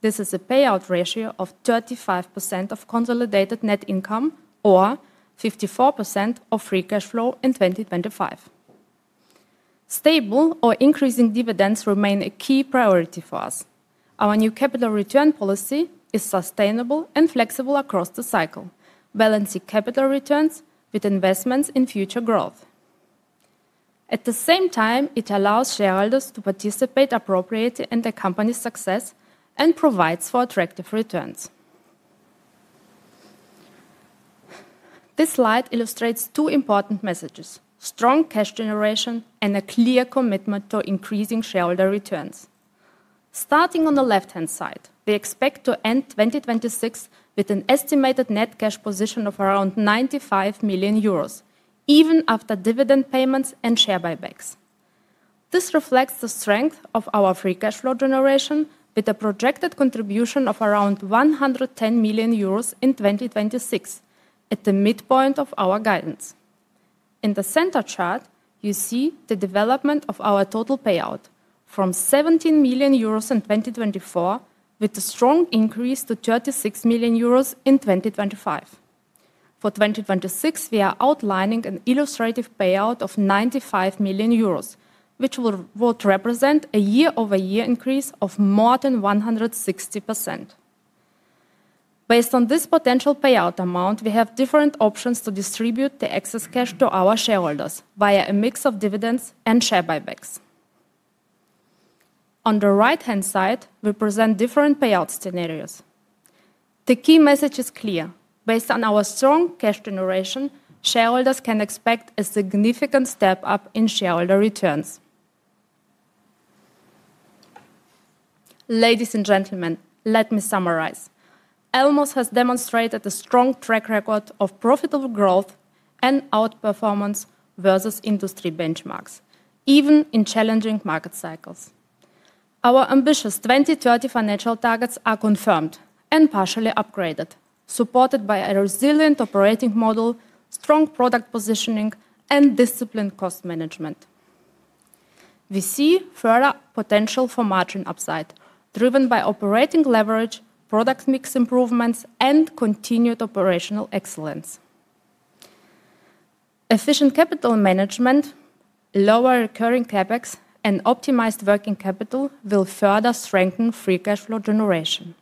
This is a payout ratio of 35% of consolidated net income, or 54% of free cash flow in 2025. Stable or increasing dividends remain a key priority for us. Our new capital return policy is sustainable and flexible across the cycle, balancing capital returns with investments in future growth. At the same time, it allows shareholders to participate appropriately in the company's success and provides for attractive returns. This slide illustrates two important messages: strong cash generation and a clear commitment to increasing shareholder returns. Starting on the left-hand side, we expect to end 2026 with an estimated net cash position of around 95 million euros, even after dividend payments and share buybacks. This reflects the strength of our free cash flow generation, with a projected contribution of around 110 million euros in 2026, at the midpoint of our guidance. In the center chart, you see the development of our total payout from 17 million euros in 2024, with a strong increase to 36 million euros in 2025. For 2026, we are outlining an illustrative payout of 95 million euros, which would represent a year-over-year increase of more than 160%. Based on this potential payout amount, we have different options to distribute the excess cash to our shareholders via a mix of dividends and share buybacks. On the right-hand side, we present different payout scenarios. The key message is clear: based on our strong cash generation, shareholders can expect a significant step up in shareholder returns. Ladies and gentlemen, let me summarize. Elmos has demonstrated a strong track record of profitable growth and outperformance versus industry benchmarks, even in challenging market cycles. Our ambitious 2030 financial targets are confirmed and partially upgraded, supported by a resilient operating model, strong product positioning, and disciplined cost management. We see further potential for margin upside, driven by operating leverage, product mix improvements, and continued operational excellence. Efficient capital management, lower recurring CapEx, and optimized working capital will further strengthen free cash flow generation.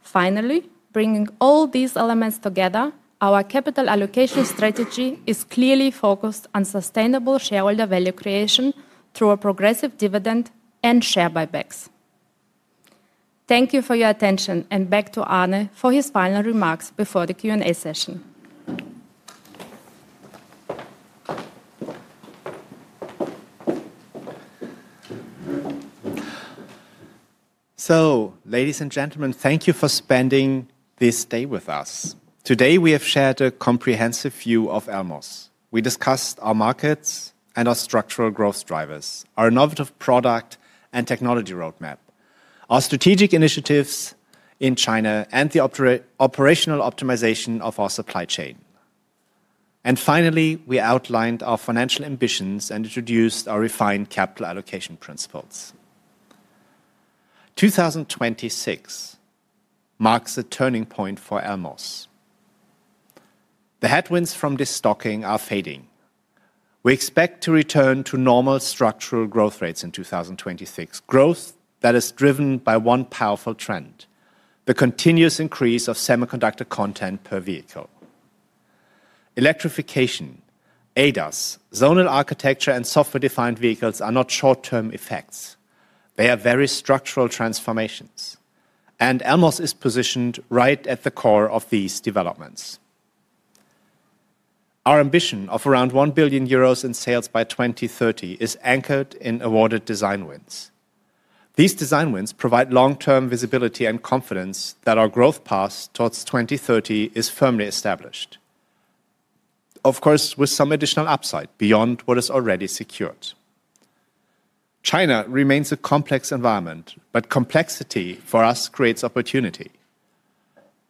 Finally, bringing all these elements together, our capital allocation strategy is clearly focused on sustainable shareholder value creation through a progressive dividend and share buybacks. Thank you for your attention, and back to Arne for his final remarks before the Q&A session. Ladies and gentlemen, thank you for spending this day with us. Today, we have shared a comprehensive view of Elmos. We discussed our markets and our structural growth drivers, our innovative product and technology roadmap, our strategic initiatives in China, and the operational optimization of our supply chain. Finally, we outlined our financial ambitions and introduced our refined capital allocation principles. 2026 marks a turning point for Elmos. The headwinds from this stocking are fading. We expect to return to normal structural growth rates in 2026. Growth that is driven by one powerful trend, the continuous increase of semiconductor content per vehicle. Electrification, ADAS, zonal architecture, and software-defined vehicles are not short-term effects. They are very structural transformations, and Elmos is positioned right at the core of these developments. Our ambition of around 1 billion euros in sales by 2030 is anchored in awarded design wins. These design wins provide long-term visibility and confidence that our growth path towards 2030 is firmly established. Of course, with some additional upside beyond what is already secured. China remains a complex environment. Complexity for us creates opportunity.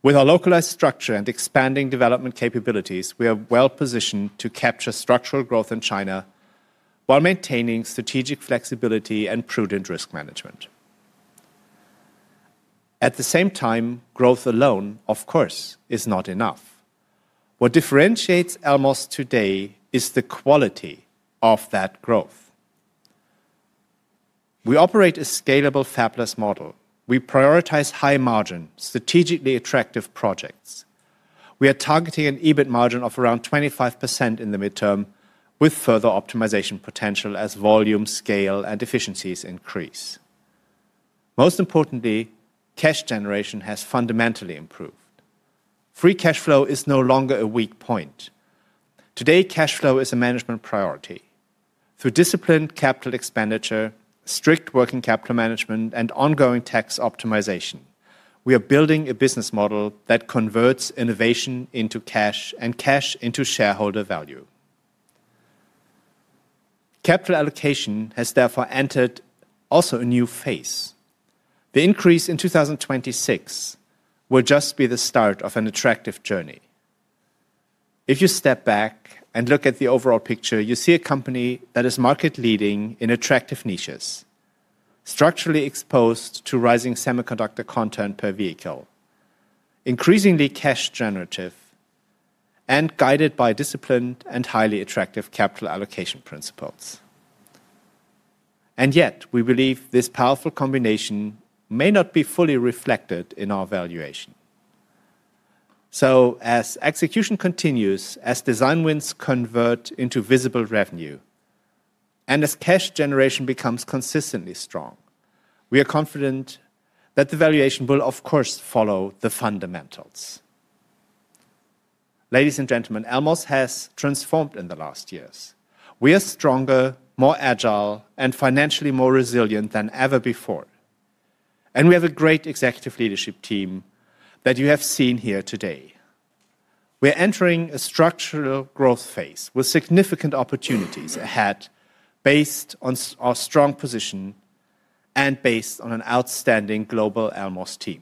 With our localized structure and expanding development capabilities, we are well-positioned to capture structural growth in China while maintaining strategic flexibility and prudent risk management. At the same time, growth alone, of course, is not enough. What differentiates Elmos today is the quality of that growth. We operate a scalable fabless model. We prioritize high margin, strategically attractive projects. We are targeting an EBIT margin of around 25% in the midterm, with further optimization potential as volume, scale, and efficiencies increase. Most importantly, cash generation has fundamentally improved. Free cash flow is no longer a weak point. Today, cash flow is a management priority. Through disciplined capital expenditure, strict working capital management, and ongoing tax optimization, we are building a business model that converts innovation into cash and cash into shareholder value. Capital allocation has therefore entered also a new phase. The increase in 2026 will just be the start of an attractive journey. If you step back and look at the overall picture, you see a company that is market-leading in attractive niches, structurally exposed to rising semiconductor content per vehicle, increasingly cash generative, and guided by disciplined and highly attractive capital allocation principles. Yet, we believe this powerful combination may not be fully reflected in our valuation. As execution continues, as design wins convert into visible revenue, and as cash generation becomes consistently strong, we are confident that the valuation will, of course, follow the fundamentals. Ladies and gentlemen, Elmos has transformed in the last years. We are stronger, more agile, and financially more resilient than ever before, and we have a great executive leadership team that you have seen here today. We're entering a structural growth phase with significant opportunities ahead based on our strong position and based on an outstanding global Elmos team.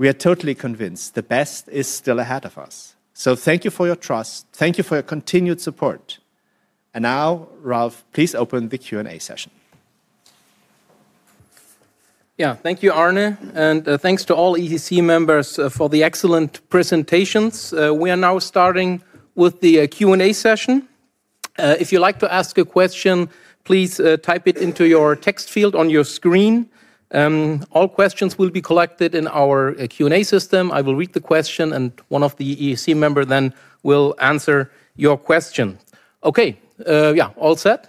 We are totally convinced the best is still ahead of us. Thank you for your trust. Thank you for your continued support. Now, Ralf, please open the Q&A session. Thank you, Arne, thanks to all EEC members for the excellent presentations. We are now starting with the Q&A session. If you'd like to ask a question, please type it into your text field on your screen. All questions will be collected in our Q&A system. I will read the question, one of the EEC member then will answer your question. Okay. All set?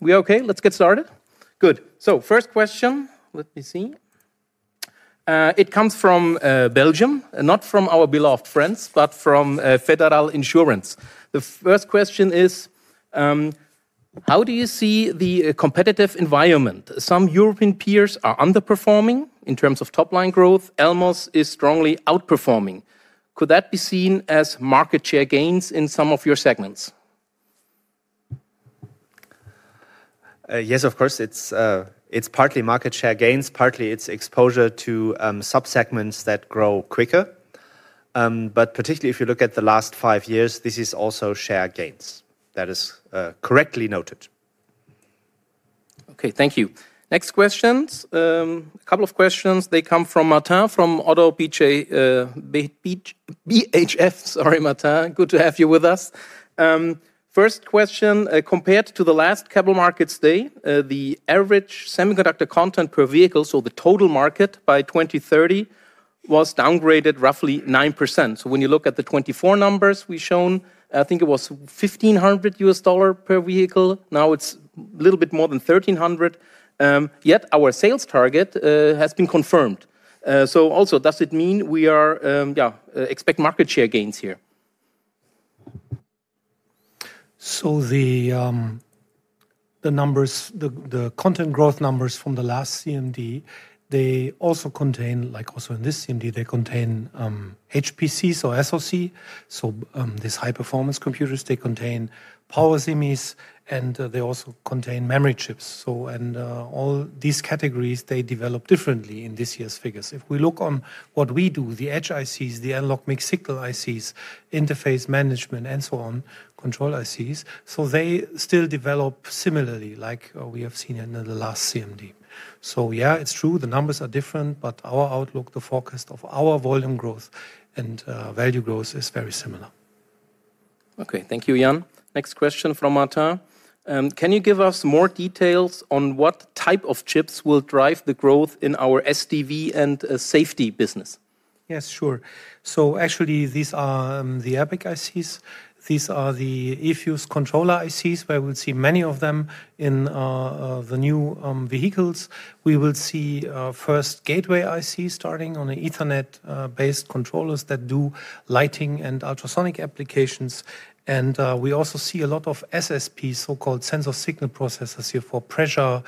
We okay? Let's get started. Good. First question, let me see. It comes from Belgium, not from our beloved friends, but from Fédérale Assurance. The first question is: how do you see the competitive environment? Some European peers are underperforming in terms of top-line growth. Elmos is strongly outperforming. Could that be seen as market share gains in some of your segments? Yes, of course, it's partly market share gains, partly it's exposure to sub-segments that grow quicker. Particularly if you look at the last five years, this is also share gains. That is correctly noted. Okay, thank you. Next questions. A couple of questions. They come from Martin, from Oddo BHF. Sorry, Martin, good to have you with us. First question: compared to the last couple Markets Day, the average semiconductor content per vehicle, the total market by 2030, was downgraded roughly 9%. When you look at the 2024 numbers we've shown, I think it was $1,500 per vehicle. Now it's a little bit more than $1,300. Yet our sales target has been confirmed. Also, does it mean we are, yeah, expect market share gains here? The numbers, the content growth numbers from the last CMD, they also contain, like also in this CMD, they contain HPCs or SoC, these high-performance computers, they contain power semis, and they also contain memory chips. All these categories, they develop differently in this year's figures. If we look on what we do, the edge ICs, the analog mixed-signal ICs, interface management, and so on, control ICs, they still develop similarly, like we have seen in the last CMD. Yeah, it's true, the numbers are different, but our outlook, the forecast of our volume growth and value growth is very similar. Thank you, Jan. Next question from Martin. Can you give us more details on what type of chips will drive the growth in our SDV and safety business? Yes, sure. Actually, these are the APIC ICs. These are the eFuse controller ICs, where we will see many of them in the new vehicles. We will see first gateway ICs starting on the Ethernet based controllers that do lighting and ultrasonic applications. We also see a lot of SSPs, so-called sensor signal processors, here for pressure,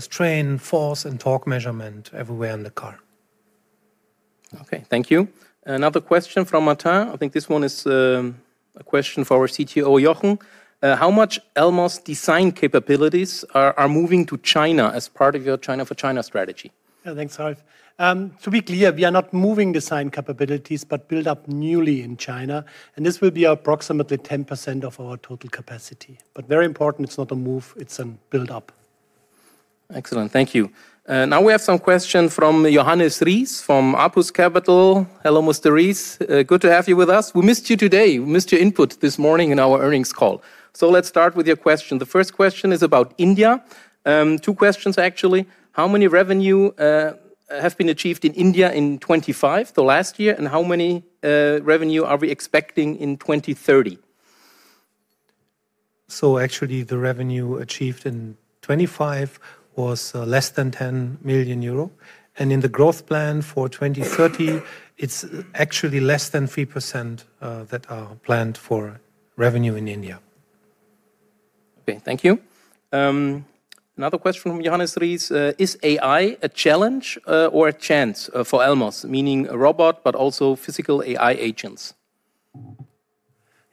strain, force, and torque measurement everywhere in the car. Okay, thank you. Another question from Martin. I think this one is a question for our CTO, Jochen. How much Elmos design capabilities are moving to China as part of your China for China strategy? Yeah. Thanks, Ralf. To be clear, we are not moving design capabilities, but build up newly in China, and this will be approximately 10% of our total capacity. Very important, it's not a move, it's an build-up. Excellent. Thank you. Now we have some question from Johannes Rees, from Apus Capital. Hello, Mr. Rees, good to have you with us. We missed you today. We missed your input this morning in our earnings call. Let's start with your question. The first question is about India. Two questions, actually. How many revenue have been achieved in India in 2025, the last year? How many revenue are we expecting in 2030? Actually, the revenue achieved in 2025 was less than 10 million euro. In the growth plan for 2030, it's actually less than 3% that are planned for revenue in India. Okay, thank you. Another question from Johannes Rees: Is AI a challenge or a chance for Elmos? Meaning a robot, but also physical AI agents.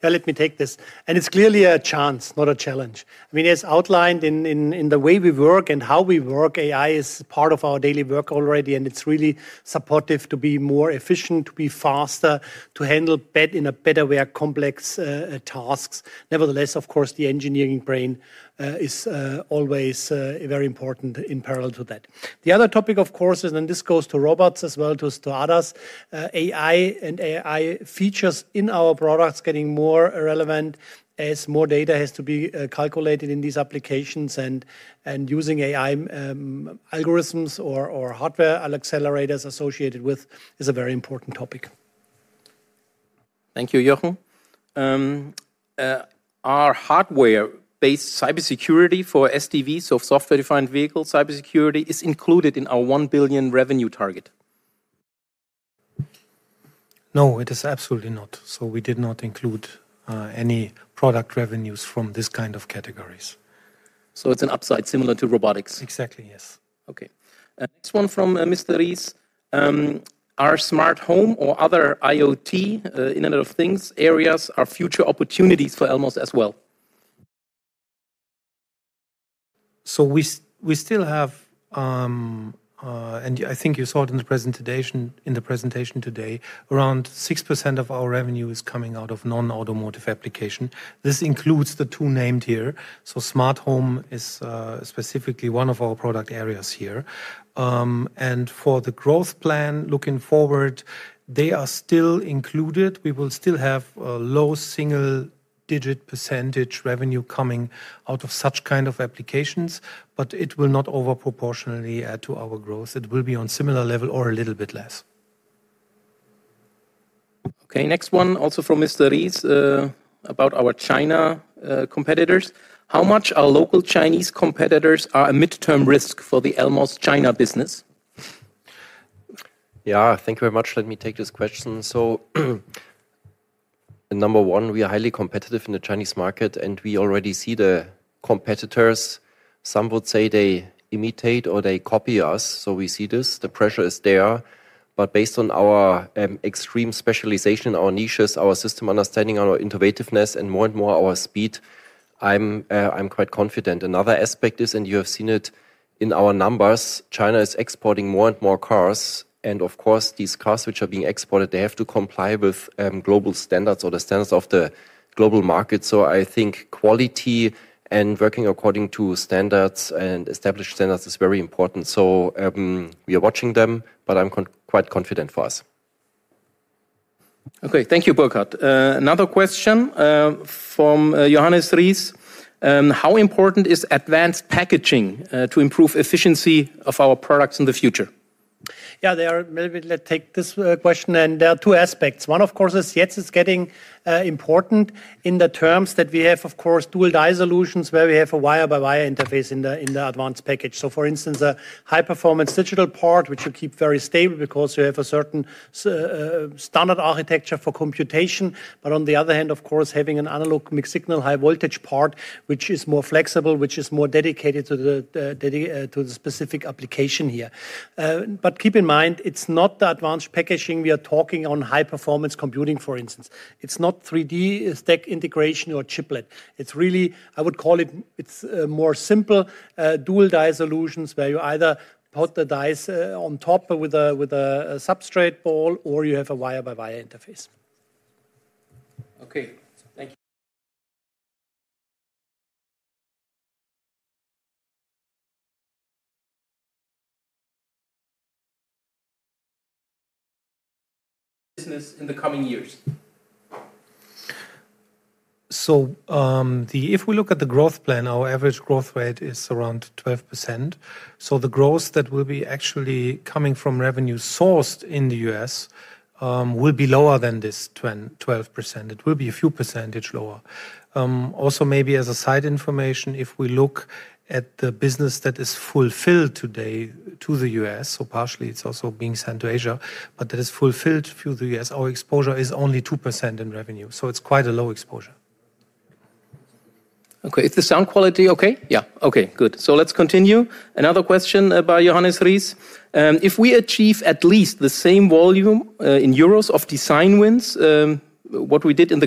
Yeah, let me take this. It's clearly a chance, not a challenge. I mean, as outlined in the way we work and how we work, AI is part of our daily work already, and it's really supportive to be more efficient, to be faster, to handle better, in a better way, complex tasks. Nevertheless, of course, the engineering brain is always very important in parallel to that. The other topic, of course, and this goes to robots as well as to others, AI and AI features in our products getting more relevant as more data has to be calculated in these applications. Using AI algorithms or hardware accelerators associated with is a very important topic. Thank you, Jochen. Are hardware-based cybersecurity for SDVs, so software-defined vehicle cybersecurity, is included in our 1 billion revenue target? No, it is absolutely not. We did not include any product revenues from this kind of categories. It's an upside similar to robotics? Exactly, yes. Next one from Mr. Rees. Are smart home or other IoT, Internet of Things, areas are future opportunities for Elmos as well? We still have, and I think you saw it in the presentation today, around 6% of our revenue is coming out of non-automotive application. This includes the two named here. Smart home is specifically one of our product areas here. For the growth plan, looking forward, they are still included. We will still have a low single-digit % revenue coming out of such kind of applications, but it will not over proportionally add to our growth. It will be on similar level or a little bit less. Okay, next one also from Mr. Rees, about our China, competitors. How much our local Chinese competitors are a midterm risk for the Elmos China business? Yeah, thank you very much. Let me take this question. Number one, we are highly competitive in the Chinese market, and we already see the competitors. Some would say they imitate or they copy us, so we see this. The pressure is there, but based on our extreme specialization, our niches, our system understanding, our innovativeness, and more and more our speed, I'm quite confident. Another aspect is, and you have seen it in our numbers, China is exporting more and more cars, and of course, these cars which are being exported, they have to comply with global standards or the standards of the global market. I think quality and working according to standards and established standards is very important. We are watching them, but I'm quite confident for us. Okay. Thank you, Burkhard. Another question, from Johannes Rees: How important is advanced packaging, to improve efficiency of our products in the future? Yeah, maybe let's take this question. There are two aspects. One, of course, is yes, it's getting important in the terms that we have, of course, dual die solutions, where we have a wire-by-wire interface in the advanced package. For instance, a high-performance digital part, which we keep very stable because we have a certain standard architecture for computation, but on the other hand, of course, having an analog mixed-signal, high-voltage part, which is more flexible, which is more dedicated to the specific application here. Keep in mind, it's not the advanced packaging we are talking on high-performance computing, for instance. It's not 3D stack integration or chiplet. It's really, I would call it's more simple dual die solutions, where you either put the dies on top with a substrate ball or you have a wire-by-wire interface. Okay, thank you. Business in the coming years. If we look at the growth plan, our average growth rate is around 12%. The growth that will be actually coming from revenue sourced in the U.S., will be lower than this 12%. It will be a few percentage lower. Also, maybe as a side information, if we look at the business that is fulfilled today to the U.S., partially it's also being sent to Asia, but that is fulfilled through the U.S., our exposure is only 2% in revenue, it's quite a low exposure. Okay. Is the sound quality okay? Yeah. Okay, good. Let's continue. Another question by Johannes Rees: If we achieve at least the same volume, in EUR of design wins, what we did in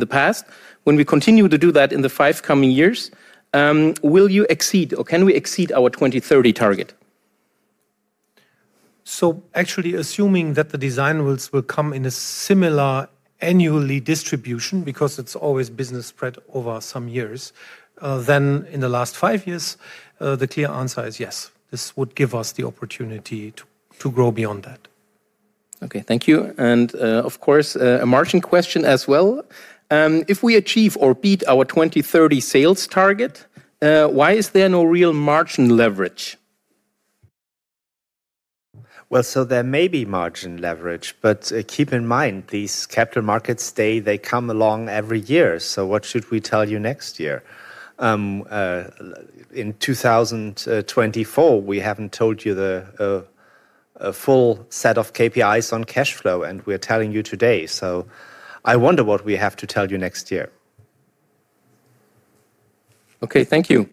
the past, when we continue to do that in the five coming years, will you exceed or can we exceed our 2030 target? Actually, assuming that the design wins will come in a similar annually distribution, because it's always business spread over some years, then in the last five years, the clear answer is yes. This would give us the opportunity to grow beyond that. Okay. Thank you. Of course, a margin question as well. If we achieve or beat our 2030 sales target, why is there no real margin leverage? There may be margin leverage, but keep in mind, these capital markets, they come along every year. What should we tell you next year? In 2024, we haven't told you the a full set of KPIs on cash flow. We're telling you today. I wonder what we have to tell you next year. Okay. Thank you.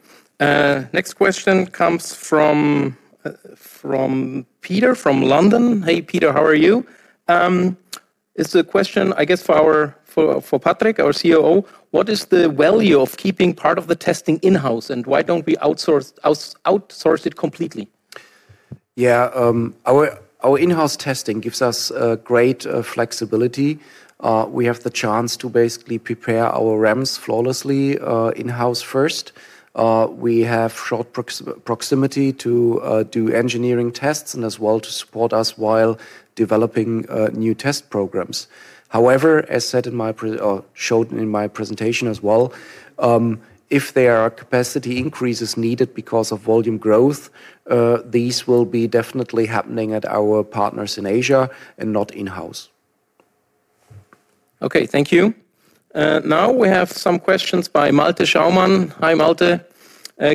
Next question comes from Peter, from London. Hey, Peter, how are you? It's a question, I guess, for Patrick, our COO: What is the value of keeping part of the testing in-house, and why don't we outsource it completely? Yeah, our in-house testing gives us great flexibility. We have the chance to basically prepare our RAMs flawlessly in-house first. We have short proximity to do engineering tests and as well to support us while developing new test programs. However, shown in my presentation as well, if there are capacity increases needed because of volume growth, these will be definitely happening at our partners in Asia and not in-house. Okay. Thank you. Now we have some questions by Malte Schaumann. Hi, Malte.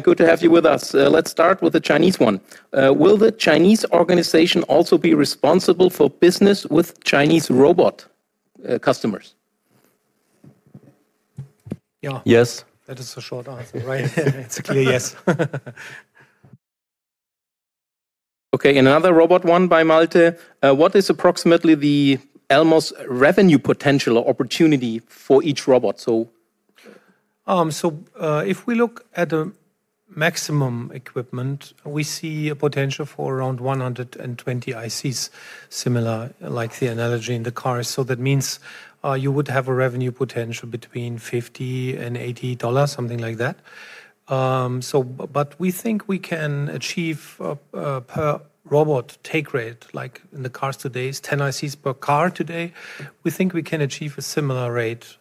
Good to have you with us. Let's start with the Chinese one. Will the Chinese organization also be responsible for business with Chinese robot, customers? Yeah. Yes. That is a short answer, right? It's a clear yes. Okay, another robot one by Malte: What is approximately the Elmos revenue potential or opportunity for each robot so? If we look at the maximum equipment, we see a potential for around 120 ICs, similar like the analogy in the car. That means, you would have a revenue potential between 50 and EUR 80, something like that. But we think we can achieve a per robot take rate, like in the cars today, is 10 ICs per car today. We think we can achieve a similar rate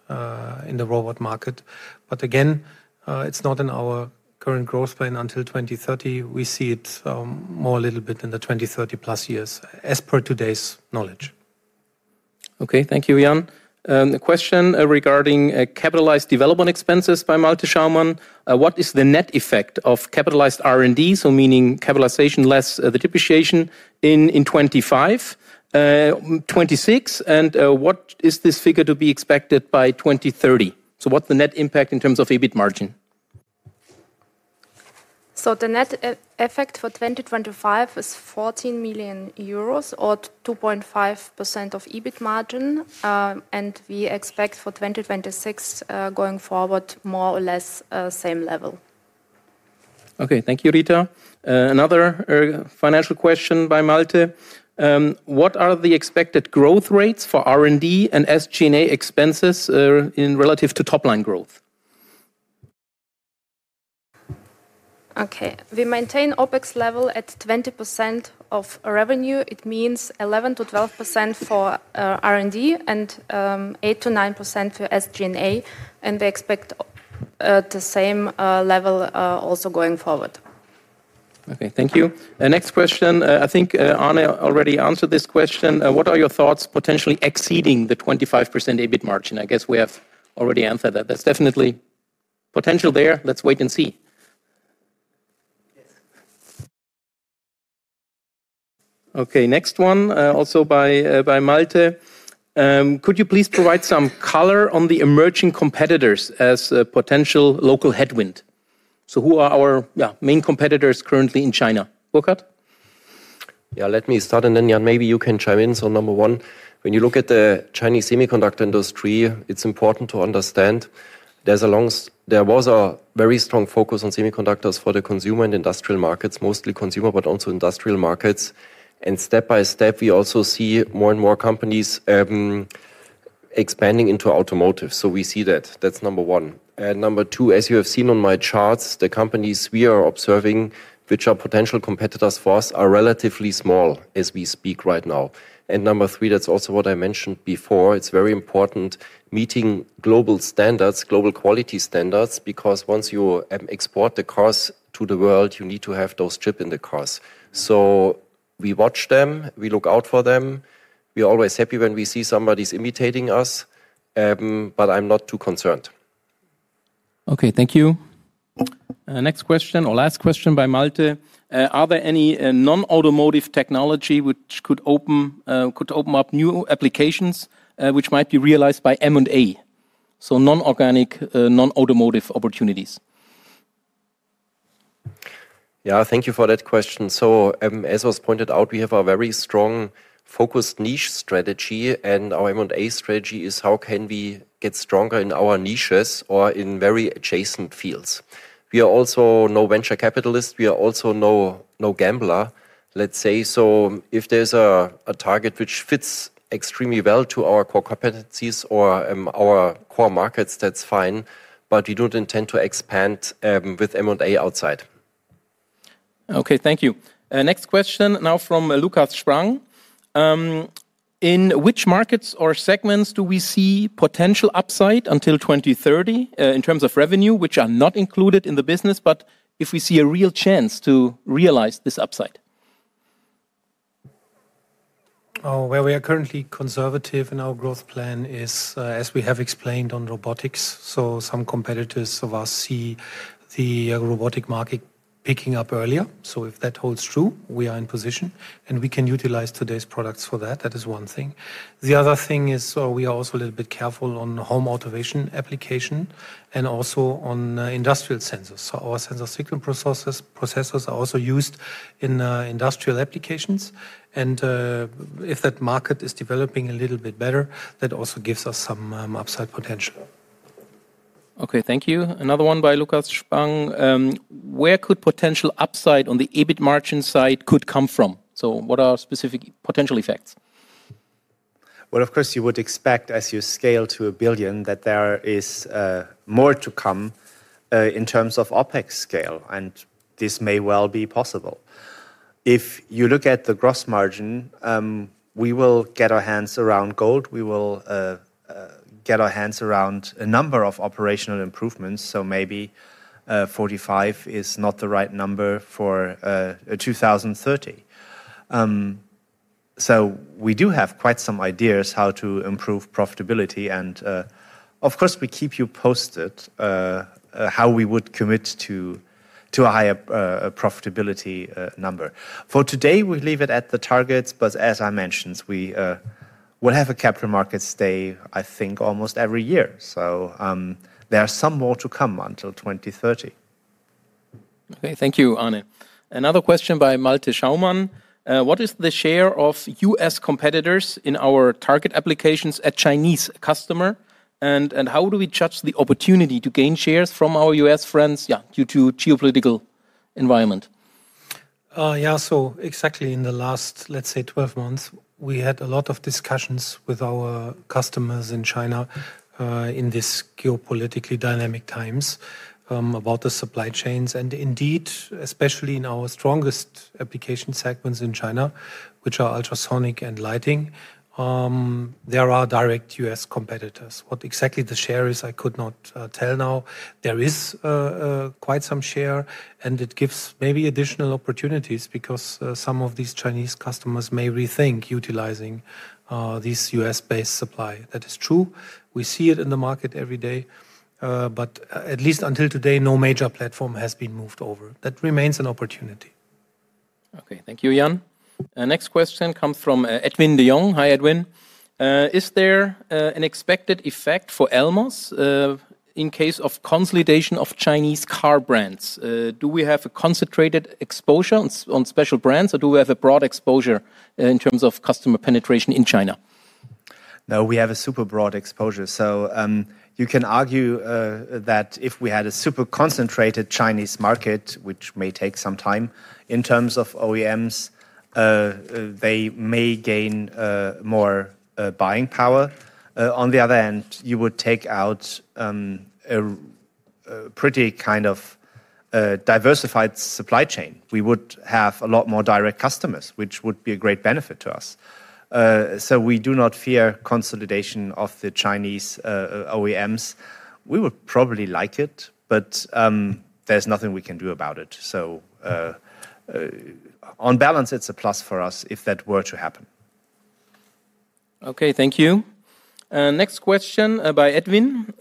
in the robot market, but again, it's not in our current growth plan until 2030, we see it, more a little bit in the 2030+ years as per today's knowledge. Okay, thank you, Jan. A question regarding capitalized development expenses by Malte Schaumann. What is the net effect of capitalized R&D, so meaning capitalization less the depreciation in 25, 26, and what is this figure to be expected by 2030? What the net impact in terms of EBIT margin? The net e-effect for 2025 is 14 million euros or 2.5% of EBIT margin. We expect for 2026, going forward, more or less, same level. Okay, thank you, Rita. Another financial question by Malte. What are the expected growth rates for R&D and SG&A expenses, in relative to top-line growth? Okay. We maintain OpEx level at 20% of revenue. It means 11%-12% for R&D and 8%-9% for SG&A. We expect the same level also going forward. Okay, thank you. The next question, I think, Arne already answered this question. What are your thoughts potentially exceeding the 25% EBIT margin? I guess we have already answered that. There's definitely potential there. Let's wait and see. Yes. Okay, next one, also by Malte. Could you please provide some color on the emerging competitors as a potential local headwind? Who are our, yeah, main competitors currently in China? Burkhard? Let me start, Jan, maybe you can chime in. Number one, when you look at the Chinese semiconductor industry, it's important to understand there was a very strong focus on semiconductors for the consumer and industrial markets, mostly consumer, but also industrial markets. Step by step, we also see more and more companies expanding into automotive. We see that. That's number one. Number two, as you have seen on my charts, the companies we are observing, which are potential competitors for us, are relatively small as we speak right now. Number three, that's also what I mentioned before, it's very important meeting global standards, global quality standards, because once you export the cars to the world, you need to have those chip in the cars. We watch them, we look out for them. We are always happy when we see somebody's imitating us. I'm not too concerned. Okay, thank you. next question or last question by Malte: are there any non-automotive technology which could open up new applications, which might be realized by M&A? Non-organic, non-automotive opportunities. Thank you for that question. As was pointed out, we have a very strong, focused niche strategy, and our M&A strategy is how can we get stronger in our niches or in very adjacent fields. We are also no venture capitalist. We are also no gambler, let's say. If there's a target which fits extremely well to our core competencies or our core markets, that's fine, but we don't intend to expand with M&A outside. Okay, thank you. Next question now from Lucas Sprung. In which markets or segments do we see potential upside until 2030 in terms of revenue, which are not included in the business, but if we see a real chance to realize this upside? Where we are currently conservative in our growth plan is, as we have explained on robotics. Some competitors of us see the robotic market picking up earlier. If that holds true, we are in position, and we can utilize today's products for that. That is one thing. The other thing is, we are also a little bit careful on home automation application and also on industrial sensors. Our sensor signal processes, processors are also used in industrial applications, and if that market is developing a little bit better, that also gives us some upside potential. Okay, thank you. Another one by Lucas Sprung. Where could potential upside on the EBIT margin side could come from? What are specific potential effects? Of course, you would expect as you scale to a billion, that there is more to come in terms of OpEx scale, and this may well be possible. If you look at the gross margin, we will get our hands around gold. We will get our hands around a number of operational improvements, so maybe 45 is not the right number for 2030. We do have quite some ideas how to improve profitability and, of course, we keep you posted how we would commit to a higher profitability number. For today, we leave it at the targets, but as I mentioned, we will have a capital market stay, I think, almost every year. There are some more to come until 2030. Okay. Thank you, Arne. Another question by Malte Schaumann. What is the share of U.S. competitors in our target applications at Chinese customer? How do we judge the opportunity to gain shares from our U.S. friends, yeah, due to geopolitical environment? Yeah, exactly in the last, let's say, 12 months, we had a lot of discussions with our customers in China, in this geopolitically dynamic times, about the supply chains. Indeed, especially in our strongest application segments in China, which are ultrasonic and lighting, there are direct U.S. competitors. What exactly the share is, I could not tell now. There is quite some share, and it gives maybe additional opportunities because some of these Chinese customers may rethink utilizing this U.S.-based supply. That is true. We see it in the market every day, but at least until today, no major platform has been moved over. That remains an opportunity. Okay. Thank you, Jan. Next question comes from Edwin de Young. Hi, Edwin. Is there an expected effect for Elmos in case of consolidation of Chinese car brands? Do we have a concentrated exposure on special brands, or do we have a broad exposure in terms of customer penetration in China? No, we have a super broad exposure. You can argue that if we had a super concentrated Chinese market, which may take some time in terms of OEMs, they may gain more buying power. On the other hand, you would take out a pretty kind of diversified supply chain. We would have a lot more direct customers, which would be a great benefit to us. So we do not fear consolidation of the Chinese OEMs. We would probably like it, but there's nothing we can do about it. On balance, it's a plus for us if that were to happen. Okay, thank you. Next question, by Edwin.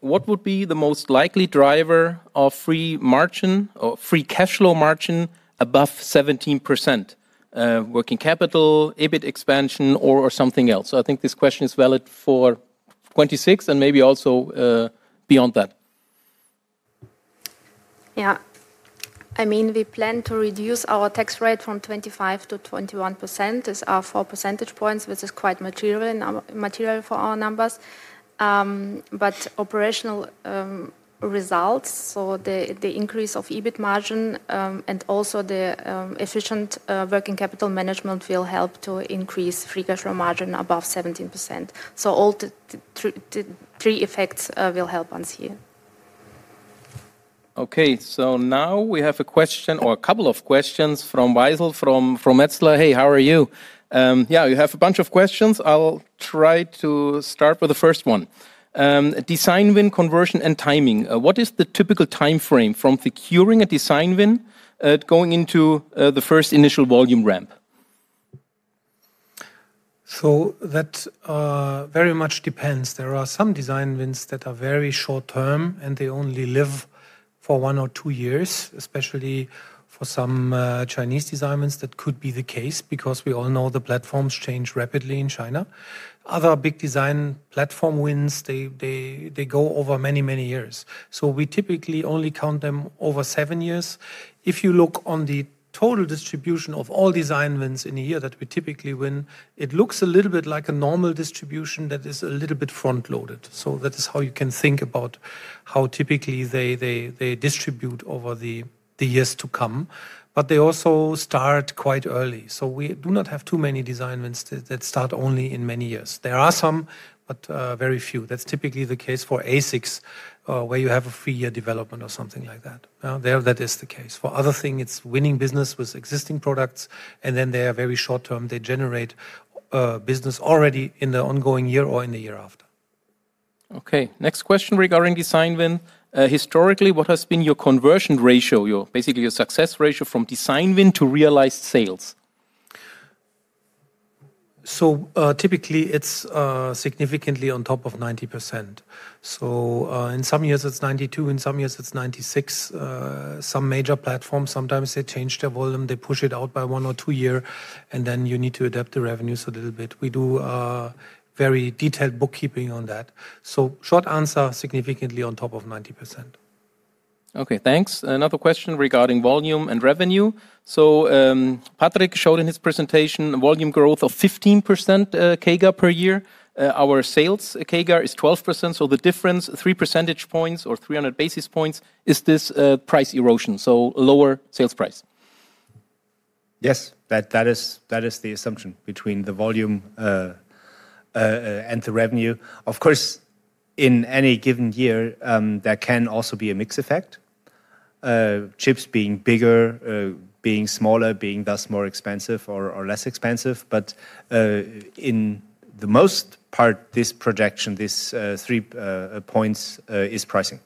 What would be the most likely driver of free margin or free cash flow margin above 17%? Working capital, EBIT expansion, or something else? I think this question is valid for 2026 and maybe also, beyond that. Yeah. I mean, we plan to reduce our tax rate from 25% to 21%. These are four percentage points, which is quite material for our numbers. Operational results, so the increase of EBIT margin, and also the efficient working capital management will help to increase free cash flow margin above 17%. All the three effects will help us here. Now we have a question or a couple of questions from Veysel Taze, from Metzler. Hey, how are you? Yeah, you have a bunch of questions. I'll try to start with the first one. Design win, conversion, and timing. What is the typical timeframe from securing a design win, going into the first initial volume ramp? That very much depends. There are some design wins that are very short term, and they only live for one or two years, especially for some Chinese design wins, that could be the case, because we all know the platforms change rapidly in China. Other big design platform wins, they go over many, many years. We typically only count them over seven years. If you look on the total distribution of all design wins in a year, that we typically win, it looks a little bit like a normal distribution that is a little bit front-loaded. That is how you can think about how typically they distribute over the years to come. They also start quite early, we do not have too many design wins that start only in many years. There are some, but very few. That's typically the case for ASICs, where you have a 3-year development or something like that. There, that is the case. For other thing, it's winning business with existing products. They are very short term. They generate business already in the ongoing year or in the year after. Okay, next question regarding design win. Historically, what has been your conversion ratio, basically your success ratio from design win to realized sales? Typically, it's significantly on top of 90%. In some years, it's 92, in some years, it's 96. Some major platforms, sometimes they change their volume, they push it out by one or two year, and then you need to adapt the revenues a little bit. We do very detailed bookkeeping on that. Short answer, significantly on top of 90%. Okay, thanks. Another question regarding volume and revenue. Patrick showed in his presentation a volume growth of 15% CAGR per year. Our sales CAGR is 12%, so the difference, three percentage points or 300 basis points, is this price erosion, so lower sales price? Yes, that is the assumption between the volume and the revenue. Of course, in any given year, there can also be a mix effect. Chips being bigger, being smaller, being thus more expensive or less expensive. In the most part, this projection, this three points is pricing.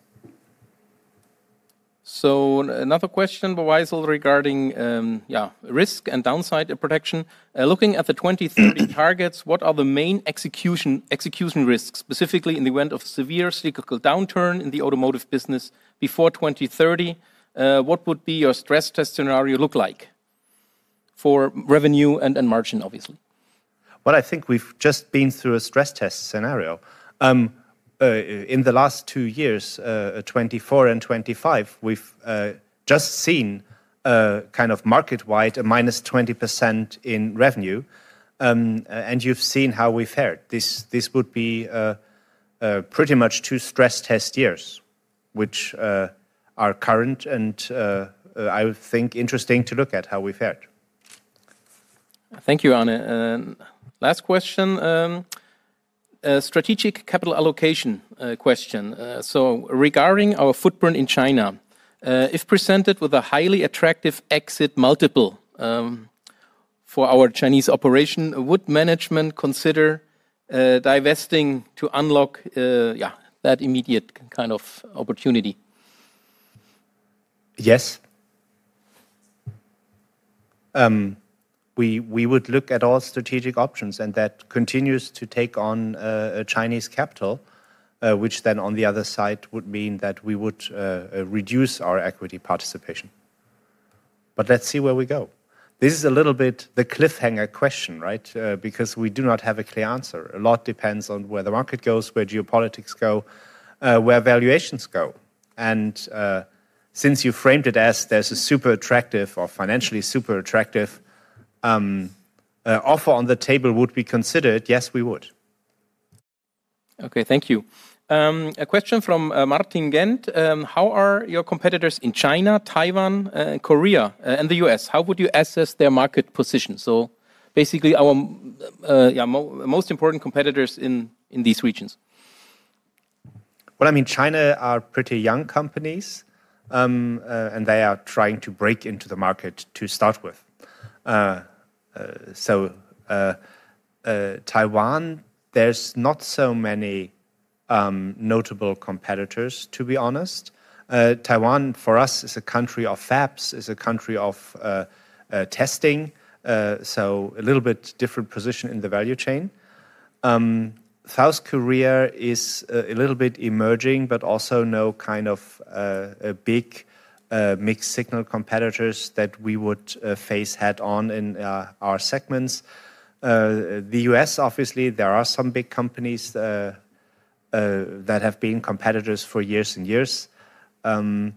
Another question, Veysel, regarding risk and downside protection. Looking at the 2030 targets, what are the main execution risks, specifically in the event of severe cyclical downturn in the automotive business before 2030? What would be your stress test scenario look like for revenue and margin, obviously? I think we've just been through a stress test scenario. In the last two years, 2024 and 2025, we've just seen a kind of market-wide, a -20% in revenue, and you've seen how we've fared. This would be pretty much two stress test years, which are current and I think interesting to look at how we've fared. Thank you, Arne. Last question, strategic capital allocation question. Regarding our footprint in China, if presented with a highly attractive exit multiple for our Chinese operation, would management consider divesting to unlock, yeah, that immediate kind of opportunity? Yes. We would look at all strategic options. That continues to take on a Chinese capital, which then, on the other side, would mean that we would reduce our equity participation. Let's see where we go. This is a little bit the cliffhanger question, right? because we do not have a clear answer. A lot depends on where the market goes, where geopolitics go, where valuations go. Since you framed it as there's a super attractive or financially super attractive offer on the table, would we consider it? Yes, we would. Okay. Thank you. A question from Martin Gent. How are your competitors in China, Taiwan, Korea, and the US? How would you assess their market position? Basically, our most important competitors in these regions. Well, I mean, China are pretty young companies. They are trying to break into the market to start with. Taiwan, there's not so many notable competitors, to be honest. Taiwan, for us, is a country of fabs, is a country of testing. A little bit different position in the value chain. South Korea is a little bit emerging, also no kind of a big mixed signal competitors that we would face head-on in our segments. The U.S., obviously, there are some big companies that have been competitors for years and years. I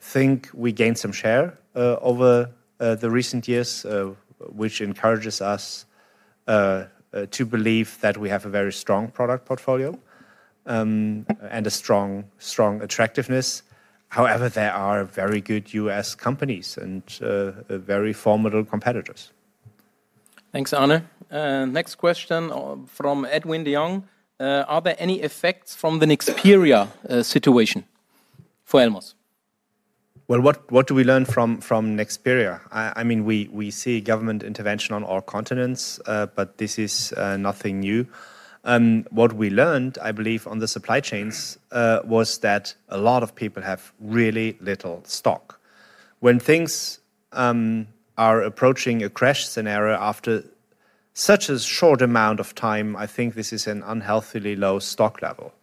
think we gained some share over the recent years, which encourages us to believe that we have a very strong product portfolio, and a strong attractiveness. However, there are very good U.S. companies and very formidable competitors. Thanks, Arne. Next question from Edwin de Jong. Are there any effects from the Nexperia situation for Elmos? Well, what do we learn from Nexperia? I mean, we see government intervention on all continents, this is nothing new. What we learned, I believe, on the supply chains, was that a lot of people have really little stock. When things are approaching a crash scenario after such a short amount of time, I think this is an unhealthily low stock level.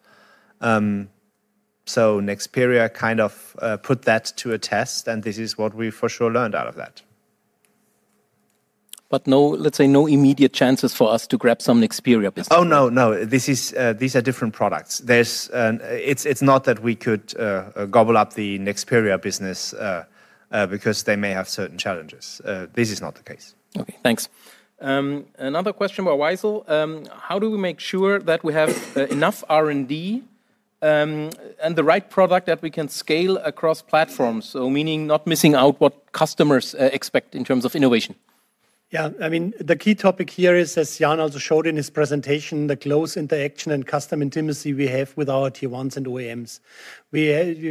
Nexperia kind of put that to a test, and this is what we for sure learned out of that. No, let's say, no immediate chances for us to grab some Nexperia business? Oh, no. This is, these are different products. It's not that we could gobble up the Nexperia business, because they may have certain challenges. This is not the case. Okay, thanks. Another question by Veysel. How do we make sure that we have enough R&D and the right product that we can scale across platforms? Meaning not missing out what customers expect in terms of innovation. Yeah. I mean, the key topic here is, as Jan also showed in his presentation, the close interaction and customer intimacy we have with our tier ones and OEMs. We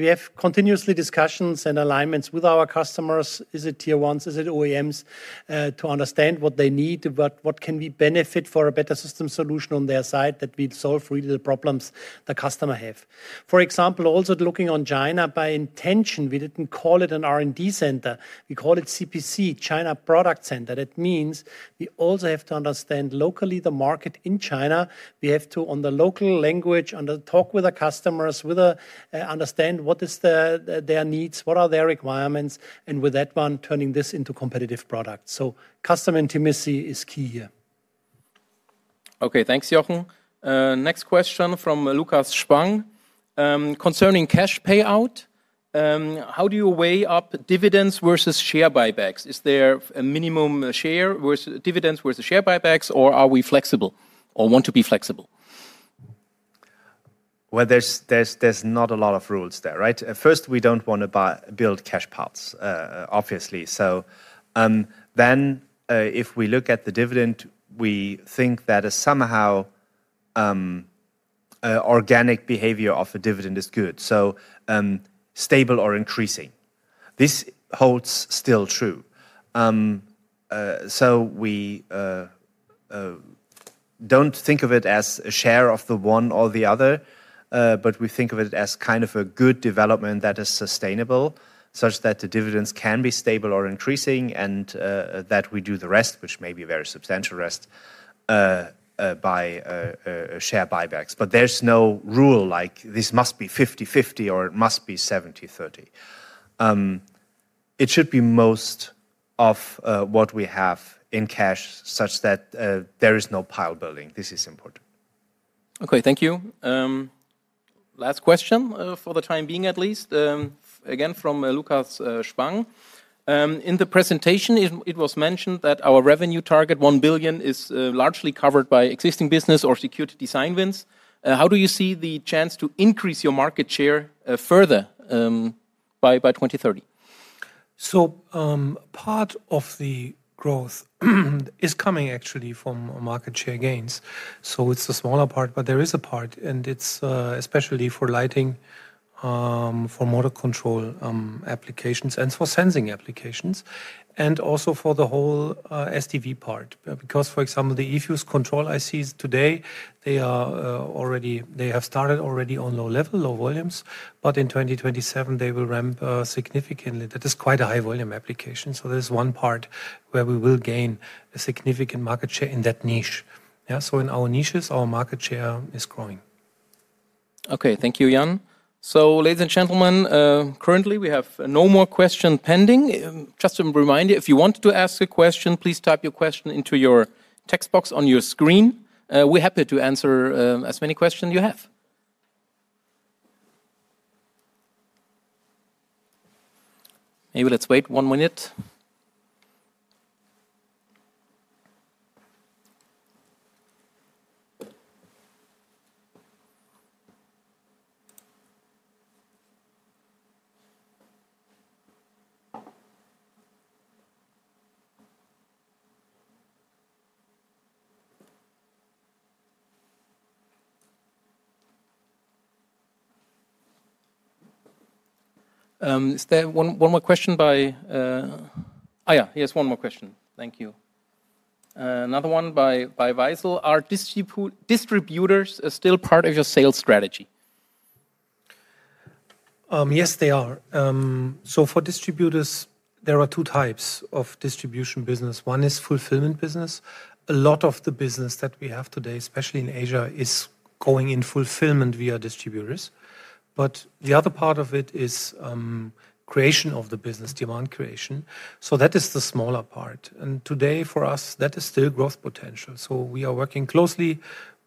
have continuously discussions and alignments with our customers, is it tier ones, is it OEMs, to understand what they need, but what can we benefit for a better system solution on their side that will solve really the problems the customer have. For example, also looking on China, by intention, we didn't call it an R&D center, we called it CPC, China Product Center. That means we also have to understand locally the market in China. We have to, on the local language, on the talk with the customers, understand what is their needs, what are their requirements, and with that one, turning this into competitive products. Customer intimacy is key here. Okay. Thanks, Jochen. Next question from Lukas Spang. Concerning cash payout, how do you weigh up dividends versus share buybacks? Is there a minimum share worth dividends worth the share buybacks, or are we flexible or want to be flexible? Well, there's not a lot of rules there, right? First, we don't want to build cash pots, obviously. Then, if we look at the dividend, we think that somehow organic behavior of a dividend is good, stable or increasing. This holds still true. So we don't think of it as a share of the one or the other, but we think of it as kind of a good development that is sustainable, such that the dividends can be stable or increasing and that we do the rest, which may be a very substantial rest, by share buybacks. There's no rule like this must be 50/50, or it must be 70/30. It should be most of what we have in cash, such that there is no pile building. This is important. Okay, thank you. Last question, for the time being, at least, again, from Lukas Sprung. In the presentation, it was mentioned that our revenue target, 1 billion, is largely covered by existing business or secured design wins. How do you see the chance to increase your market share further by 2030? Part of the growth is coming actually from market share gains. It's the smaller part, but there is a part, and it's especially for lighting, for motor control, applications, and for sensing applications, and also for the whole STV part. Because, for example, the eFuse control ICs today, they have started already on low level, low volumes, but in 2027 they will ramp significantly. That is quite a high volume application. There's one part where we will gain a significant market share in that niche. Yeah, in our niches, our market share is growing. Okay. Thank you, Jan. Ladies and gentlemen, currently, we have no more question pending. Just to remind you, if you want to ask a question, please type your question into your text box on your screen. We're happy to answer as many questions you have. Maybe let's wait one minute. Is there one more question by... Oh, yeah, here's one more question. Thank you. Another one by Wiesel: Are distributors still part of your sales strategy? Yes, they are. For distributors, there are two types of distribution business. One is fulfillment business. A lot of the business that we have today, especially in Asia, is going in fulfillment via distributors. The other part of it is, creation of the business, demand creation. That is the smaller part, and today for us, that is still growth potential. We are working closely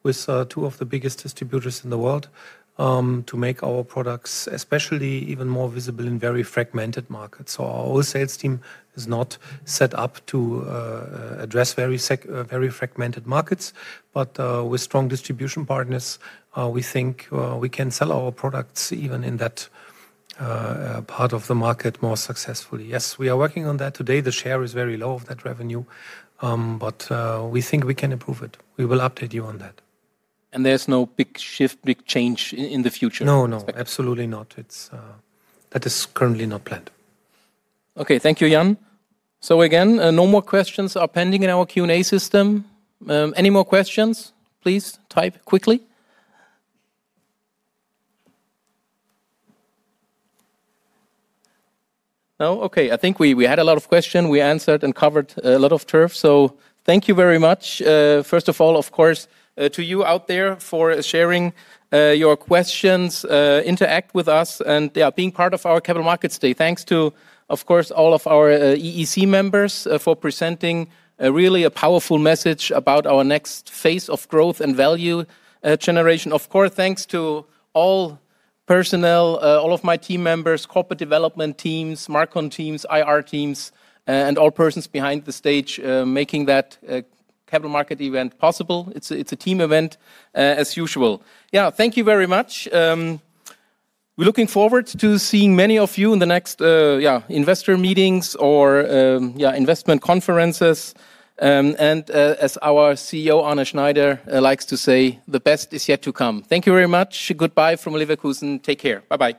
with two of the biggest distributors in the world to make our products especially even more visible in very fragmented markets. Our whole sales team is not set up to address very fragmented markets, but with strong distribution partners, we think we can sell our products even in that part of the market more successfully. Yes, we are working on that. Today, the share is very low of that revenue, but, we think we can improve it. We will update you on that. There's no big shift, big change in the future? No, no, absolutely not. It's... That is currently not planned. Thank you, Jan. Again, no more questions are pending in our Q&A system. Any more questions, please type quickly. No? Okay. I think we had a lot of question. We answered and covered a lot of turf, thank you very much. First of all, of course, to you out there for sharing your questions, interact with us, and, yeah, being part of our Capital Markets Day. Thanks to, of course, all of our EEC members for presenting a really a powerful message about our next phase of growth and value generation. Of course, thanks to all personnel, all of my team members, corporate development teams, marcom teams, IR teams, and all persons behind the stage making that capital market event possible. It's a team event as usual. Thank you very much. We're looking forward to seeing many of you in the next investor meetings or investment conferences. As our CEO, Arne Schneider, likes to say, "The best is yet to come." Thank you very much. Goodbye from Leverkusen. Take care. Bye-bye.